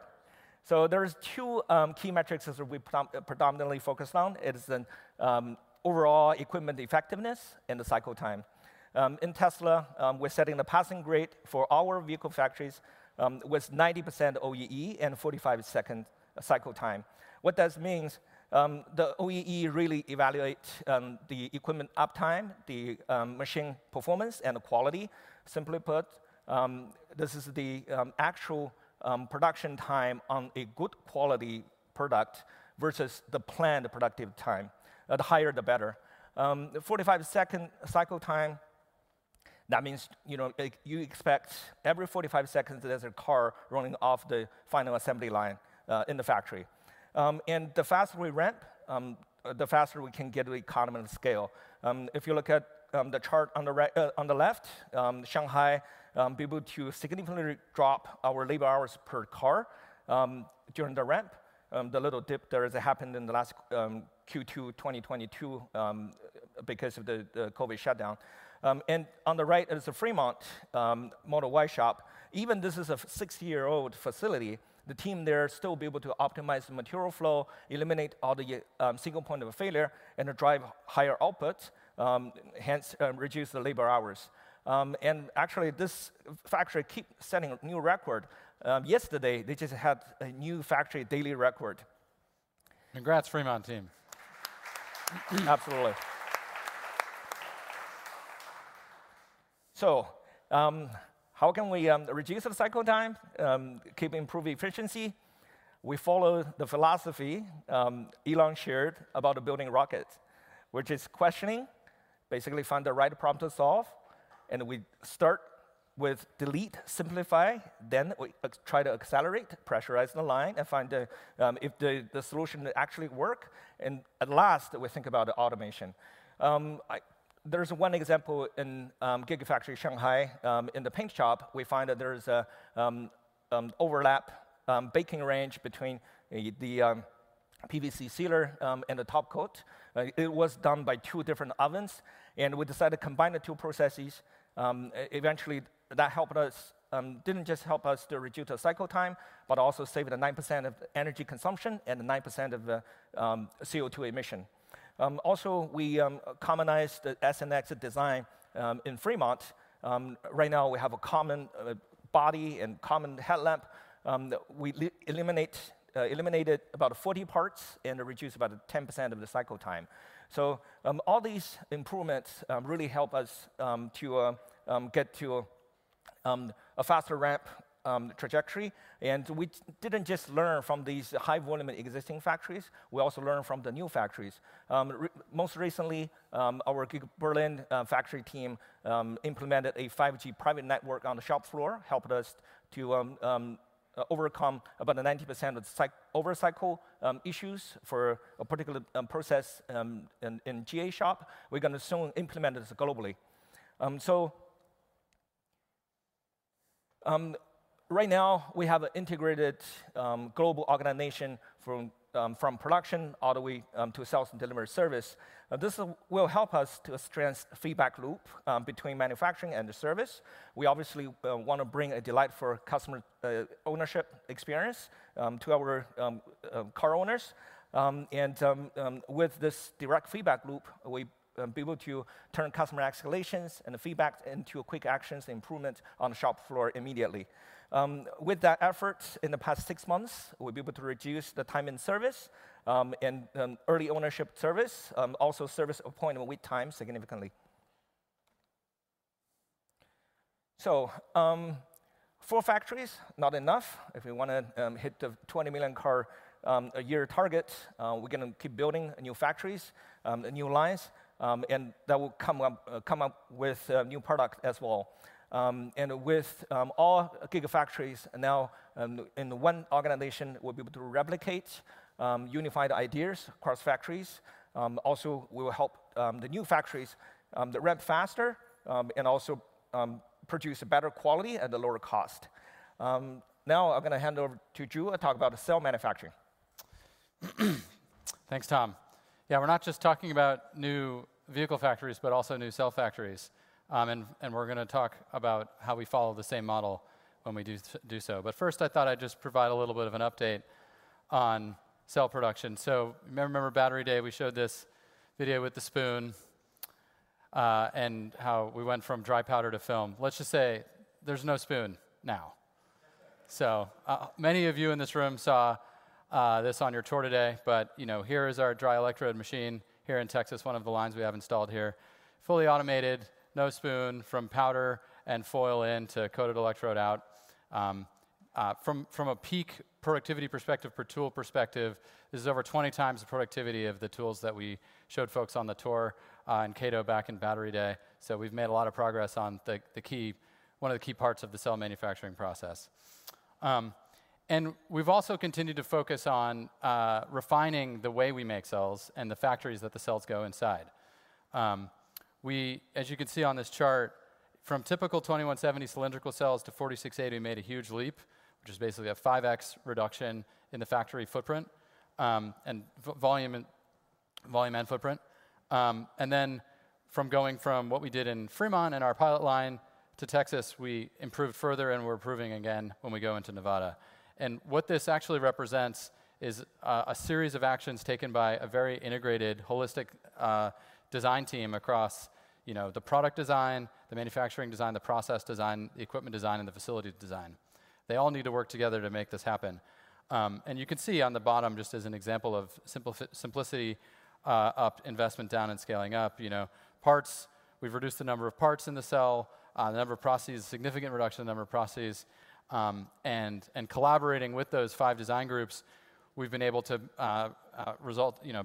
There's two key metrics that we predominantly focus on is the overall equipment effectiveness and the cycle time. In Tesla, we're setting the passing grade for our vehicle factories with 90% OEE and 45 second cycle time. What that means, the OEE really evaluate the equipment uptime, the machine performance, and the quality. Simply put, this is the actual production time on a good quality product versus the planned productive time. The higher, the better. The 45 second cycle time, that means, you know, like you expect every 45 seconds there's a car rolling off the final assembly line in the factory. The faster we ramp, the faster we can get to economies of scale. If you look at the chart on the right, on the left, Shanghai be able to significantly drop our labor hours per car during the ramp. The little dip there happened in the last Q2 2022 because of the COVID shutdown. On the right is the Fremont Model Y shop. Even this is a 6-year-old facility, the team there still be able to optimize the material flow, eliminate all the single point of failure, and drive higher outputs, hence, reduce the labor hours. Actually, this factory keep setting new record. Yesterday, they just had a new factory daily record. Congrats, Fremont team. Absolutely. How can we reduce the cycle time, keep improving efficiency? We follow the philosophy Elon shared about building rockets, which is questioning, basically find the right problem to solve. We start with delete, simplify, then we try to accelerate, pressurize the line, find if the solution actually work. Last, we think about automation. There's one example in Gigafactory Shanghai, in the paint shop, we find that there is a overlap baking range between the PVC sealer and the topcoat. It was done by two different ovens. We decided to combine the two processes. Eventually that helped us, didn't just help us to reduce the cycle time, but also save the 9% of energy consumption and 9% of the CO2 emission. Also, we commonized the S and X design in Fremont. Right now we have a common body and common headlamp that we eliminated about 40 parts and reduced about 10% of the cycle time. All these improvements really help us to get to a faster ramp trajectory. We didn't just learn from these high-volume existing factories, we also learn from the new factories. Most recently, our Giga Berlin factory team implemented a 5G private network on the shop floor, helped us to overcome about 90% of the overcycle issues for a particular process in GA shop. We're gonna soon implement this globally. Right now we have an integrated global organization from production all the way to sales and delivery service. This will help us to strengthen feedback loop between manufacturing and the service. We obviously wanna bring a delight for customer ownership experience to our car owners. With this direct feedback loop, we be able to turn customer escalations and feedback into quick actions improvement on the shop floor immediately. With that effort in the past 6 months, we've been able to reduce the time in service, and early ownership service, also service appointment wait time significantly. 4 factories, not enough. If we wanna hit the 20 million car a year target, we're gonna keep building new factories, new lines, and then we'll come up with new product as well. With all Gigafactories now in the one organization, we'll be able to replicate unified ideas across factories. We will help the new factories to ramp faster, and also produce better quality at a lower cost. I'm going to hand over to Drew to talk about cell manufacturing. Thanks, Tom. Yeah, we're not just talking about new vehicle factories, but also new cell factories. we're gonna talk about how we follow the same model when we do so. But first, I thought I'd just provide a little bit of an update on cell production. Remember Battery Day, we showed this video with the spoon, and how we went from dry powder to film. Let's just say there's no spoon now. Many of you in this room saw this on your tour today, but, you know, here is our dry electrode machine here in Texas, one of the lines we have installed here. Fully automated, no spoon, from powder and foil in to coated electrode out. From a peak productivity perspective, per tool perspective, this is over 20 times the productivity of the tools that we showed folks on the tour in Kato back in Battery Day. We've made a lot of progress on one of the key parts of the cell manufacturing process. We've also continued to focus on refining the way we make cells and the factories that the cells go inside. As you can see on this chart, from typical 2170 cylindrical cells to 4680, we made a huge leap, which is basically a 5x reduction in the factory footprint, and volume and footprint. From going from what we did in Fremont in our pilot line to Texas, we improved further, and we're improving again when we go into Nevada. What this actually represents is a series of actions taken by a very integrated, holistic design team across, you know, the product design, the manufacturing design, the process design, the equipment design, and the facility design. They all need to work together to make this happen. You can see on the bottom, just as an example of simplicity, investment down and scaling up, you know, parts, we've reduced the number of parts in the cell, the number of processes, significant reduction in the number of processes. Collaborating with those five design groups, we've been able to result, you know,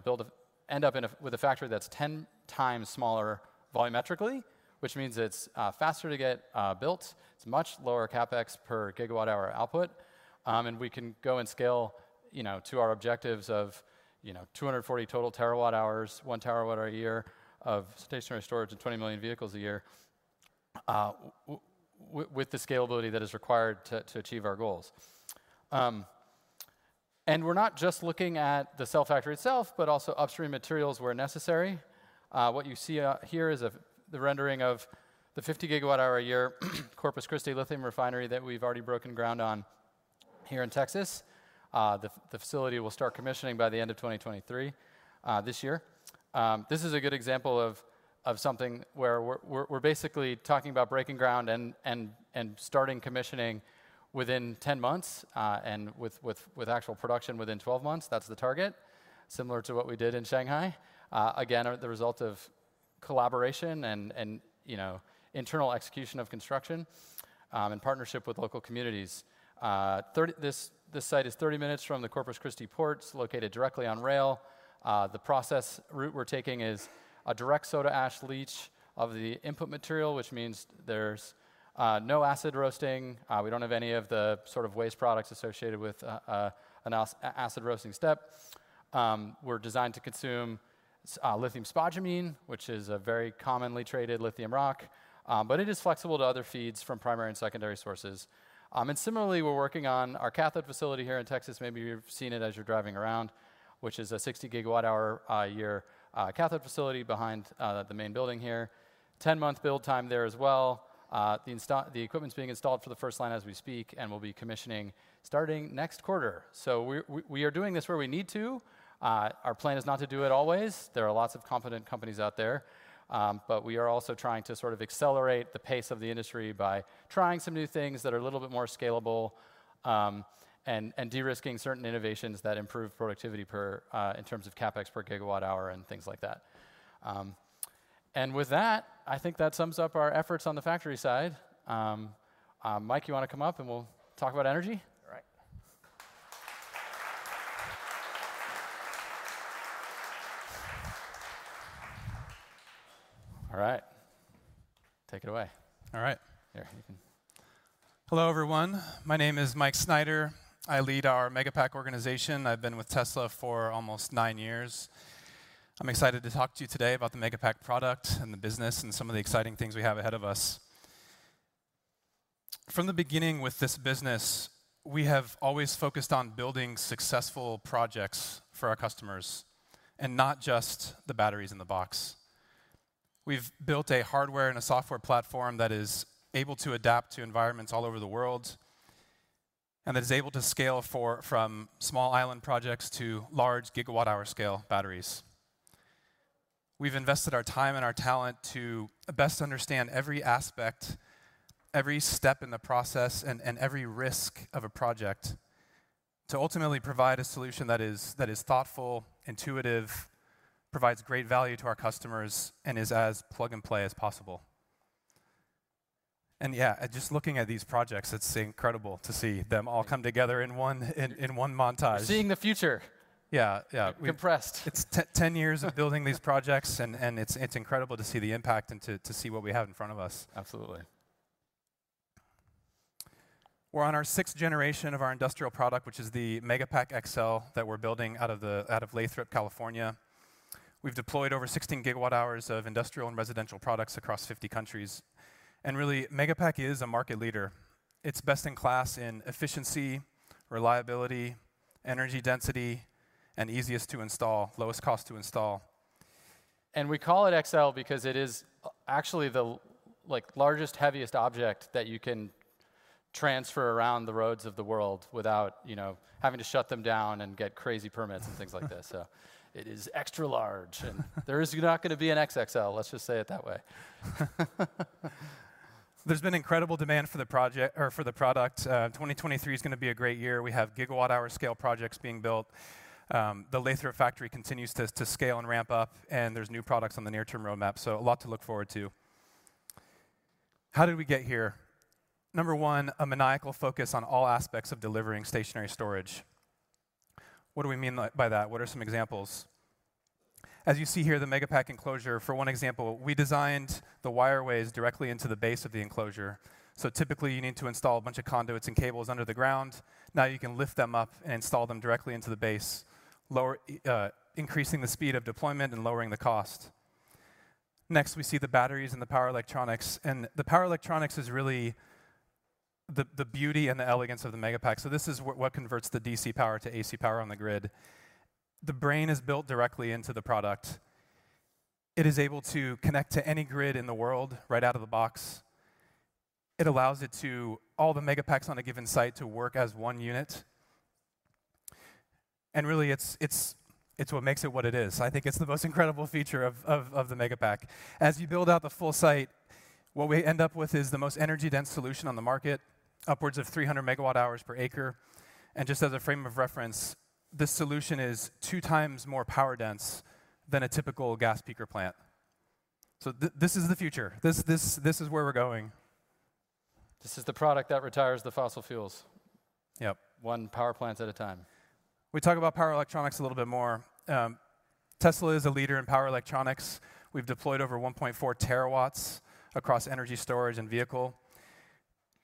with a factory that's 10 times smaller volumetrically, which means it's faster to get built, it's much lower CapEx per gigawatt-hour output, and we can go and scale, you know, to our objectives of, you know, 240 total TWh, 1 terawatt-hour a year of stationary storage and 20 million vehicles a year, with the scalability that is required to achieve our goals. We're not just looking at the cell factory itself, but also upstream materials where necessary. What you see here is the rendering of the 50 gigawatt-hour a year Corpus Christi lithium refinery that we've already broken ground on here in Texas. The facility will start commissioning by the end of 2023 this year. This is a good example of something where we're basically talking about breaking ground and starting commissioning within 10 months and with actual production within 12 months. That's the target. Similar to what we did in Shanghai. Again, the result of collaboration and, you know, internal execution of construction in partnership with local communities. This site is 30 minutes from the Corpus Christi ports, located directly on rail. The process route we're taking is a direct soda ash leach of the input material, which means there's no acid roasting. We don't have any of the sort of waste products associated with an acid roasting step. We're designed to consume lithium spodumene, which is a very commonly traded lithium rock, but it is flexible to other feeds from primary and secondary sources. Similarly, we're working on our cathode facility here in Texas, maybe you've seen it as you're driving around, which is a 60 gigawatt-hour a year cathode facility behind the main building here. 10-month build time there as well. The equipment's being installed for the first line as we speak, and we'll be commissioning starting next quarter. We are doing this where we need to. Our plan is not to do it always. There are lots of competent companies out there. We are also trying to sort of accelerate the pace of the industry by trying some new things that are a little bit more scalable, and de-risking certain innovations that improve productivity per, in terms of CapEx per gigawatt-hour and things like that. With that, I think that sums up our efforts on the factory side. Mike, you wanna come up and we'll talk about energy? All right. All right. Take it away. All right. Here, you. Hello, everyone. My name is Mike Snyder. I lead our Megapack organization. I've been with Tesla for almost nine years. I'm excited to talk to you today about the Megapack product and the business and some of the exciting things we have ahead of us. From the beginning with this business, we have always focused on building successful projects for our customers, and not just the batteries in the box. We've built a hardware and a software platform that is able to adapt to environments all over the world and that is able to scale from small island projects to large gigawatt-hour scale batteries. We've invested our time and our talent to best understand every aspect, every step in the process, and every risk of a project to ultimately provide a solution that is thoughtful, intuitive, provides great value to our customers, and is as plug-and-play as possible. Yeah, just looking at these projects, it's incredible to see them all come together in one montage. Seeing the future. Yeah. Yeah. Compressed. It's 10 years of building these projects, and it's incredible to see the impact and to see what we have in front of us. Absolutely. We're on our sixth generation of our industrial product, which is the Megapack XL that we're building out of Lathrop, California. We've deployed over 16 gigawatt-hours of industrial and residential products across 50 countries. Really, Megapack is a market leader. It's best in class in efficiency, reliability, energy density, and easiest to install, lowest cost to install. We call it XL because it is actually the like largest, heaviest object that you can transfer around the roads of the world without, you know, having to shut them down and get crazy permits and things like this. It is extra large and there is not gonna be an XXL, let's just say it that way. There's been incredible demand for the project or for the product. 2023 is gonna be a great year. We have gigawatt-hour scale projects being built. The Lathrop factory continues to scale and ramp up. There's new products on the near term roadmap. A lot to look forward to. How did we get here? Number one, a maniacal focus on all aspects of delivering stationary storage. What do we mean by that? What are some examples? As you see here, the Megapack enclosure, for one example, we designed the wire ways directly into the base of the enclosure. Typically, you need to install a bunch of conduits and cables under the ground. Now you can lift them up and install them directly into the base, increasing the speed of deployment and lowering the cost. We see the batteries and the power electronics. The power electronics is really the beauty and the elegance of the Megapack. This is what converts the DC power to AC power on the grid. The brain is built directly into the product. It is able to connect to any grid in the world right out of the box. It allows it to all the Megapacks on a given site to work as one unit. Really, it's what makes it what it is. I think it's the most incredible feature of the Megapack. As you build out the full site, what we end up with is the most energy dense solution on the market, upwards of 300 MWh per acre. Just as a frame of reference, this solution is two times more power dense than a typical gas peaker plant. This is the future. This is where we're going. This is the product that retires the fossil fuels. Yep. One power plant at a time. We talk about power electronics a little bit more. Tesla is a leader in power electronics. We've deployed over 1.4 terawatts across energy storage and vehicle,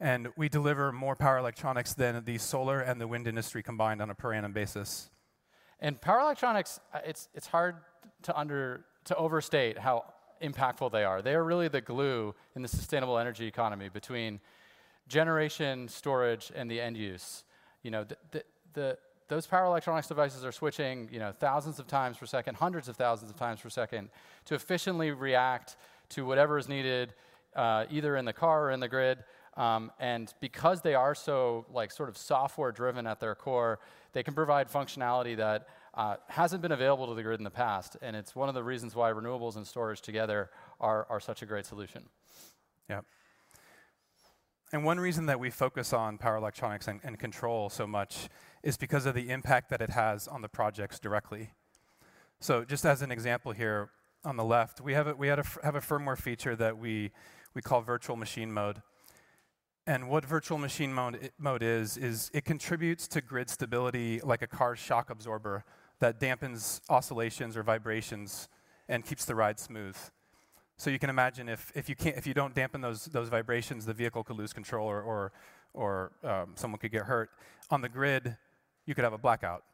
and we deliver more power electronics than the solar and the wind industry combined on a per annum basis. Power electronics, it's hard to overstate how impactful they are. They are really the glue in the sustainable energy economy between generation, storage, and the end use. You know, those power electronics devices are switching, you know, thousands of times per second, hundreds of thousands of times per second, to efficiently react to whatever is needed, either in the car or in the grid. Because they are so like, sort of software driven at their core, they can provide functionality that hasn't been available to the grid in the past. It's one of the reasons why renewables and storage together are such a great solution. Yep. One reason that we focus on power electronics and control so much is because of the impact that it has on the projects directly. Just as an example here on the left, we have a firmware feature that we call Virtual Machine Mode. What Virtual Machine Mode is, it contributes to grid stability like a car shock absorber that dampens oscillations or vibrations and keeps the ride smooth. You can imagine if you don't dampen those vibrations, the vehicle could lose control or someone could get hurt. On the grid, you could have a blackout.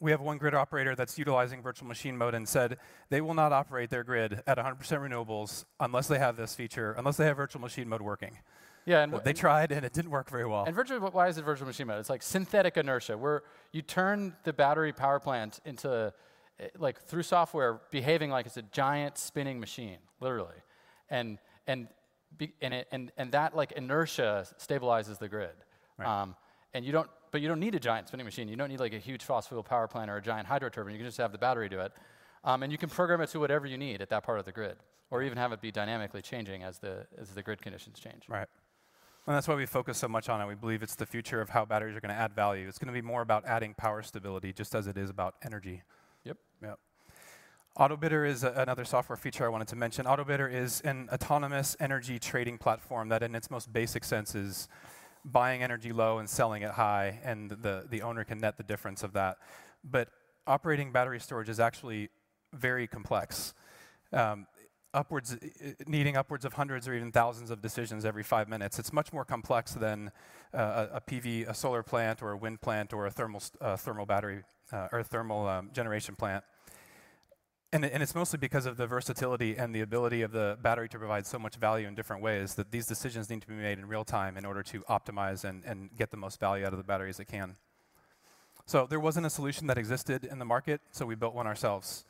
We have one grid operator that's utilizing Virtual Machine Mode and said they will not operate their grid at 100% renewables unless they have this feature, unless they have Virtual Machine Mode working. Yeah. They tried and it didn't work very well. Why is it Virtual Machine Mode? It's like synthetic inertia, where you turn the battery power plant into, like, through software behaving like it's a giant spinning machine, literally. And that like inertia stabilizes the grid. Right. You don't need a giant spinning machine. You don't need like a huge fossil fuel power plant or a giant hydro turbine. You can just have the battery do it. You can program it to whatever you need at that part of the grid, or even have it be dynamically changing as the grid conditions change. Right. That's why we focus so much on it. We believe it's the future of how batteries are gonna add value. It's gonna be more about adding power stability just as it is about energy. Yep. Yep. Autobidder is another software feature I wanted to mention. Autobidder is an autonomous energy trading platform that in its most basic sense, is buying energy low and selling it high, and the owner can net the difference of that. Operating battery storage is actually very complex. Needing upwards of hundreds or even thousands of decisions every 5 minutes. It's much more complex than a PV, a solar plant or a wind plant or a thermal generation plant. It's mostly because of the versatility and the ability of the battery to provide so much value in different ways that these decisions need to be made in real time in order to optimize and get the most value out of the battery as it can. There wasn't a solution that existed in the market, so we built one ourselves.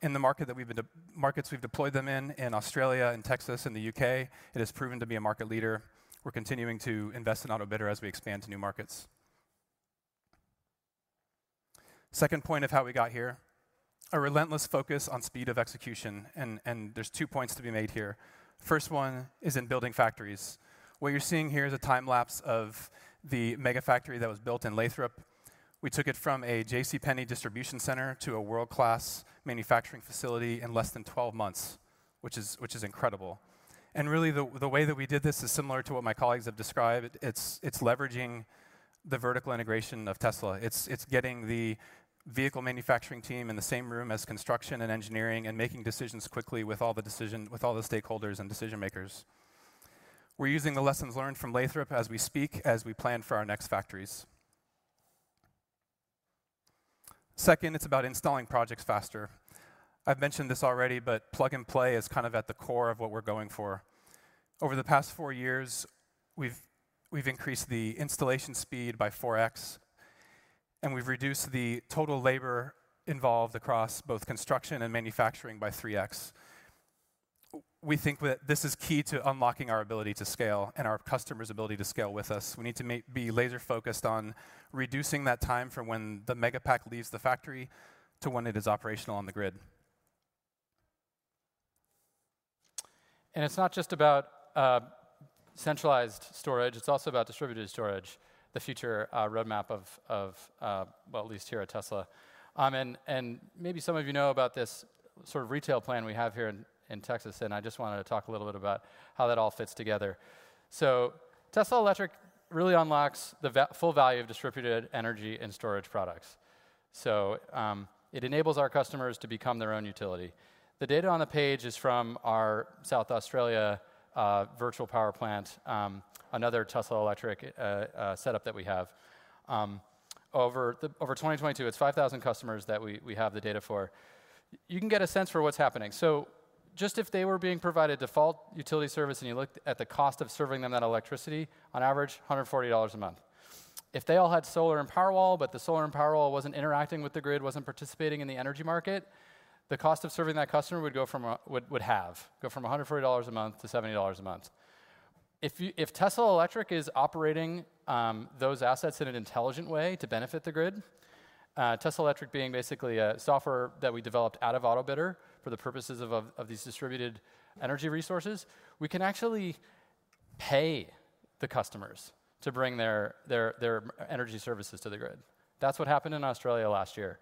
In the markets we've deployed them in Australia, in Texas, in the U.K., it has proven to be a market leader. We're continuing to invest in Autobidder as we expand to new markets. Second point of how we got here, a relentless focus on speed of execution. There's two points to be made here. First one is in building factories. What you're seeing here is a time lapse of the mega factory that was built in Lathrop. We took it from a JCPenney distribution center to a world-class manufacturing facility in less than 12 months, which is incredible. Really, the way that we did this is similar to what my colleagues have described. It's leveraging the vertical integration of Tesla. It's getting the vehicle manufacturing team in the same room as construction and engineering, and making decisions quickly with all the decision with all the stakeholders and decision makers. We're using the lessons learned from Lathrop as we speak, as we plan for our next factories. Second, it's about installing projects faster. I've mentioned this already, but plug and play is kind of at the core of what we're going for. Over the past four years, we've increased the installation speed by 4x, and we've reduced the total labor involved across both construction and manufacturing by 3x. We think that this is key to unlocking our ability to scale and our customers' ability to scale with us. We need to be laser-focused on reducing that time from when the Megapack leaves the factory to when it is operational on the grid. It's not just about centralized storage, it's also about distributed storage, the future roadmap of, well, at least here at Tesla. Maybe some of you know about this sort of retail plan we have here in Texas, and I just wanted to talk a little bit about how that all fits together. Tesla Electric really unlocks the full value of distributed energy and storage products. It enables our customers to become their own utility. The data on the page is from our South Australia virtual power plant, another Tesla Electric setup that we have. Over 2022, it's 5,000 customers that we have the data for. You can get a sense for what's happening. Just if they were being provided default utility service and you looked at the cost of serving them that electricity, on average, $140 a month. If they all had solar and Powerwall, but the solar and Powerwall wasn't interacting with the grid, wasn't participating in the energy market, the cost of serving that customer would halve, go from $140 a month to $70 a month. If Tesla Electric is operating those assets in an intelligent way to benefit the grid, Tesla Electric being basically a software that we developed out of Autobidder for the purposes of these distributed energy resources, we can actually pay the customers to bring their energy services to the grid. That's what happened in Australia last year.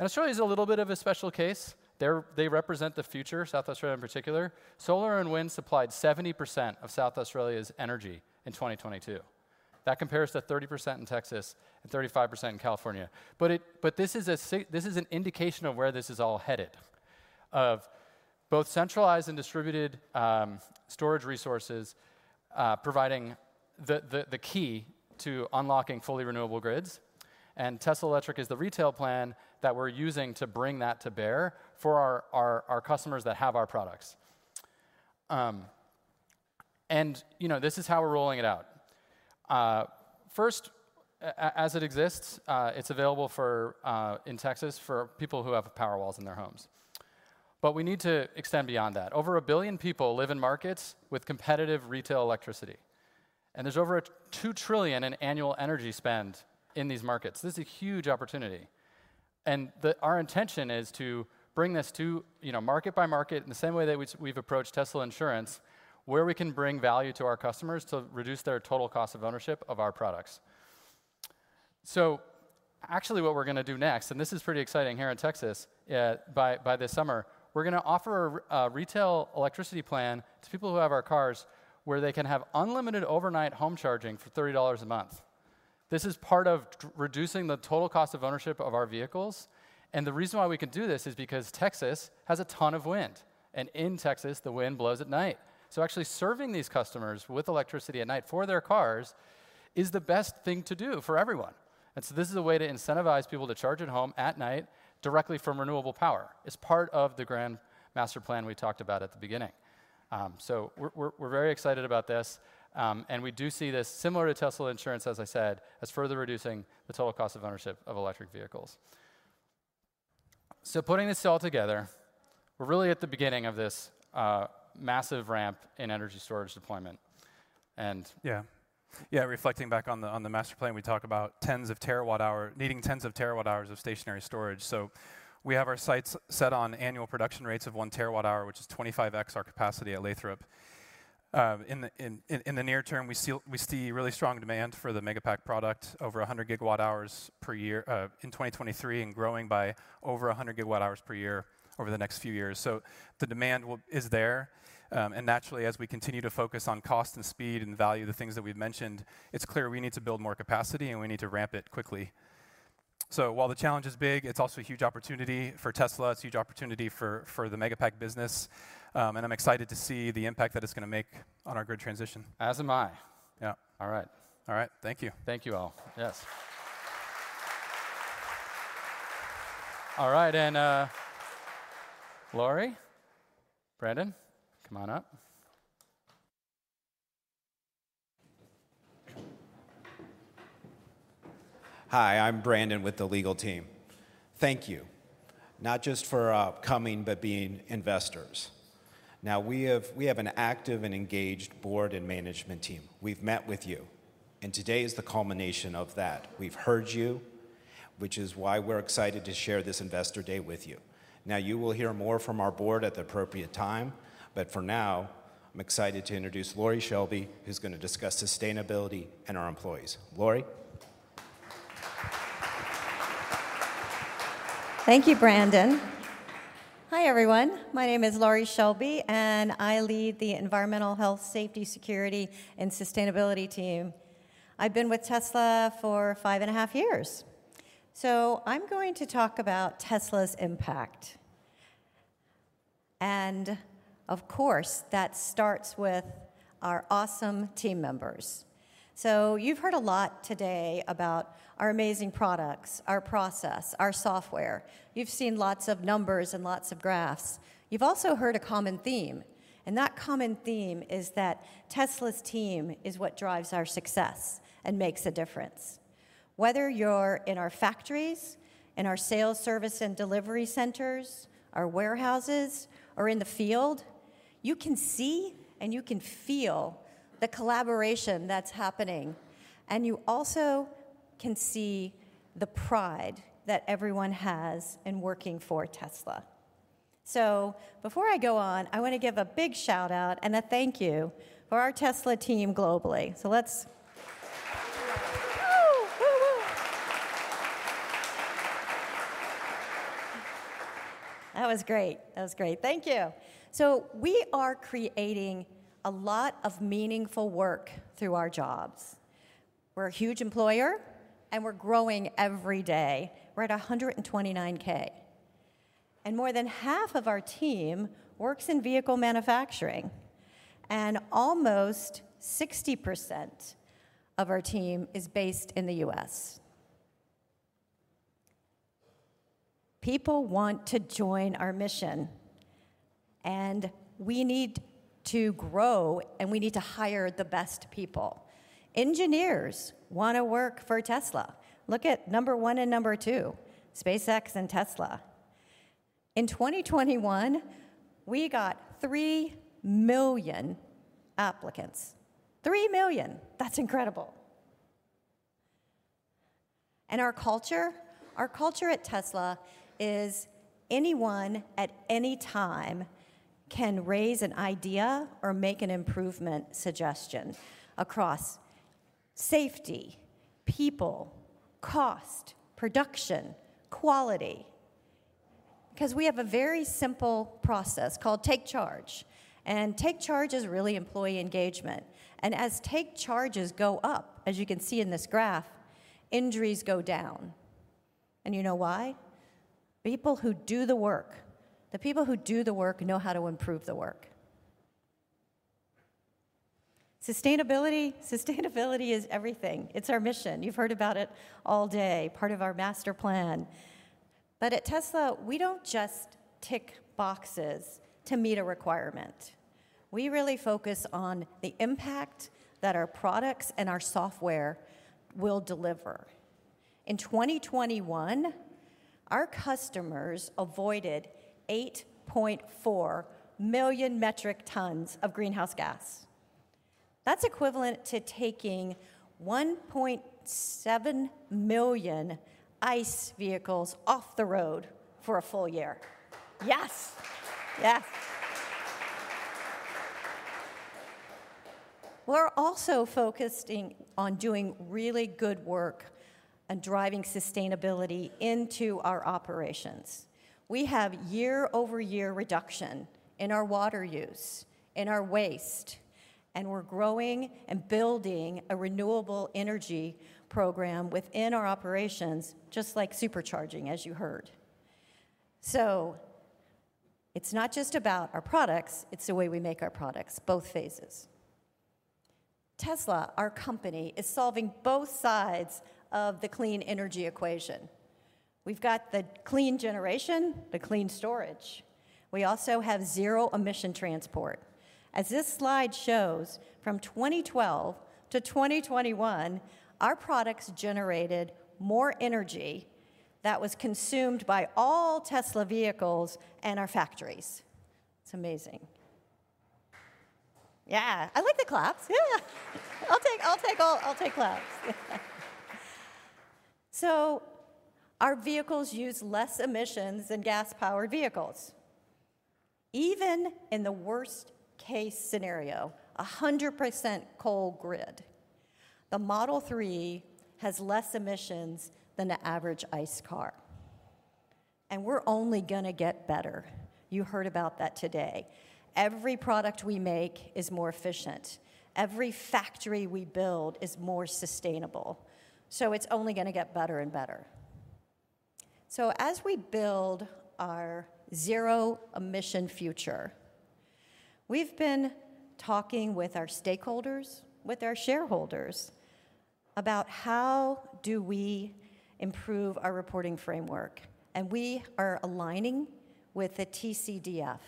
Australia's a little bit of a special case. They're they represent the future, South Australia in particular. Solar and wind supplied 70% of South Australia's energy in 2022. That compares to 30% in Texas and 35% in California. This is an indication of where this is all headed, of both centralized and distributed storage resources, providing the, the key to unlocking fully renewable grids, and Tesla Electric is the retail plan that we're using to bring that to bear for our, our customers that have our products. You know, this is how we're rolling it out. First, as it exists, it's available for in Texas for people who have Powerwalls in their homes. We need to extend beyond that. Over 1 billion people live in markets with competitive retail electricity, there's over $2 trillion in annual energy spend in these markets. This is a huge opportunity. Our intention is to bring this to, you know, market by market in the same way that we've approached Tesla Insurance, where we can bring value to our customers to reduce their total cost of ownership of our products. Actually, what we're going to do next, and this is pretty exciting here in Texas, by this summer, we're going to offer a retail electricity plan to people who have our cars where they can have unlimited overnight home charging for $30 a month. This is part of reducing the total cost of ownership of our vehicles. The reason why we can do this is because Texas has a ton of wind. In Texas, the wind blows at night. Actually serving these customers with electricity at night for their cars is the best thing to do for everyone. This is a way to incentivize people to charge at home at night directly from renewable power. It's part of the grand master plan we talked about at the beginning. We're very excited about this, and we do see this similar to Tesla Insurance, as I said, as further reducing the total cost of ownership of electric vehicles. Putting this all together, we're really at the beginning of this massive ramp in energy storage deployment. Yeah. Yeah, reflecting back on the Master Plan, we talk about tens of TWh needing tens of TWh of stationary storage. We have our sights set on annual production rates of one terawatt-hour, which is 25x our capacity at Lathrop. In the near term, we see really strong demand for the Megapack product, over 100 gigawatt-hours per year, in 2023, and growing by over 100 gigawatt-hours per year over the next few years. The demand is there, and naturally, as we continue to focus on cost and speed and value, the things that we've mentioned, it's clear we need to build more capacity, and we need to ramp it quickly. While the challenge is big, it's also a huge opportunity for Tesla. It's a huge opportunity for the Megapack business. I'm excited to see the impact that it's gonna make on our grid transition. As am I. Yeah. All right. All right. Thank you. Thank you all. Yes. All right, Laurie, Brandon, come on up. Hi, I'm Brandon with the legal team. Thank you, not just for coming, but being investors. We have an active and engaged board and management team. We've met with you, and today is the culmination of that. We've heard you, which is why we're excited to share this investor day with you. You will hear more from our board at the appropriate time, but for now, I'm excited to introduce Laurie Shelby, who's gonna discuss sustainability and our employees. Laurie? Thank you, Brandon. Hi, everyone. My name is Laurie Shelby, and I lead the Environmental Health, Safety, Security, and Sustainability team. I've been with Tesla for 5 and a half years. I'm going to talk about Tesla's impact. Of course, that starts with our awesome team members. You've heard a lot today about our amazing products, our process, our software. You've seen lots of numbers and lots of graphs. You've also heard a common theme, and that common theme is that Tesla's team is what drives our success and makes a difference. Whether you're in our factories, in our sales service and delivery centers, our warehouses, or in the field, you can see and you can feel the collaboration that's happening, and you also can see the pride that everyone has in working for Tesla. Before I go on, I want to give a big shout out and a thank you for our Tesla team globally. That was great. That was great. Thank you. We are creating a lot of meaningful work through our jobs. We're a huge employer, and we're growing every day. We're at 129,000. More than half of our team works in vehicle manufacturing. Almost 60% of our team is based in the U.S. People want to join our mission, and we need to grow, and we need to hire the best people. Engineers want to work for Tesla. Look at number one and number two, SpaceX and Tesla. In 2021, we got 3 million applicants. 3 million. That's incredible. Our culture, our culture at Tesla is anyone at any time can raise an idea or make an improvement suggestion across safety, people, cost, production, quality. Because we have a very simple process called Take Charge. Take Charge is really employee engagement. As Take Charges go up, as you can see in this graph, injuries go down. You know why? People who do the work, the people who do the work know how to improve the work. Sustainability, sustainability is everything. It's our mission. You've heard about it all day, part of our Master Plan. At Tesla, we don't just tick boxes to meet a requirement. We really focus on the impact that our products and our software will deliver. In 2021, our customers avoided 8.4 million metric tons of greenhouse gas. That's equivalent to taking 1.7 million ICE vehicles off the road for a full year. Yes. Yes. We're also focused on doing really good work and driving sustainability into our operations. We have year-over-year reduction in our water use, in our waste, we're growing and building a renewable energy program within our operations, just like supercharging, as you heard. It's not just about our products, it's the way we make our products, both phases. Tesla, our company, is solving both sides of the clean energy equation. We've got the clean generation, the clean storage. We also have zero emission transport. As this slide shows, from 2012 to 2021, our products generated more energy that was consumed by all Tesla vehicles and our factories. It's amazing. Yeah, I like the claps. Yeah. I'll take claps. Our vehicles use less emissions than gas-powered vehicles. Even in the worst-case scenario, 100% coal grid, the Model 3 has less emissions than the average ICE car. We're only going to get better. You heard about that today. Every product we make is more efficient. Every factory we build is more sustainable. It's only going to get better and better. As we build our zero emission future, we've been talking with our stakeholders, with our shareholders, about how do we improve our reporting framework. We are aligning with the TCFD.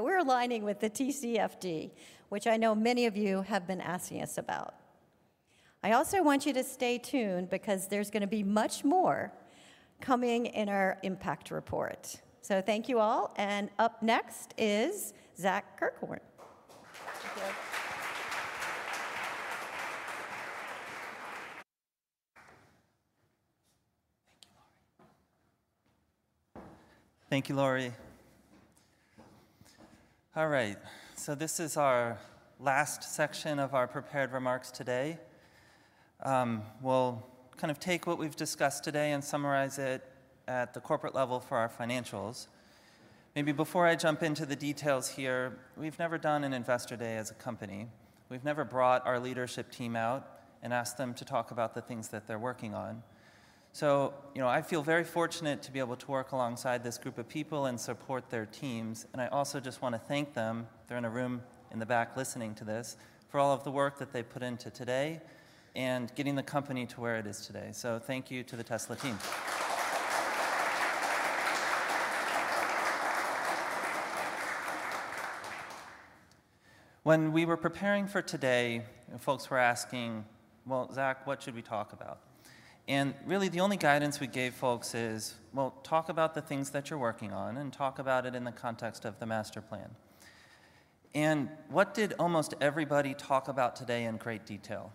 We're aligning with the TCFD, which I know many of you have been asking us about. I also want you to stay tuned because there's going to be much more coming in our impact report. Thank you all. Up next is Zach Kirkhorn. Thank you. Thank you, Laurie. All right. This is our last section of our prepared remarks today. We'll kind of take what we've discussed today and summarize it at the corporate level for our financials. Maybe before I jump into the details here, we've never done an investor day as a company. We've never brought our leadership team out and asked them to talk about the things that they're working on. You know, I feel very fortunate to be able to work alongside this group of people and support their teams, and I also just want to thank them, they're in a room in the back listening to this, for all of the work that they put into today and getting the company to where it is today. Thank you to the Tesla team. When we were preparing for today, folks were asking, "Well, Zach Kirkhorn, what should we talk about?" Really the only guidance we gave folks is, "Well, talk about the things that you're working on and talk about it in the context of the Master Plan." What did almost everybody talk about today in great detail?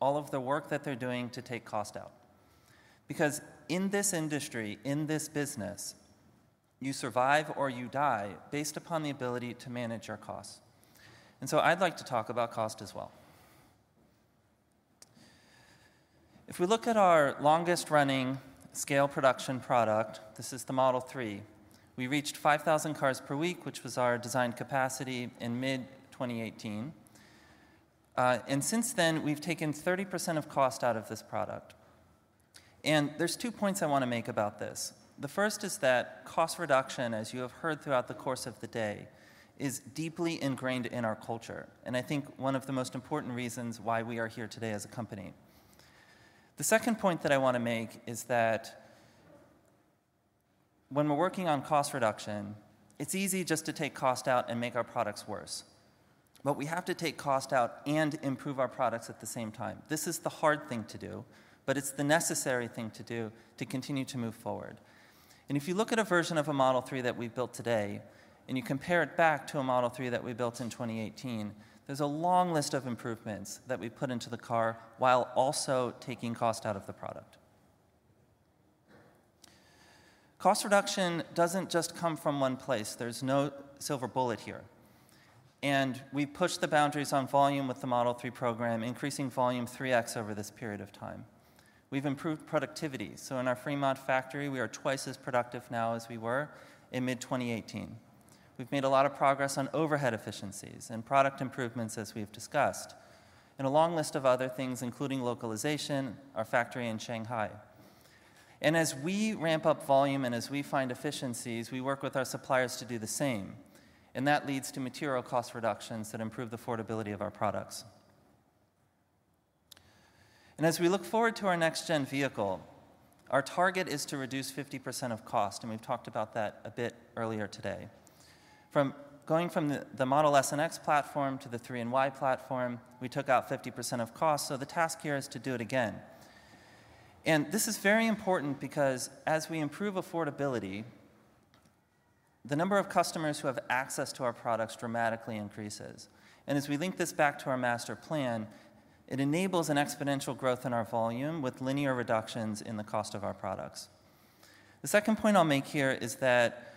All of the work that they're doing to take cost out. Because in this industry, in this business, you survive or you die based upon the ability to manage your costs. I'd like to talk about cost as well. If we look at our longest-running scale production product, this is the Model 3. We reached 5,000 cars per week, which was our design capacity, in mid-2018. Since then, we've taken 30% of cost out of this product. There's two points I wanna make about this. The first is that cost reduction, as you have heard throughout the course of the day, is deeply ingrained in our culture. I think one of the most important reasons why we are here today as a company. The second point that I wanna make is that when we're working on cost reduction, it's easy just to take cost out and make our products worse. We have to take cost out and improve our products at the same time. This is the hard thing to do, but it's the necessary thing to do to continue to move forward. If you look at a version of a Model 3 that we've built today and you compare it back to a Model 3 that we built in 2018, there's a long list of improvements that we put into the car while also taking cost out of the product. Cost reduction doesn't just come from one place. There's no silver bullet here. We pushed the boundaries on volume with the Model 3 program, increasing volume 3x over this period of time. We've improved productivity. In our Fremont factory, we are twice as productive now as we were in mid-2018. We've made a lot of progress on overhead efficiencies and product improvements, as we've discussed, and a long list of other things, including localization, our factory in Shanghai. As we ramp up volume and as we find efficiencies, we work with our suppliers to do the same, and that leads to material cost reductions that improve the affordability of our products. As we look forward to our next gen vehicle, our target is to reduce 50% of cost, and we've talked about that a bit earlier today. Going from the Model S and X platform to the 3 and Y platform, we took out 50% of cost, so the task here is to do it again. This is very important because as we improve affordability, the number of customers who have access to our products dramatically increases. As we link this back to our Master Plan, it enables an exponential growth in our volume with linear reductions in the cost of our products. The second point I'll make here is that,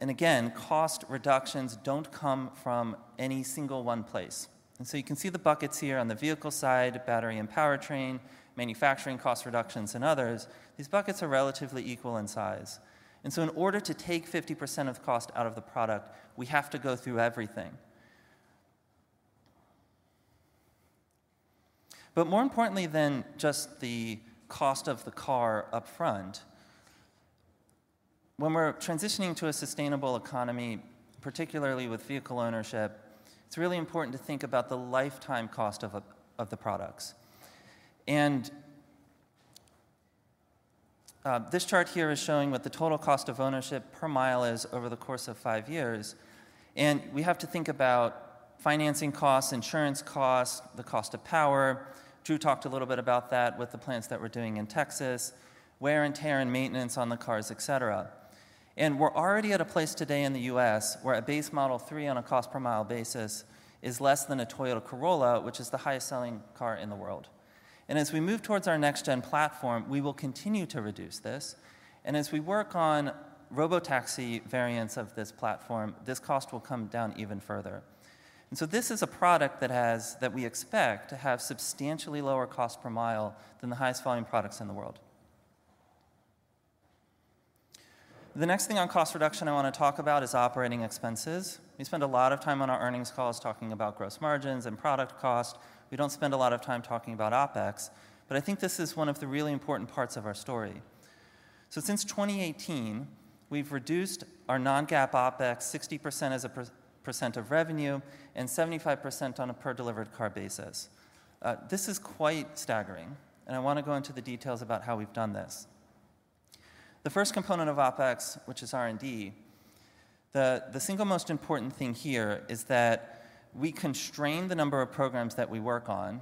and again, cost reductions don't come from any single one place. You can see the buckets here on the vehicle side, battery and powertrain, manufacturing cost reductions, and others. These buckets are relatively equal in size. In order to take 50% of cost out of the product, we have to go through everything. More importantly than just the cost of the car up front, when we're transitioning to a sustainable economy, particularly with vehicle ownership, it's really important to think about the lifetime cost of the products. This chart here is showing what the total cost of ownership per mile is over the course of 5 years, and we have to think about financing costs, insurance costs, the cost of power. Drew talked a little bit about that with the plants that we're doing in Texas, wear and tear and maintenance on the cars, et cetera. We're already at a place today in the U.S. where a base Model 3 on a cost per mile basis is less than a Toyota Corolla, which is the highest selling car in the world. As we move towards our next gen platform, we will continue to reduce this. As we work on robotaxi variants of this platform, this cost will come down even further. This is a product that we expect to have substantially lower cost per mile than the highest volume products in the world. The next thing on cost reduction I want to talk about is operating expenses. We spend a lot of time on our earnings calls talking about gross margins and product cost. We don't spend a lot of time talking about OpEx, but I think this is one of the really important parts of our story. Since 2018, we've reduced our non-GAAP OpEx 60% as a percent of revenue and 75% on a per delivered car basis. This is quite staggering, and I want to go into the details about how we've done this. The first component of OpEx, which is R&D, the single most important thing here is that we constrain the number of programs that we work on,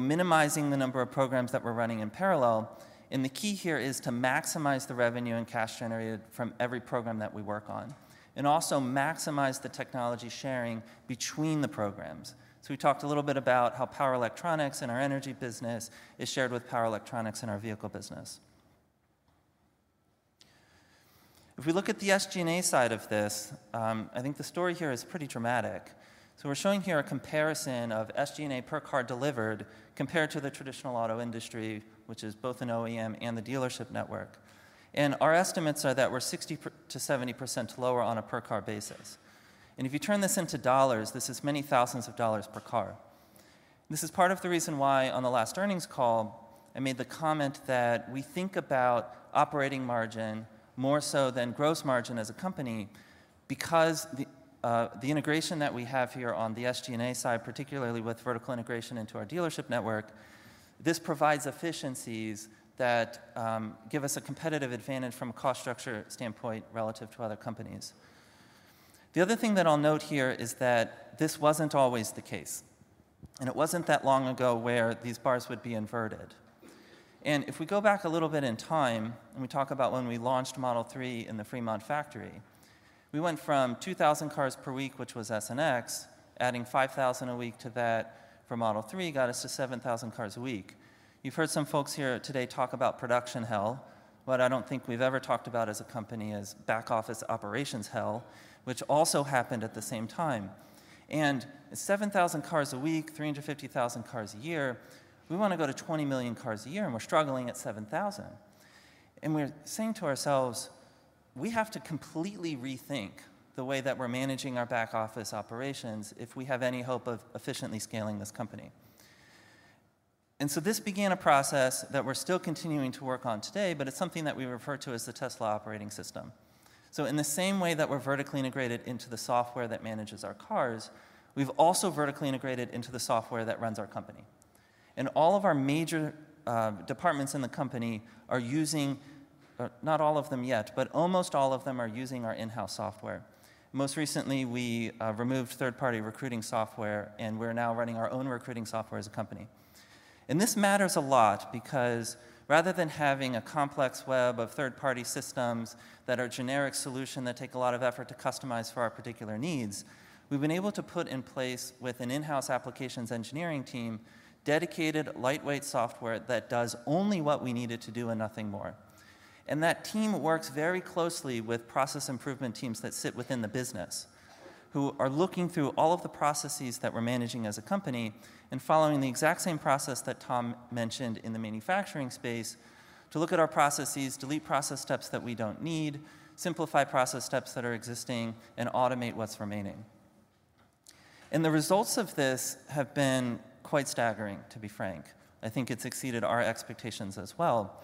minimizing the number of programs that we're running in parallel. The key here is to maximize the revenue and cash generated from every program that we work on and also maximize the technology sharing between the programs. We talked a little bit about how power electronics in our energy business is shared with power electronics in our vehicle business. If we look at the SG&A side of this, I think the story here is pretty dramatic. We're showing here a comparison of SG&A per car delivered compared to the traditional auto industry, which is both an OEM and the dealership network. Our estimates are that we're 60%-70% lower on a per car basis. If you turn this into dollars, this is many thousands of dollars per car. This is part of the reason why on the last earnings call, I made the comment that we think about operating margin more so than gross margin as a company because the integration that we have here on the SG&A side, particularly with vertical integration into our dealership network, this provides efficiencies that give us a competitive advantage from a cost structure standpoint relative to other companies. The other thing that I'll note here is that this wasn't always the case. It wasn't that long ago where these bars would be inverted. If we go back a little bit in time, and we talk about when we launched Model 3 in the Fremont factory, we went from 2,000 cars per week, which was S&X, adding 5,000 a week to that for Model 3 got us to 7,000 cars a week. You've heard some folks here today talk about production hell. What I don't think we've ever talked about as a company is back office operations hell, which also happened at the same time. 7,000 cars a week, 350,000 cars a year, we want to go to 20 million cars a year, and we're struggling at 7,000. We're saying to ourselves, we have to completely rethink the way that we're managing our back office operations if we have any hope of efficiently scaling this company. This began a process that we're still continuing to work on today, but it's something that we refer to as the Tesla operating system. In the same way that we're vertically integrated into the software that manages our cars, we've also vertically integrated into the software that runs our company. All of our major departments in the company are using, not all of them yet, but almost all of them are using our in-house software. Most recently, we removed third-party recruiting software, and we're now running our own recruiting software as a company. This matters a lot because rather than having a complex web of third-party systems that are generic solution that take a lot of effort to customize for our particular needs, we've been able to put in place with an in-house applications engineering team dedicated lightweight software that does only what we need it to do and nothing more. That team works very closely with process improvement teams that sit within the business who are looking through all of the processes that we're managing as a company and following the exact same process that Tom mentioned in the manufacturing space to look at our processes, delete process steps that we don't need, simplify process steps that are existing, and automate what's remaining. The results of this have been quite staggering, to be frank. I think it's exceeded our expectations as well.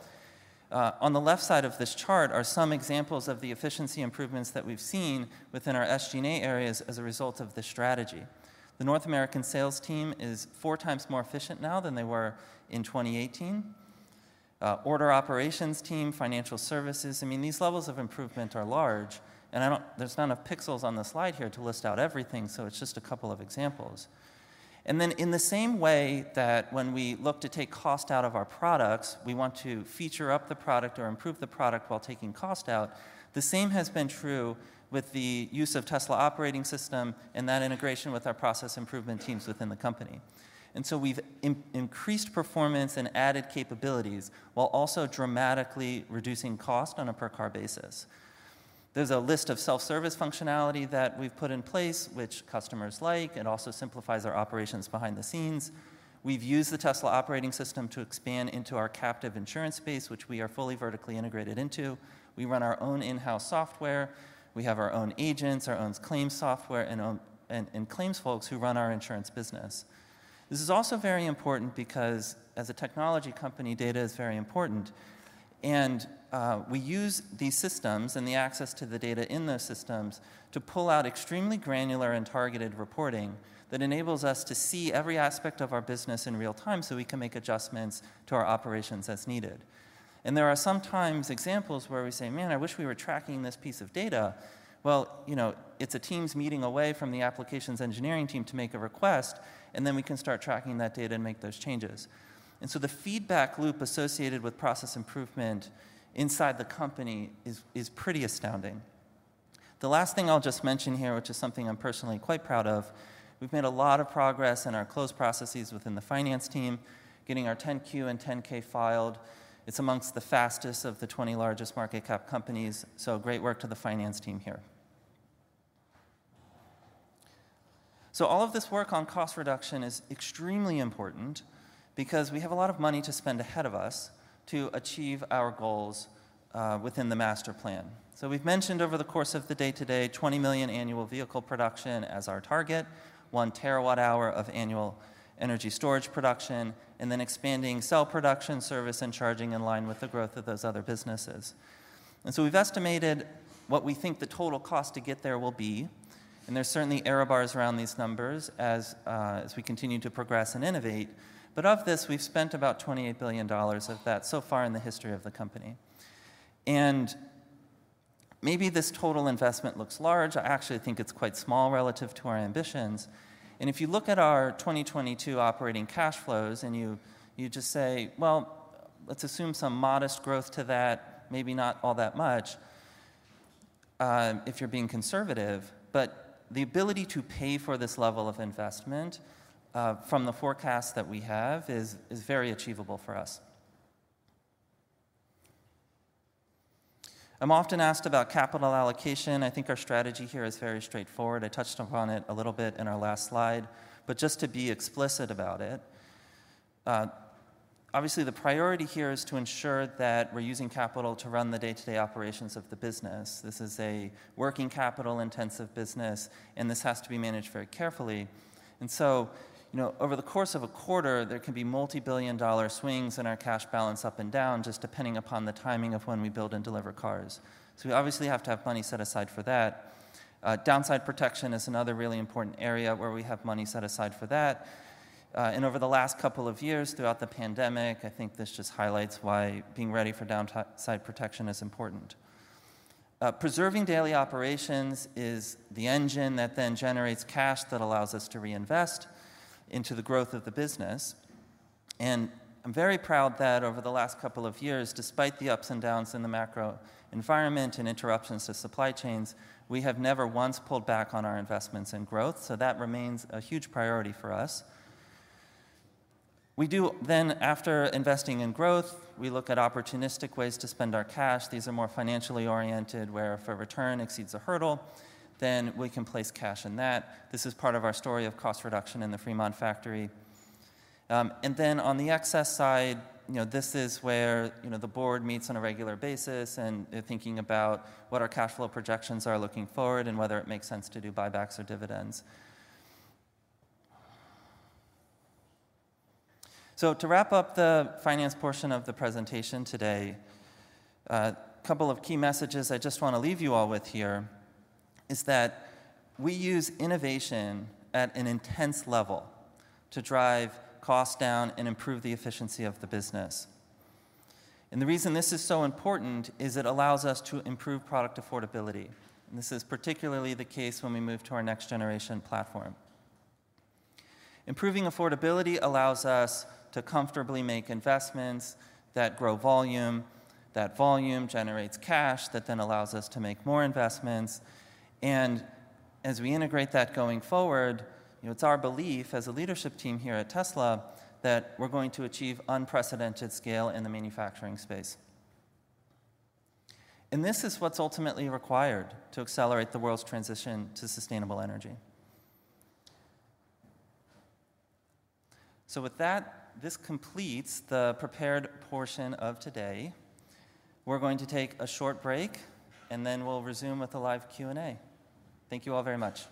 On the left side of this chart are some examples of the efficiency improvements that we've seen within our SG&A areas as a result of this strategy. The North American sales team is 4 times more efficient now than they were in 2018. Order operations team, financial services, I mean, these levels of improvement are large. There's not enough pixels on the slide here to list out everything, it's just a couple of examples. In the same way that when we look to take cost out of our products, we want to feature up the product or improve the product while taking cost out, the same has been true with the use of Tesla operating system and that integration with our process improvement teams within the company. We've increased performance and added capabilities while also dramatically reducing cost on a per-car basis. There's a list of self-service functionality that we've put in place, which customers like. It also simplifies our operations behind the scenes. We've used the Tesla operating system to expand into our captive insurance space, which we are fully vertically integrated into. We run our own in-house software. We have our own agents, our own claims software, and claims folks who run our insurance business. This is also very important because as a technology company, data is very important. We use these systems and the access to the data in those systems to pull out extremely granular and targeted reporting that enables us to see every aspect of our business in real time so we can make adjustments to our operations as needed. There are sometimes examples where we say, man, I wish we were tracking this piece of data. Well, you know, it's a teams meeting away from the applications engineering team to make a request, and then we can start tracking that data and make those changes. The feedback loop associated with process improvement inside the company is pretty astounding. The last thing I'll just mention here, which is something I'm personally quite proud of, we've made a lot of progress in our closed processes within the finance team, getting our 10Q and 10K filed. It's amongst the fastest of the 20 largest market cap companies. Great work to the finance team here. All of this work on cost reduction is extremely important because we have a lot of money to spend ahead of us to achieve our goals within the master plan. We've mentioned over the course of the day today 20 million annual vehicle production as our target, 1 terawatt-hour of annual energy storage production, and then expanding cell production service and charging in line with the growth of those other businesses. We've estimated what we think the total cost to get there will be, and there's certainly error bars around these numbers as we continue to progress and innovate. Of this, we've spent about $28 billion of that so far in the history of the company. Maybe this total investment looks large. I actually think it's quite small relative to our ambitions. If you look at our 2022 operating cash flows and you just say, well, let's assume some modest growth to that, maybe not all that much if you're being conservative. The ability to pay for this level of investment from the forecast that we have is very achievable for us. I'm often asked about capital allocation. I think our strategy here is very straightforward. I touched upon it a little bit in our last slide. Just to be explicit about it. Obviously, the priority here is to ensure that we're using capital to run the day-to-day operations of the business. This is a working capital intensive business, and this has to be managed very carefully. You know, over the course of a quarter, there can be $multi-billion swings in our cash balance up and down just depending upon the timing of when we build and deliver cars. We obviously have to have money set aside for that. Downside protection is another really important area where we have money set aside for that. Over the last couple of years throughout the pandemic, I think this just highlights why being ready for downside protection is important. Preserving daily operations is the engine that then generates cash that allows us to reinvest into the growth of the business. I'm very proud that over the last couple of years, despite the ups and downs in the macro environment and interruptions to supply chains, we have never once pulled back on our investments in growth. That remains a huge priority for us. We do then after investing in growth, we look at opportunistic ways to spend our cash. These are more financially oriented where if a return exceeds a hurdle, then we can place cash in that. This is part of our story of cost reduction in the Fremont factory. On the excess side, you know, this is where, you know, the board meets on a regular basis and thinking about what our cash flow projections are looking forward and whether it makes sense to do buybacks or dividends. To wrap up the finance portion of the presentation today, a couple of key messages I just want to leave you all with here is that we use innovation at an intense level to drive cost down and improve the efficiency of the business. The reason this is so important is it allows us to improve product affordability. This is particularly the case when we move to our next generation platform. Improving affordability allows us to comfortably make investments that grow volume, that volume generates cash that then allows us to make more investments. As we integrate that going forward, you know, it's our belief as a leadership team here at Tesla that we're going to achieve unprecedented scale in the manufacturing space. This is what's ultimately required to accelerate the world's transition to sustainable energy. With that, this completes the prepared portion of today. We're going to take a short break and then we'll resume with a live Q&A. Thank you all very much.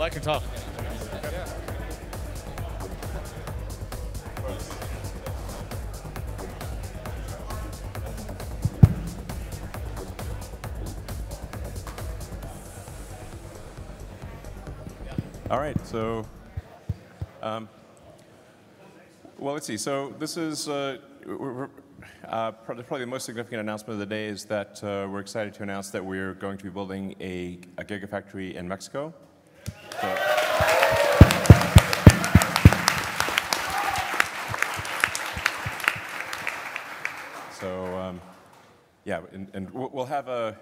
Oh, I can talk. All right. Well, let's see. This is probably the most significant announcement of the day is that we're excited to announce that we're going to be building a Gigafactory in Mexico. Yeah. We'll have a,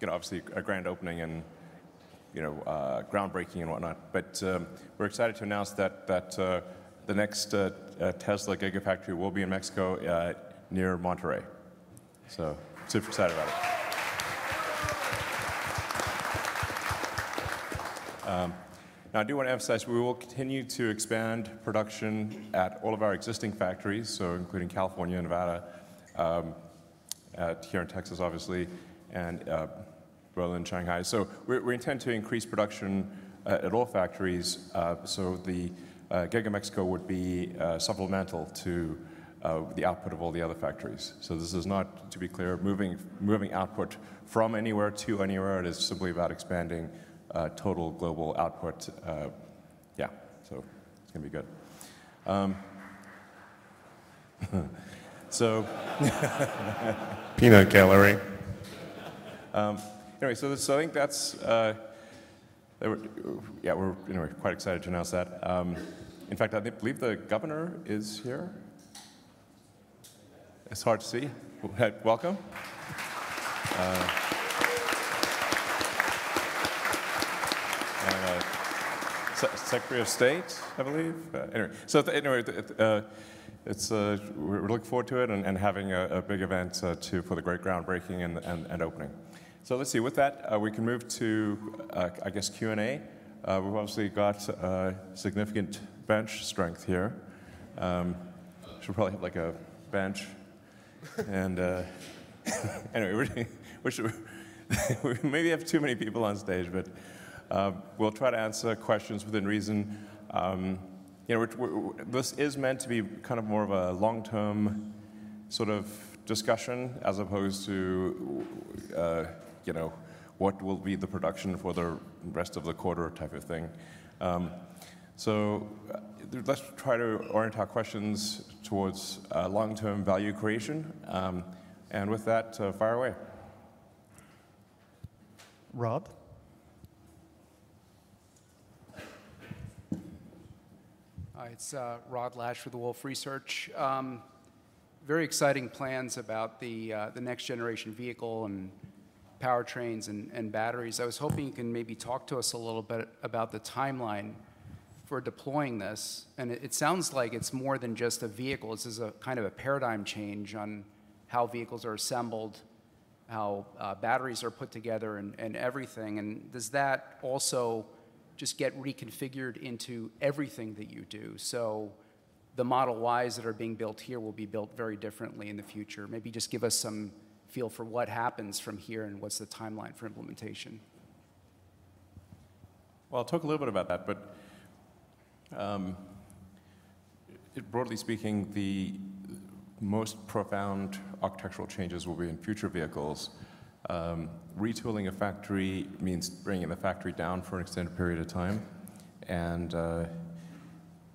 you know, obviously a grand opening and, you know, groundbreaking and whatnot. We're excited to announce that the next Tesla Gigafactory will be in Mexico near Monterrey. Super excited about it. Now I do want to emphasize, we will continue to expand production at all of our existing factories, so including California, Nevada, here in Texas, obviously, and Berlin, Shanghai. We intend to increase production at all factories. The Giga Mexico would be supplemental to the output of all the other factories. This is not, to be clear, moving output from anywhere to anywhere. It is simply about expanding total global output. Yeah. It's gonna be good. Peanut gallery. Anyway, we're, you know, we're quite excited to announce that. In fact, I believe the governor is here. It's hard to see. Welcome. Secretary of State, I believe. Anyway, it's, we're looking forward to it and having a big event for the great groundbreaking and opening. Let's see. With that, we can move to I guess Q&A. We've obviously got significant bench strength here. Should probably have like a bench. Anyway, We maybe have too many people on stage, but we'll try to answer questions within reason. You know, this is meant to be kind of more of a long-term sort of discussion as opposed to, you know, what will be the production for the rest of the quarter type of thing. Let's try to orient our questions towards, long-term value creation. With that, fire away. Rob? Hi, it's Rod Lache with Wolfe Research. Very exciting plans about the next generation vehicle and powertrains and batteries. I was hoping you can maybe talk to us a little bit about the timeline for deploying this. It sounds like it's more than just a vehicle. This is a kind of a paradigm change on how vehicles are assembled, how batteries are put together and everything. Does that also just get reconfigured into everything that you do? The Model Ys that are being built here will be built very differently in the future. Maybe just give us some feel for what happens from here and what's the timeline for implementation. I'll talk a little bit about that, but broadly speaking, the most profound architectural changes will be in future vehicles. Retooling a factory means bringing the factory down for an extended period of time.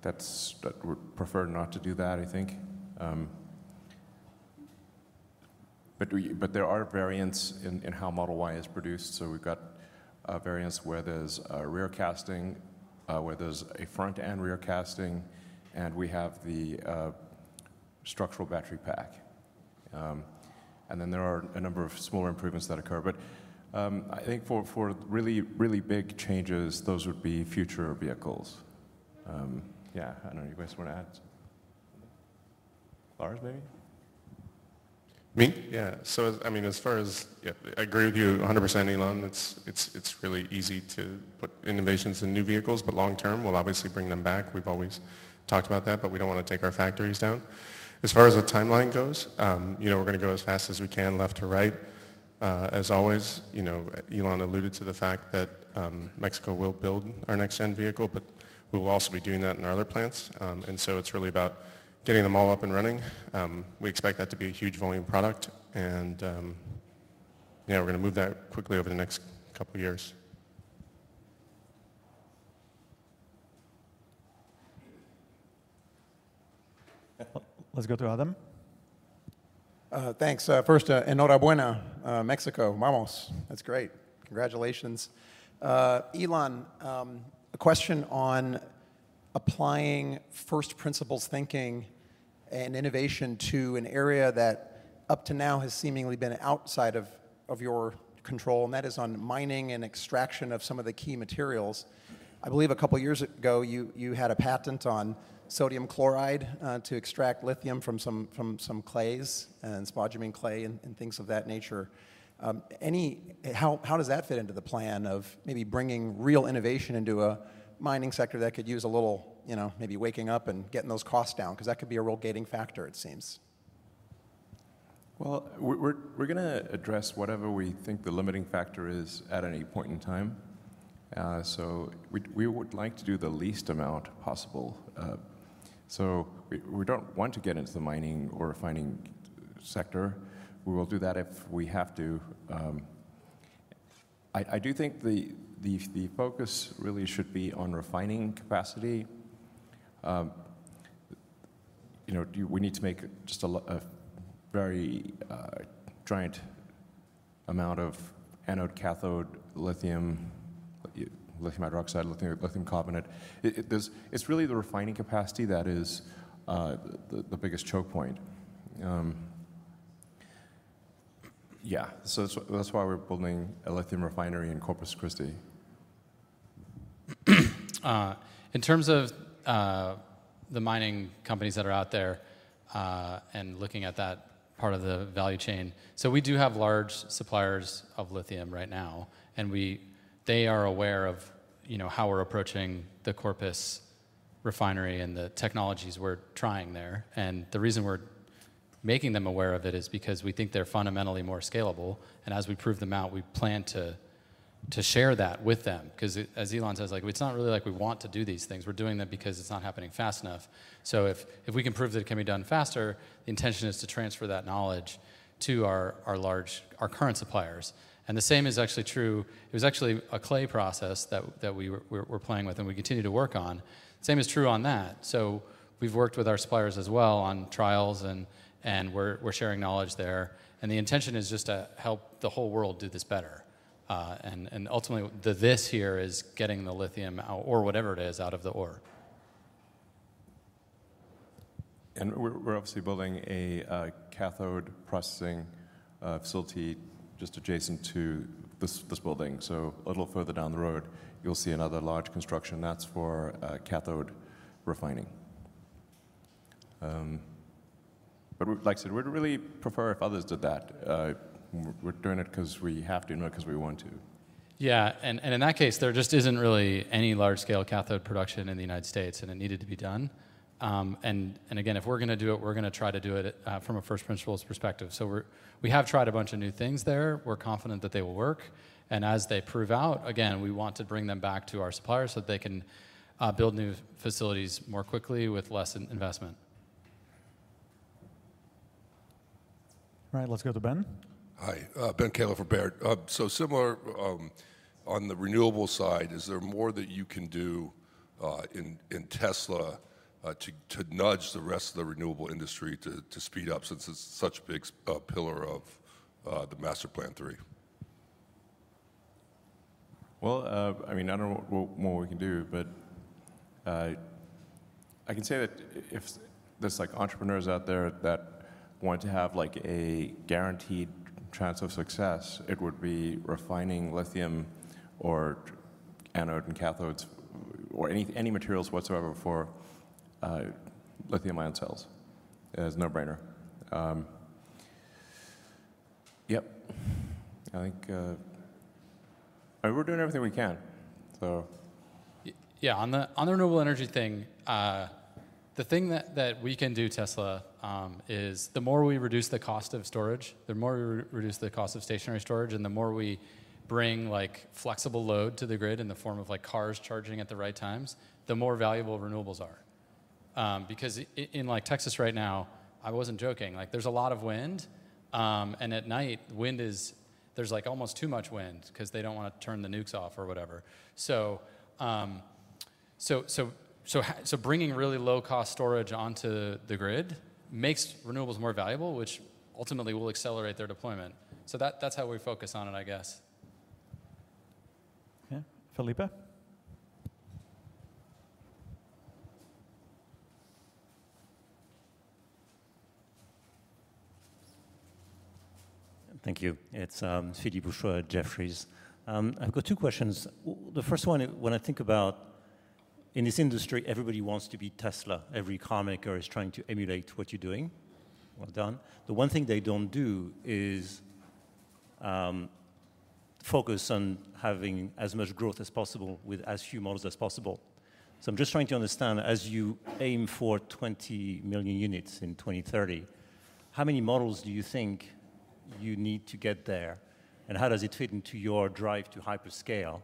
We prefer not to do that, I think. There are variants in how Model Y is produced. We've got variants where there's a rear casting, where there's a front and rear casting, and we have the structural battery pack. Then there are a number of smaller improvements that occur. I think for really, really big changes, those would be future vehicles. Yeah, I don't know. You guys want to add? Lars, maybe? Me? Yeah. I mean, as far as I agree with you 100%, Elon. It's really easy to put innovations in new vehicles, but long term, we'll obviously bring them back. We've always talked about that. We don't want to take our factories down. As far as the timeline goes, you know, we're going to go as fast as we can left to right. As always, you know, Elon alluded to the fact that Mexico will build our next gen vehicle. We will also be doing that in our other plants. It's really about getting them all up and running. We expect that to be a huge volume product and, yeah, we're gonna move that quickly over the next couple of years. Let's go to Adam. Thanks. First, enhorabuena, Mexico, vamos. That's great. Congratulations. Elon, a question on applying first principles thinking and innovation to an area that up to now has seemingly been outside of your control, and that is on mining and extraction of some of the key materials. I believe two years ago, you had a patent on sodium chloride to extract lithium from some clays and spodumene clay and things of that nature. How does that fit into the plan of maybe bringing real innovation into a mining sector that could use a little, you know, maybe waking up and getting those costs down? 'Cause that could be a real gating factor, it seems. Well, we're gonna address whatever we think the limiting factor is at any point in time. We would like to do the least amount possible. We don't want to get into the mining or refining sector. We will do that if we have to. I do think the focus really should be on refining capacity. You know, we need to make just a very giant amount of anode, cathode, lithium hydroxide, lithium carbonate. It's really the refining capacity that is the biggest choke point. Yeah. That's why we're building a lithium refinery in Corpus Christi. In terms of the mining companies that are out there, looking at that part of the value chain, we do have large suppliers of lithium right now, and they are aware of, you know, how we're approaching the Corpus refinery and the technologies we're trying there. The reason we're making them aware of it is because we think they're fundamentally more scalable. As we prove them out, we plan to share that with them, 'cause as Elon says, like, it's not really like we want to do these things. We're doing them because it's not happening fast enough. If we can prove that it can be done faster, the intention is to transfer that knowledge to our large, our current suppliers. The same is actually true... It was actually a clay process that we were playing with and we continue to work on. Same is true on that. We've worked with our suppliers as well on trials and we're sharing knowledge there. The intention is just to help the whole world do this better. Ultimately, this here is getting the lithium out, or whatever it is, out of the ore. We're obviously building a cathode processing facility just adjacent to this building. A little further down the road, you'll see another large construction. That's for cathode refining. Like I said, we'd really prefer if others did that. We're doing it 'cause we have to, not 'cause we want to. Yeah. In that case, there just isn't really any large scale cathode production in the United States, and it needed to be done. Again, if we're gonna do it, we're gonna try to do it from a first principles perspective. We have tried a bunch of new things there. We're confident that they will work. As they prove out, again, we want to bring them back to our suppliers, so that they can build new facilities more quickly with less in-investment. All right. Let's go to Ben. Hi. Ben Kallo from Baird. Similar, on the renewable side, is there more that you can do in Tesla to nudge the rest of the renewable industry to speed up since it's such a big pillar of the Master Plan 3? I mean, I don't know what we can do. I can say that if there's like entrepreneurs out there that want to have like a guaranteed chance of success, it would be refining lithium or anode and cathodes or any materials whatsoever for lithium ion cells. It is a no-brainer. I think, I mean, we're doing everything we can. Yeah. On the renewable energy thing, the thing that we can do at Tesla, is the more we reduce the cost of storage, the more we reduce the cost of stationary storage, and the more we bring like flexible load to the grid in the form of like cars charging at the right times, the more valuable renewables are. Because in like Texas right now, I wasn't joking, like there's a lot of wind, and at night wind is there's like almost too much wind 'cause they don't wanna turn the nukes off or whatever. Bringing really low cost storage onto the grid makes renewables more valuable, which ultimately will accelerate their deployment. That's how we focus on it, I guess. Yeah. Philippe? Thank you. It's Philippe Houchois at Jefferies. I've got two questions. The first one, when I think about in this industry, everybody wants to be Tesla. Every carmaker is trying to emulate what you're doing. Well done. The one thing they don't do is focus on having as much growth as possible with as few models as possible. I'm just trying to understand, as you aim for 20 million units in 2030, how many models do you think you need to get there? How does it fit into your drive to hyperscale?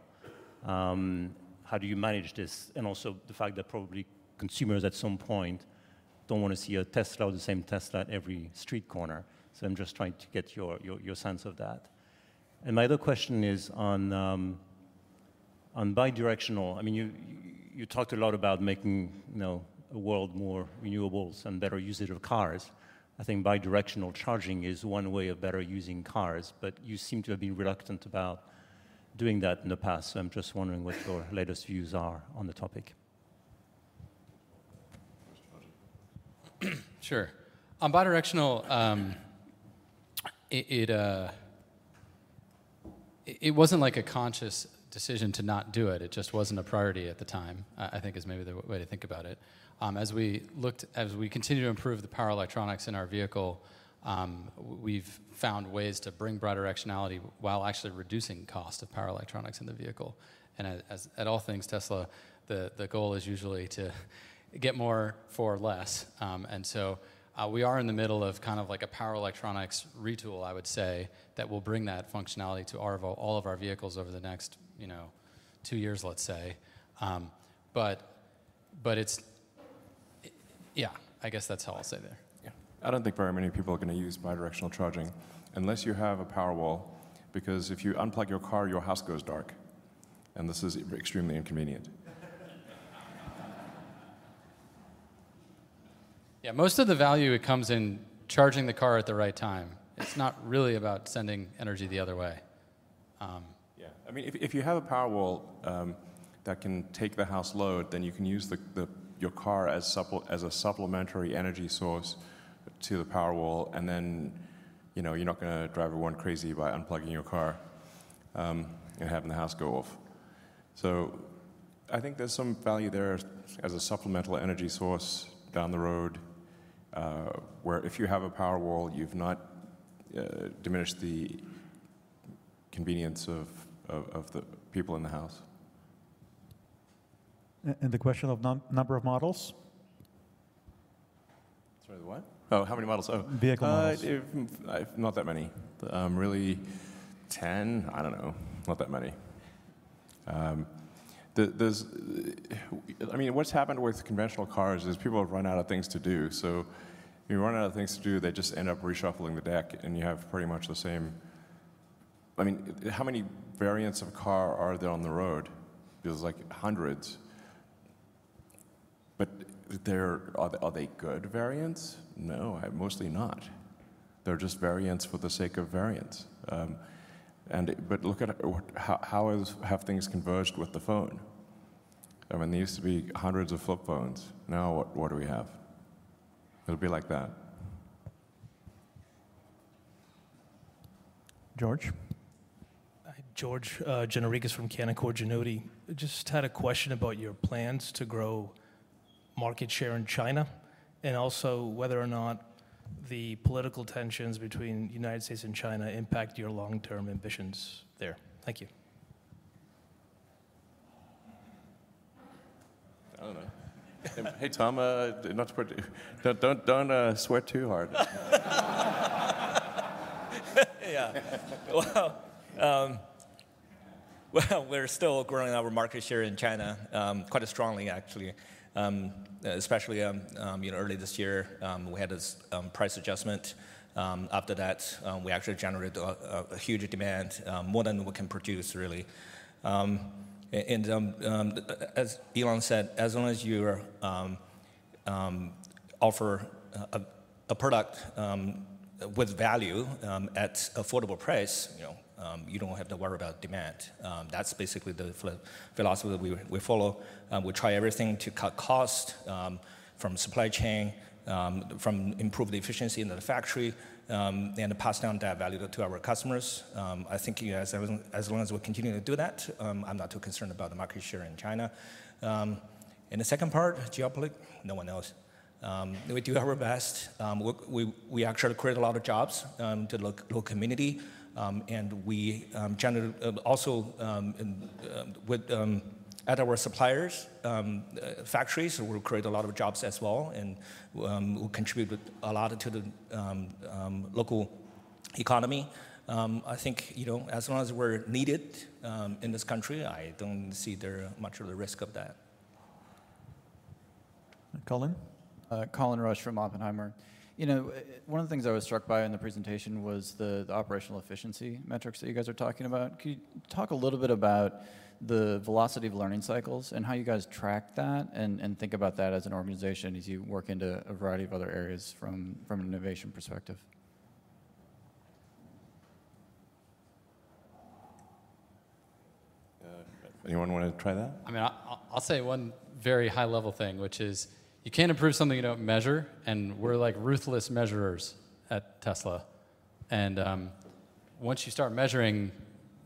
How do you manage this? Also the fact that probably consumers at some point don't wanna see a Tesla or the same Tesla at every street corner. I'm just trying to get your sense of that. My other question is on bi-directional. I mean, you talked a lot about making, you know, the world more renewables and better usage of cars. I think bi-directional charging is one way of better using cars. You seem to be reluctant doing that in the past. I'm just wondering what your latest views are on the topic. Sure. On bidirectional, it wasn't like a conscious decision to not do it. It just wasn't a priority at the time, I think is maybe the way to think about it. As we continue to improve the power electronics in our vehicle, we've found ways to bring bidirectionality while actually reducing cost of power electronics in the vehicle. As at all things Tesla, the goal is usually to get more for less. We are in the middle of kind of like a power electronics retool, I would say, that will bring that functionality to all of our vehicles over the next, you know, 2 years, let's say. But it's... Yeah, I guess that's how I'll say there. I don't think very many people are gonna use bidirectional charging unless you have a Powerwall, because if you unplug your car, your house goes dark. This is extremely inconvenient. Yeah, most of the value comes in charging the car at the right time. It's not really about sending energy the other way. I mean, if you have a Powerwall that can take the house load, then you can use the your car as a supplementary energy source to the Powerwall, and then, you know, you're not gonna drive everyone crazy by unplugging your car and having the house go off. I think there's some value there as a supplemental energy source down the road where if you have a Powerwall, you've not diminished the convenience of the people in the house. The question of number of models? Sorry, the what? Oh, how many models? Vehicle models. Not that many. Really 10? I don't know. Not that many. I mean, what's happened with conventional cars is people have run out of things to do. When you run out of things to do, they just end up reshuffling the deck, and you have pretty much the same... I mean, how many variants of car are there on the road? There's, like, hundreds. Are they good variants? No, mostly not. They're just variants for the sake of variants. Look at how have things converged with the phone? I mean, there used to be hundreds of flip phones. Now what do we have? It'll be like that. George? George Gianarikas from Canaccord Genuity. Just had a question about your plans to grow market share in China. Also whether or not the political tensions between United States and China impact your long-term ambitions there. Thank you. I don't know. Hey, Tom, don't sweat too hard. Well, we're still growing our market share in China, quite strongly actually. Especially, you know, early this year, we had this price adjustment. After that, we actually generated a huge demand, more than we can produce really. As Elon said, as long as you're offer a product with value at affordable price, you know, you don't have to worry about demand. That's basically the philosophy that we follow. We try everything to cut cost from supply chain, from improve the efficiency in the factory, and pass down that value to our customers. I think, yes, as long as we're continuing to do that, I'm not too concerned about the market share in China. The second part, geopolitic, no one knows. We do our best. We actually create a lot of jobs to the local community, and we Also, with at our suppliers' factories, we create a lot of jobs as well, and we contribute a lot to the local economy. I think, you know, as long as we're needed in this country, I don't see there much of a risk of that. Colin? Colin Rusch from Oppenheimer. You know, one of the things I was struck by in the presentation was the operational efficiency metrics that you guys are talking about. Can you talk a little bit about the velocity of learning cycles and how you guys track that and think about that as an organization as you work into a variety of other areas from an innovation perspective? Anyone wanna try that? I mean, I'll say one very high-level thing, which is you can't improve something you don't measure, and we're, like, ruthless measurers at Tesla. Once you start measuring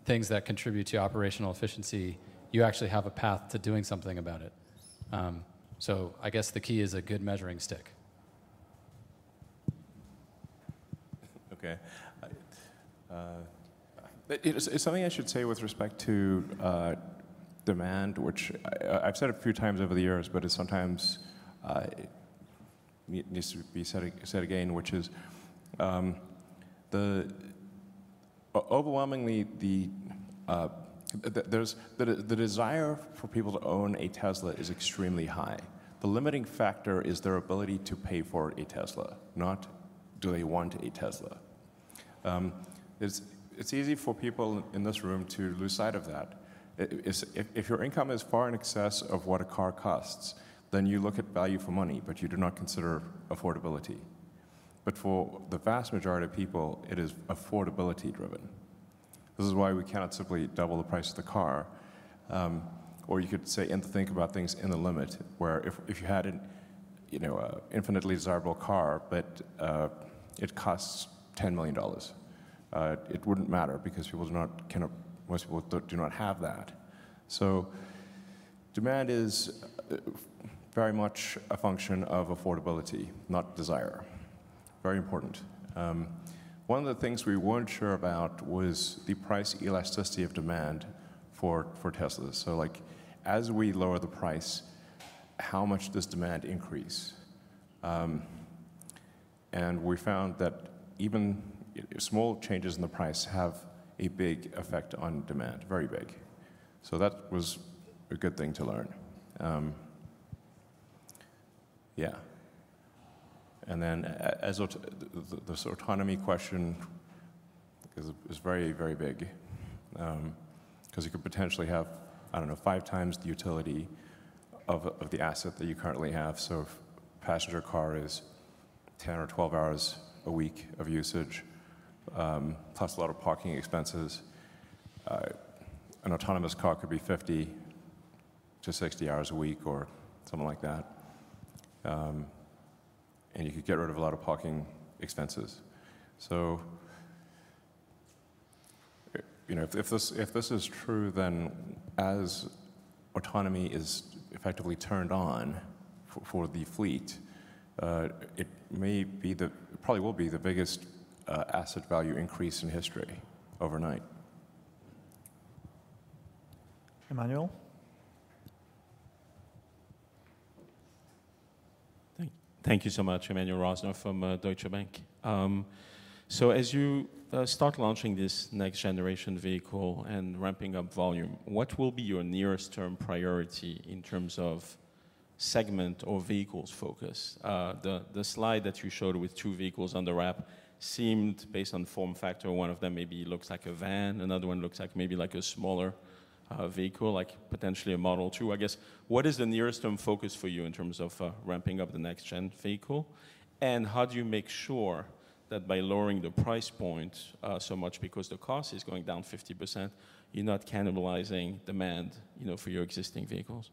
things that contribute to operational efficiency, you actually have a path to doing something about it. I guess the key is a good measuring stick. Okay. Something I should say with respect to demand, which I've said a few times over the years, but it sometimes needs to be said again, which is, overwhelmingly, the desire for people to own a Tesla is extremely high. The limiting factor is their ability to pay for a Tesla, not do they want a Tesla. It's easy for people in this room to lose sight of that. If your income is far in excess of what a car costs, then you look at value for money, but you do not consider affordability. For the vast majority of people, it is affordability-driven. This is why we cannot simply double the price of the car. Or you could say, and think about things in the limit, where if you had an, you know, a infinitely desirable car, but it costs $10 million, it wouldn't matter because people do not, cannot, most people do not have that. Demand is very much a function of affordability, not desire. Very important. One of the things we weren't sure about was the price elasticity of demand for Teslas. Like, as we lower the price, how much does demand increase? We found that even small changes in the price have a big effect on demand, very big. That was a good thing to learn. Yeah. As the sort of autonomy question is very, very big, 'cause you could potentially have, I don't know, 5 times the utility of the asset that you currently have. So if passenger car is 10 or 12 hours a week of usage, plus a lot of parking expenses, an autonomous car could be 50 to 60 hours a week or something like that. And you could get rid of a lot of parking expenses. So, you know, if this is true, then as autonomy is effectively turned on for the fleet, it may be the, probably will be the biggest, asset value increase in history overnight. Emmanuel? Thank you so much. Emmanuel Rosner from Deutsche Bank. As you start launching this next generation vehicle and ramping up volume, what will be your nearest term priority in terms of segment or vehicles focus? The slide that you showed with two vehicles on the wrap seemed, based on form factor, one of them maybe looks like a van, another one looks like maybe like a smaller vehicle, like potentially a Model 2, I guess. What is the nearest term focus for you in terms of ramping up the next gen vehicle? How do you make sure that by lowering the price point so much because the cost is going down 50%, you're not cannibalizing demand, you know, for your existing vehicles?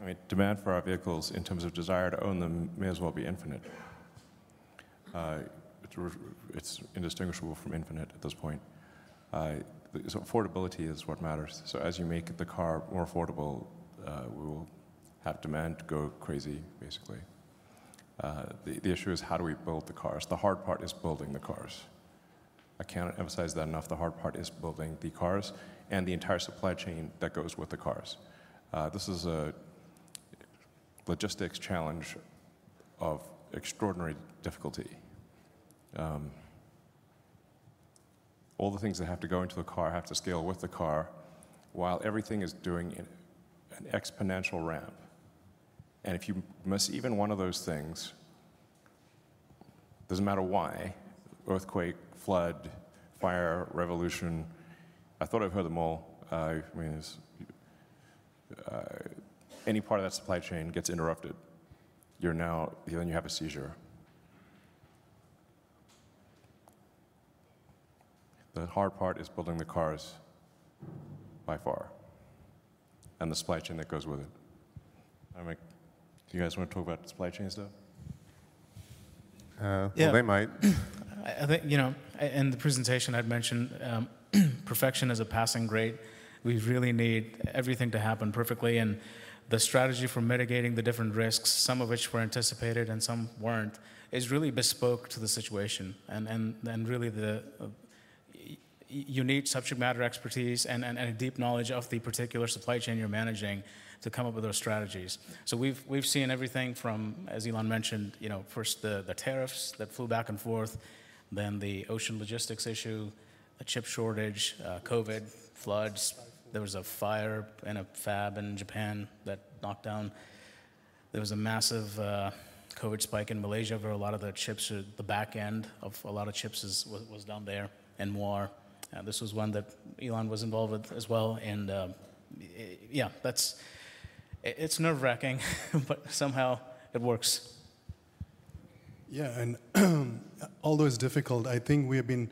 I mean, demand for our vehicles in terms of desire to own them may as well be infinite. It's indistinguishable from infinite at this point. Affordability is what matters. As you make the car more affordable, we will have demand go crazy, basically. The issue is how do we build the cars? The hard part is building the cars. I cannot emphasize that enough. The hard part is building the cars and the entire supply chain that goes with the cars. This is a logistics challenge of extraordinary difficulty. All the things that have to go into the car have to scale with the car while everything is doing an exponential ramp. If you miss even one of those things, doesn't matter why, earthquake, flood, fire, revolution, I thought I've heard them all. I mean, it's, any part of that supply chain gets interrupted, you're now, then you have a seizure. The hard part is building the cars by far and the supply chain that goes with it. I mean, do you guys wanna talk about supply chain stuff? Yeah, they might. I think, you know, in the presentation I'd mentioned, perfection is a passing grade. We really need everything to happen perfectly. The strategy for mitigating the different risks, some of which were anticipated and some weren't, is really bespoke to the situation. Really, you need subject matter expertise and a deep knowledge of the particular supply chain you're managing to come up with those strategies. We've seen everything from, as Elon mentioned, you know, first the tariffs that flew back and forth, then the ocean logistics issue, a chip shortage, COVID, floods. There was a fire in a fab in Japan that knocked down. There was a massive COVID spike in Malaysia, where a lot of the chips, the back end of a lot of chips was done there and more. This was one that Elon was involved with as well. Yeah, it's nerve-wracking, somehow it works. Yeah, although it's difficult, I think we have been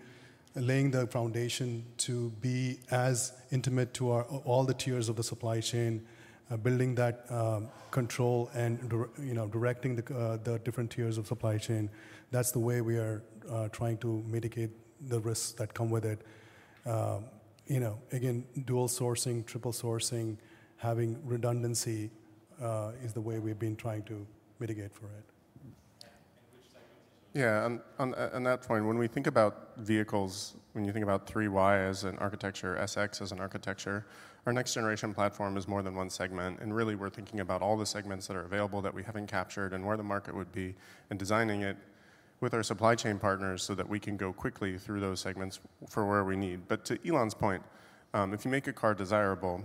laying the foundation to be as intimate to our, all the tiers of the supply chain, building that, control and you know, directing the different tiers of supply chain. That's the way we are trying to mitigate the risks that come with it. You know, again, dual sourcing, triple sourcing, having redundancy, is the way we've been trying to mitigate for it. Which segments... Yeah, on that point, when we think about vehicles, when you think about 3 Y as an architecture, SX as an architecture, our next generation platform is more than one segment. Really, we're thinking about all the segments that are available that we haven't captured and where the market would be, and designing it with our supply chain partners so that we can go quickly through those segments for where we need. To Elon's point, if you make a car desirable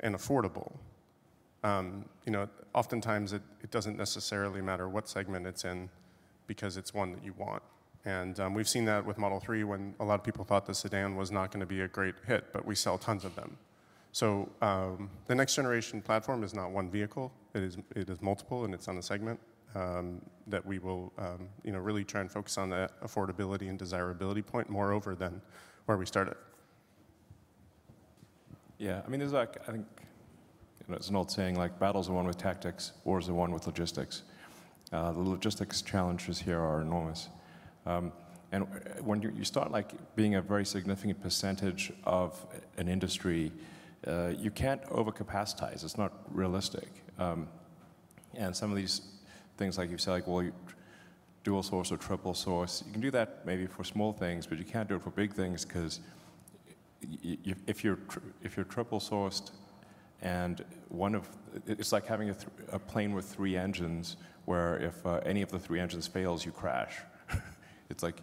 and affordable, you know, oftentimes it doesn't necessarily matter what segment it's in because it's one that you want. We've seen that with Model 3 when a lot of people thought the sedan was not gonna be a great hit, but we sell tons of them. The next generation platform is not 1 vehicle, it is multiple, and it's on the segment that we will, you know, really try and focus on the affordability and desirability point moreover than where we started. e's like, I think, you know, there's an old saying, like, battles are won with tactics, wars are won with logistics. The logistics challenges here are enormous. And when you start, like, being a very significant percentage of an industry, you can't over-capacitize. It's not realistic. And some of these things, like you say, like, well, you dual source or triple source, you can do that maybe for small things, but you can't do it for big things 'cause if you're triple sourced and one of... It's like having a plane with three engines, where if any of the three engines fails, you crash. It's like,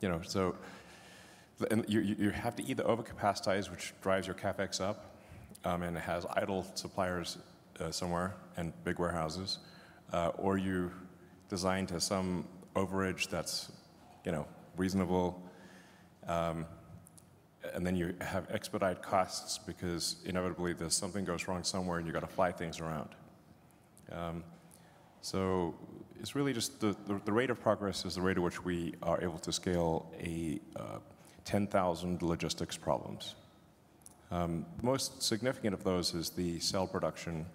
you know, so. You have to either over-capacitize, which drives your CapEx up, and has idle suppliers somewhere and big warehouses, or you design to some overage that's, you know, reasonable, and then you have expedite costs because inevitably there's something goes wrong somewhere, and you gotta fly things around. It's really just the rate of progress is the rate at which we are able to scale a 10,000 logistics problems. Most significant of those is the cell production.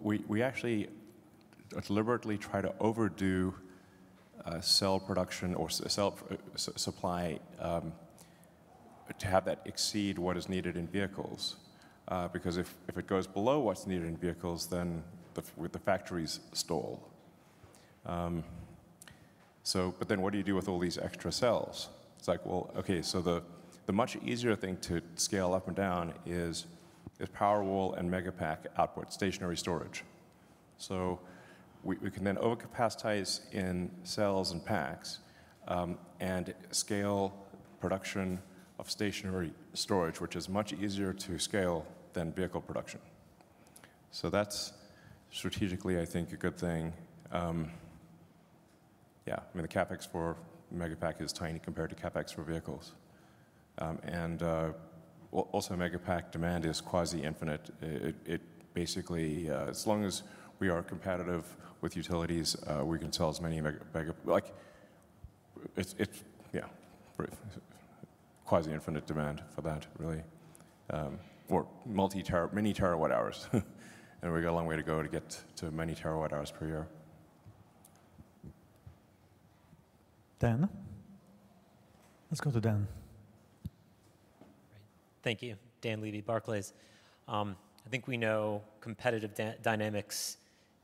We actually deliberately try to overdo cell production or cell supply to have that exceed what is needed in vehicles. Because if it goes below what's needed in vehicles, then the factories stall. What do you do with all these extra cells? It's like, well, okay, the much easier thing to scale up and down is Powerwall and Megapack output, stationary storage. We can then over-capacitize in cells and packs and scale production of stationary storage, which is much easier to scale than vehicle production. That's strategically, I think, a good thing. Yeah, I mean, the CapEx for Megapack is tiny compared to CapEx for vehicles. And also Megapack demand is quasi-infinite. It basically, as long as we are competitive with utilities, we can sell as many. Like, it's, yeah, right. Quasi-infinite demand for that really, for multi-tera, many TWh. We got a long way to go to get to many TWh per year. Dan. Let's go to Dan. Thank you. Dan Levy, Barclays. I think we know competitive dynamics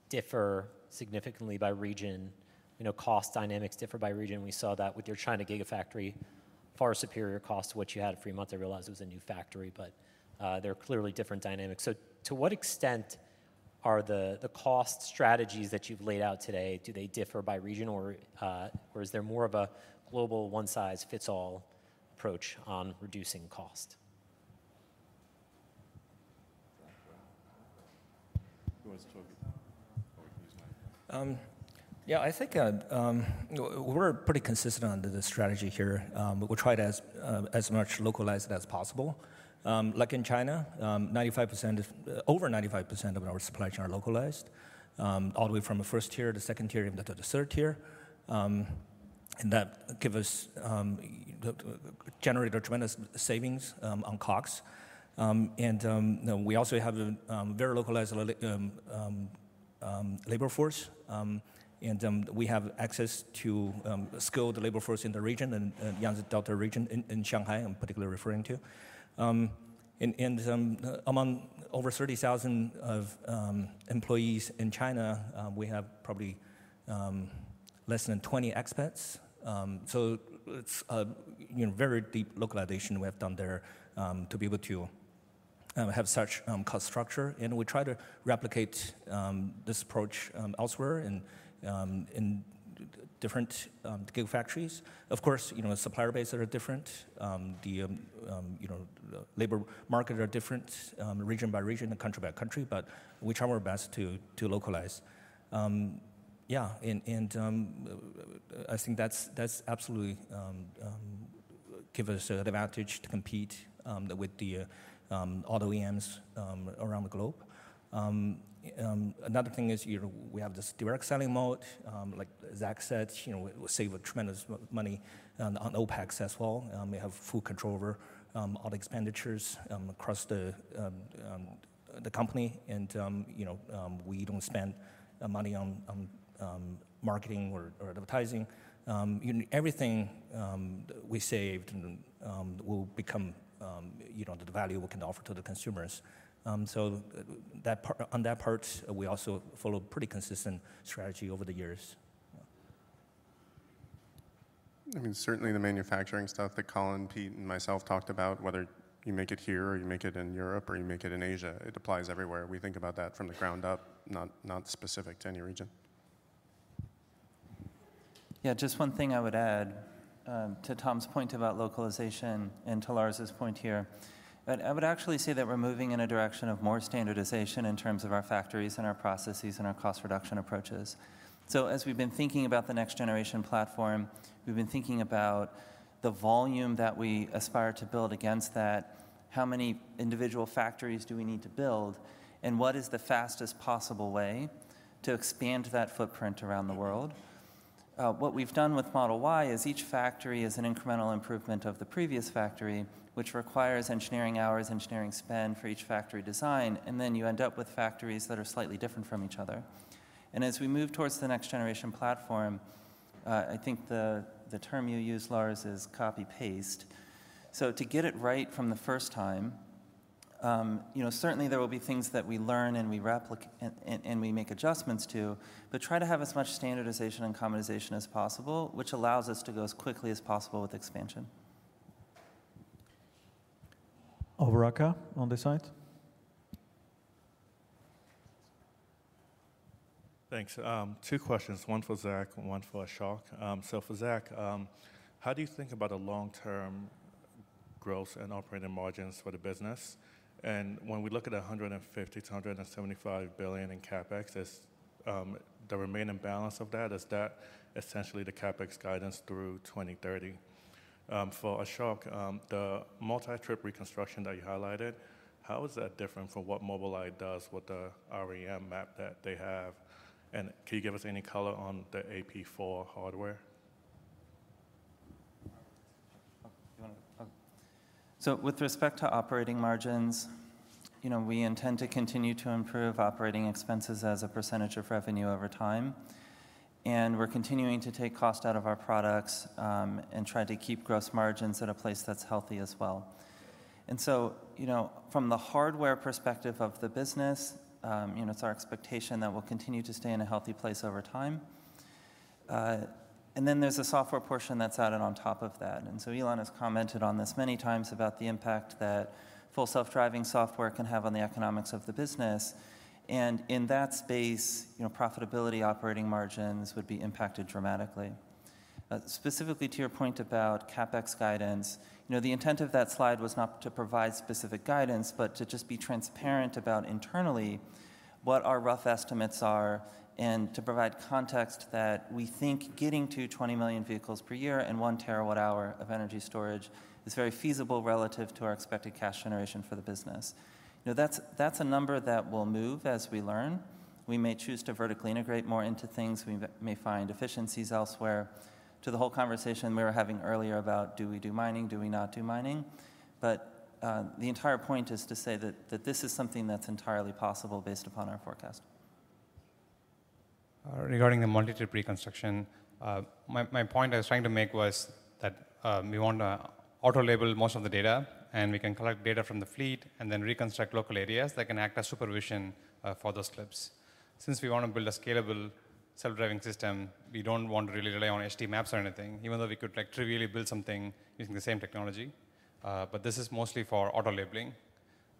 differ significantly by region. We know cost dynamics differ by region. We saw that with your China Gigafactory, far superior cost to what you had at Fremont. I realize it was a new factory, but there are clearly different dynamics. To what extent are the cost strategies that you've laid out today, do they differ by region or is there more of a global one-size-fits-all approach on reducing cost? Who wants to talk? Or who's next? We're pretty consistent under the strategy here. We'll try to as much localize it as possible. In China, 95% of, over 95% of our supply chain are localized, all the way from the first tier to second tier and then to the third tier. That give us generate a tremendous savings on costs. We also have very localized labor force. We have access to skilled labor force in the region and Yangtze Delta region in Shanghai, I'm particularly referring to. Among over 30,000 of employees in China, we have probably less than 20 expats. It's a, you know, very deep localization we have done there, to be able to have such cost structure. We try to replicate this approach elsewhere in different Gigafactories. Of course, you know, supplier base are different. The, you know, labor market are different, region by region and country by country, but we try our best to localize. Yeah, and I think that's absolutely give us an advantage to compete with the auto OEMs around the globe. Another thing is, you know, we have this direct selling mode, like Zach said, you know, we save a tremendous money on OpEx as well. We have full control over all expenditures across the company. You know, we don't spend money on marketing or advertising. You know, everything we saved will become, you know, the value we can offer to the consumers. On that part, we also follow pretty consistent strategy over the years. I mean, certainly the manufacturing stuff that Colin, Pete, and myself talked about, whether you make it here or you make it in Europe or you make it in Asia, it applies everywhere. We think about that from the ground up, not specific to any region. Yeah, just one thing I would add, to Tom's point about localization and to Lars' point here. I would actually say that we're moving in a direction of more standardization in terms of our factories and our processes and our cost reduction approaches. As we've been thinking about the next generation platform, we've been thinking about the volume that we aspire to build against that, how many individual factories do we need to build, and what is the fastest possible way to expand that footprint around the world? What we've done with Model Y is each factory is an incremental improvement of the previous factory, which requires engineering hours, engineering spend for each factory design, and then you end up with factories that are slightly different from each other. As we move towards the next generation platform, I think the term you used, Lars, is copy-paste. To get it right from the first time, you know, certainly there will be things that we learn and we make adjustments to, but try to have as much standardization and commoditization as possible, which allows us to go as quickly as possible with expansion. Overaka, on this side. Thanks. Two questions, one for Zach and one for Ashok. For Zach, how do you think about the long-term growth and operating margins for the business? When we look at $150 billion-$175 billion in CapEx, is the remaining balance of that, is that essentially the CapEx guidance through 2030? For Ashok, the multi-trip reconstruction that you highlighted, how is that different from what Mobileye does with the REM map that they have? Can you give us any color on the AP4 hardware? With respect to operating margins, you know, we intend to continue to improve operating expenses as a percentage of revenue over time, and we're continuing to take cost out of our products, and try to keep gross margins at a place that's healthy as well. You know, from the hardware perspective of the business, you know, it's our expectation that we'll continue to stay in a healthy place over time. Then there's a software portion that's added on top of that. Elon has commented on this many times about the impact that Full Self-Driving software can have on the economics of the business. In that space, you know, profitability, operating margins would be impacted dramatically. Specifically to your point about CapEx guidance, you know, the intent of that slide was not to provide specific guidance, but to just be transparent about internally what our rough estimates are and to provide context that we think getting to 20 million vehicles per year and 1 terawatt-hour of energy storage is very feasible relative to our expected cash generation for the business. You know, that's a number that will move as we learn. We may choose to vertically integrate more into things. We may find efficiencies elsewhere. To the whole conversation we were having earlier about do we do mining, do we not do mining? The entire point is to say that this is something that's entirely possible based upon our forecast. Regarding the multi-trip reconstruction, my point I was trying to make was that we want to auto label most of the data. We can collect data from the fleet and then reconstruct local areas that can act as supervision for those clips. Since we want to build a scalable self-driving system, we don't want to really rely on HD maps or anything, even though we could, like, trivially build something using the same technology. This is mostly for auto labeling,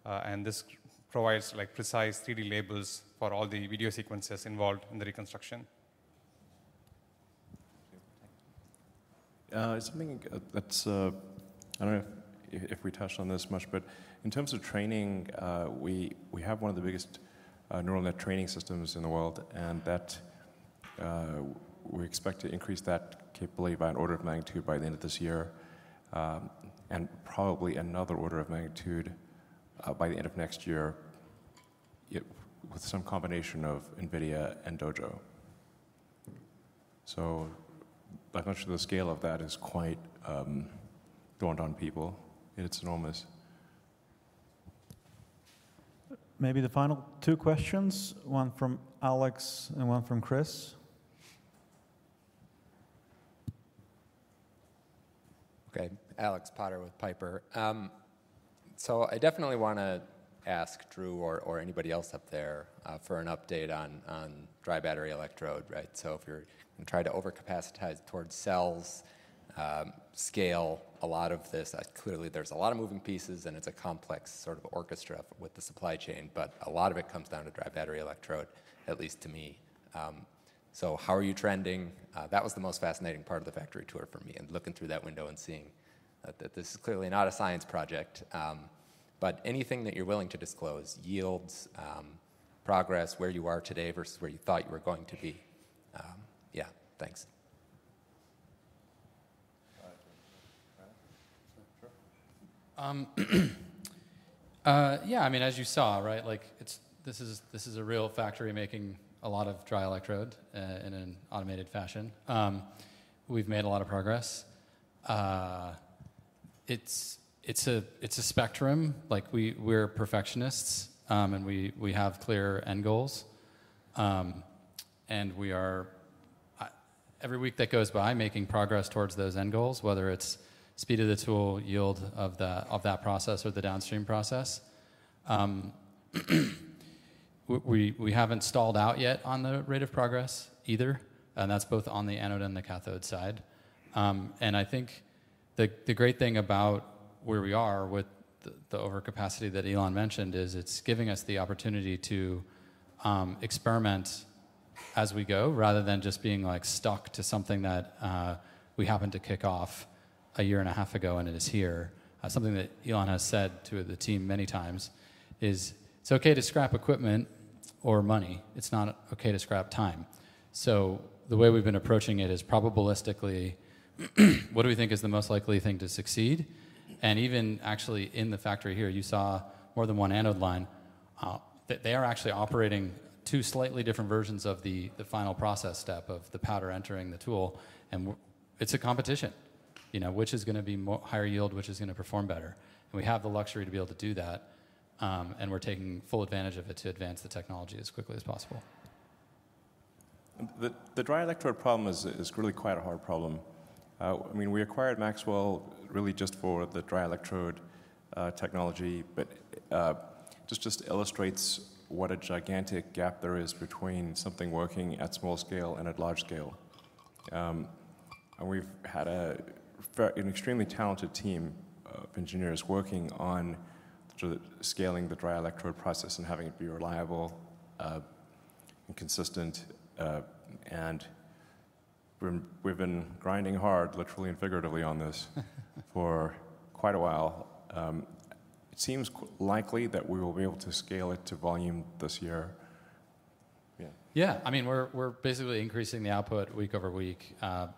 and this provides, like, precise 3D labels for all the video sequences involved in the reconstruction. Thank you. Something that's, I don't know if we touched on this much, but in terms of training, we have one of the biggest neural net training systems in the world, and that, we expect to increase that capability by an order of magnitude by the end of this year, and probably another order of magnitude by the end of next year, with some combination of NVIDIA and Dojo. That much of the scale of that is quite daunt on people. It's enormous. Maybe the final two questions, one from Alex and one from Chris. Alex Potter with Piper. I definitely wanna ask Drew or anybody else up there, for an update on dry battery electrode, right? If you're trying to overcapacitize towards cells, scale a lot of this. Clearly there's a lot of moving pieces, and it's a complex sort of orchestra with the supply chain, but a lot of it comes down to dry battery electrode, at least to me. How are you trending? That was the most fascinating part of the factory tour for me, and looking through that window and seeing that this is clearly not a science project. Anything that you're willing to disclose, yields, progress, where you are today versus where you thought you were going to be. Thanks. Sure. Yeah, I mean, as you saw, right? Like, it's this is a real factory making a lot of dry electrode in an automated fashion. We've made a lot of progress. It's a spectrum. Like, we're perfectionists, and we have clear end goals. We are, every week that goes by, making progress towards those end goals, whether it's speed of the tool, yield of that process or the downstream process. We haven't stalled out yet on the rate of progress either, and that's both on the anode and the cathode side. I think the great thing about where we are with the overcapacity that Elon mentioned is it's giving us the opportunity to Experiment as we go, rather than just being, like, stuck to something that we happened to kick off a year and a half ago. It is here. Something that Elon has said to the team many times is, "It's okay to scrap equipment or money. It's not okay to scrap time." The way we've been approaching it is probabilistically, what do we think is the most likely thing to succeed? Even actually in the factory here, you saw more than one anode line that they are actually operating two slightly different versions of the final process step of the powder entering the tool, and it's a competition. You know, which is gonna be higher yield, which is gonna perform better. We have the luxury to be able to do that, and we're taking full advantage of it to advance the technology as quickly as possible. The dry electrode problem is really quite a hard problem. I mean, we acquired Maxwell really just for the dry electrode technology, but this just illustrates what a gigantic gap there is between something working at small scale and at large scale. We've had an extremely talented team of engineers working on sort of scaling the dry electrode process and having it be reliable and consistent. We're, we've been grinding hard, literally and figuratively, on this for quite a while. It seems likely that we will be able to scale it to volume this year. Yeah. Yeah. I mean, we're basically increasing the output week over week,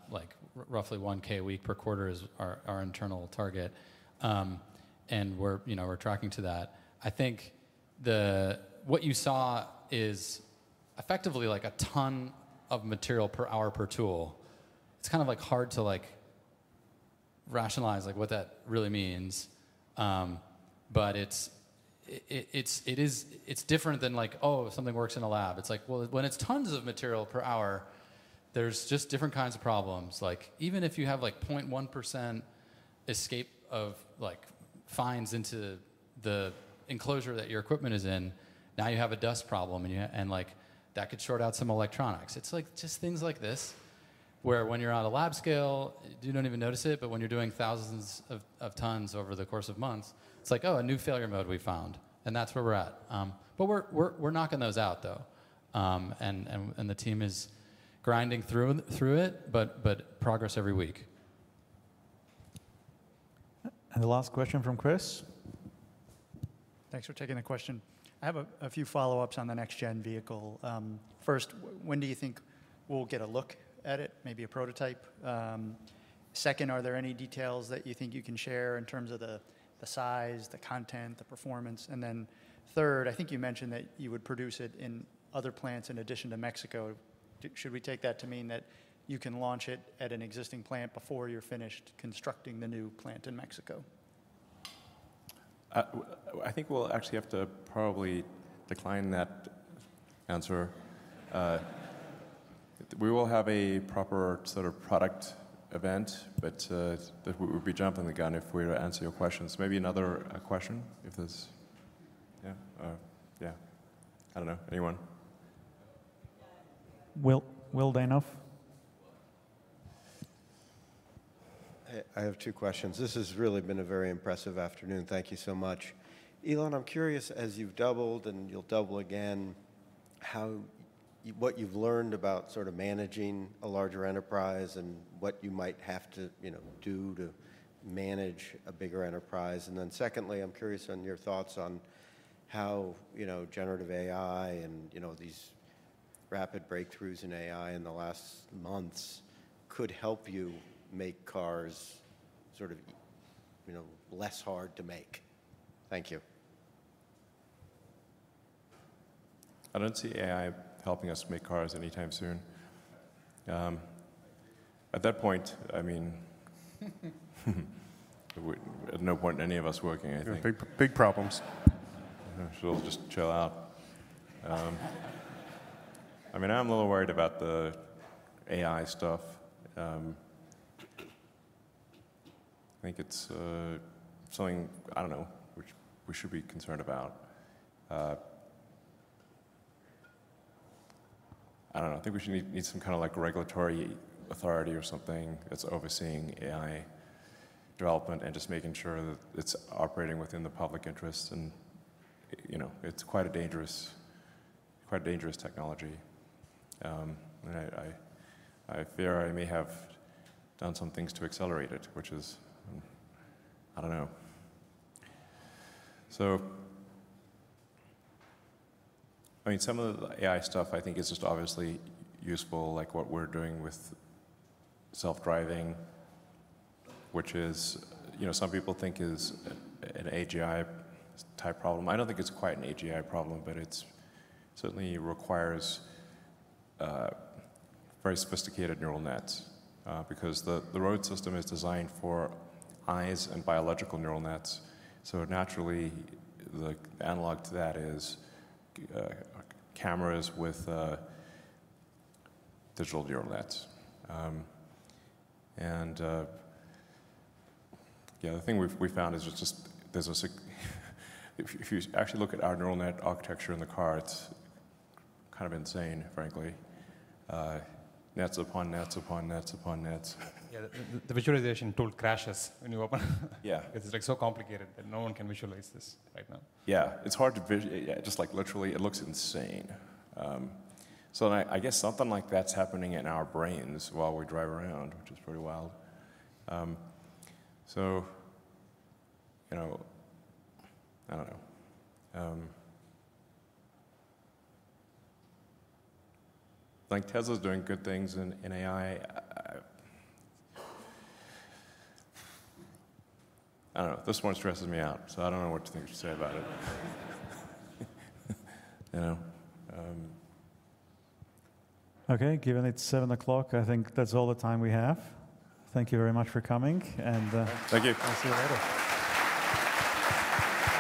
like, roughly 1K a week per quarter is our internal target. We're, you know, we're tracking to that. I think what you saw is effectively, like, a ton of material per hour per tool. It's kind of, like, hard to, like, rationalize, like, what that really means. It's different than, like, oh, something works in a lab. Well, when it's tons of material per hour, there's just different kinds of problems. Even if you have, like, 0.1% escape of, like, fines into the enclosure that your equipment is in, now you have a dust problem, and you, like, that could short out some electronics. It's, like, just things like this, where when you're on a lab scale, you don't even notice it, but when you're doing thousands of tons over the course of months, it's like, oh, a new failure mode we found, and that's where we're at. We're knocking those out, though. The team is grinding through it, but progress every week. The last question from Chris. Thanks for taking the question. I have a few follow-ups on the next gen vehicle. First, when do you think we'll get a look at it, maybe a prototype? Second, are there any details that you think you can share in terms of the size, the content, the performance? And then third, I think you mentioned that you would produce it in other plants in addition to Mexico. Should we take that to mean that you can launch it at an existing plant before you're finished constructing the new plant in Mexico? I think we'll actually have to probably decline that answer. We will have a proper sort of product event. That would be jumping the gun if we were to answer your questions. Maybe another question if there's. Yeah, yeah. I don't know. Anyone? Will Danoff. Hey, I have two questions. This has really been a very impressive afternoon. Thank you so much. Elon, I'm curious, as you've doubled, and you'll double again, how, what you've learned about sort of managing a larger enterprise and what you might have to, you know, do to manage a bigger enterprise. Secondly, I'm curious on your thoughts on how, you know, generative AI and, you know, these rapid breakthroughs in AI in the last months could help you make cars sort of, you know, less hard to make. Thank you. I don't see AI helping us make cars anytime soon. At that point, at no point any of us working, I think. Big, big problems. We should all just chill out. I mean, I'm a little worried about the AI stuff. I think it's something, I don't know, which we should be concerned about. I don't know. I think we should need some kinda, like, regulatory authority or something that's overseeing AI development and just making sure that it's operating within the public interest and, you know, it's quite a dangerous technology. I fear I may have done some things to accelerate it, which is, I don't know. I mean, some of the AI stuff I think is just obviously useful, like what we're doing with self-driving, which is, you know, some people think is an AGI-type problem. I don't think it's quite an AGI problem, but it's certainly requires very sophisticated neural nets, because the road system is designed for eyes and biological neural nets. Naturally, the analog to that is cameras with digital neural nets. Yeah, the thing we've we found is it's just there's a If you actually look at our neural net architecture in the car, it's kind of insane, frankly. Nets upon nets upon nets upon nets. Yeah. The visualization tool crashes when you open it. Yeah. It's, like, so complicated that no one can visualize this right now. Yeah. Just, like, literally, it looks insane. I guess something like that's happening in our brains while we drive around, which is pretty wild. You know, I don't know. Like, Tesla's doing good things in AI. I don't know. This one stresses me out. I don't know what to think or say about it. You know? Okay. Given it's 7:00 P.M., I think that's all the time we have. Thank you very much for coming. Thank you. I'll see you later.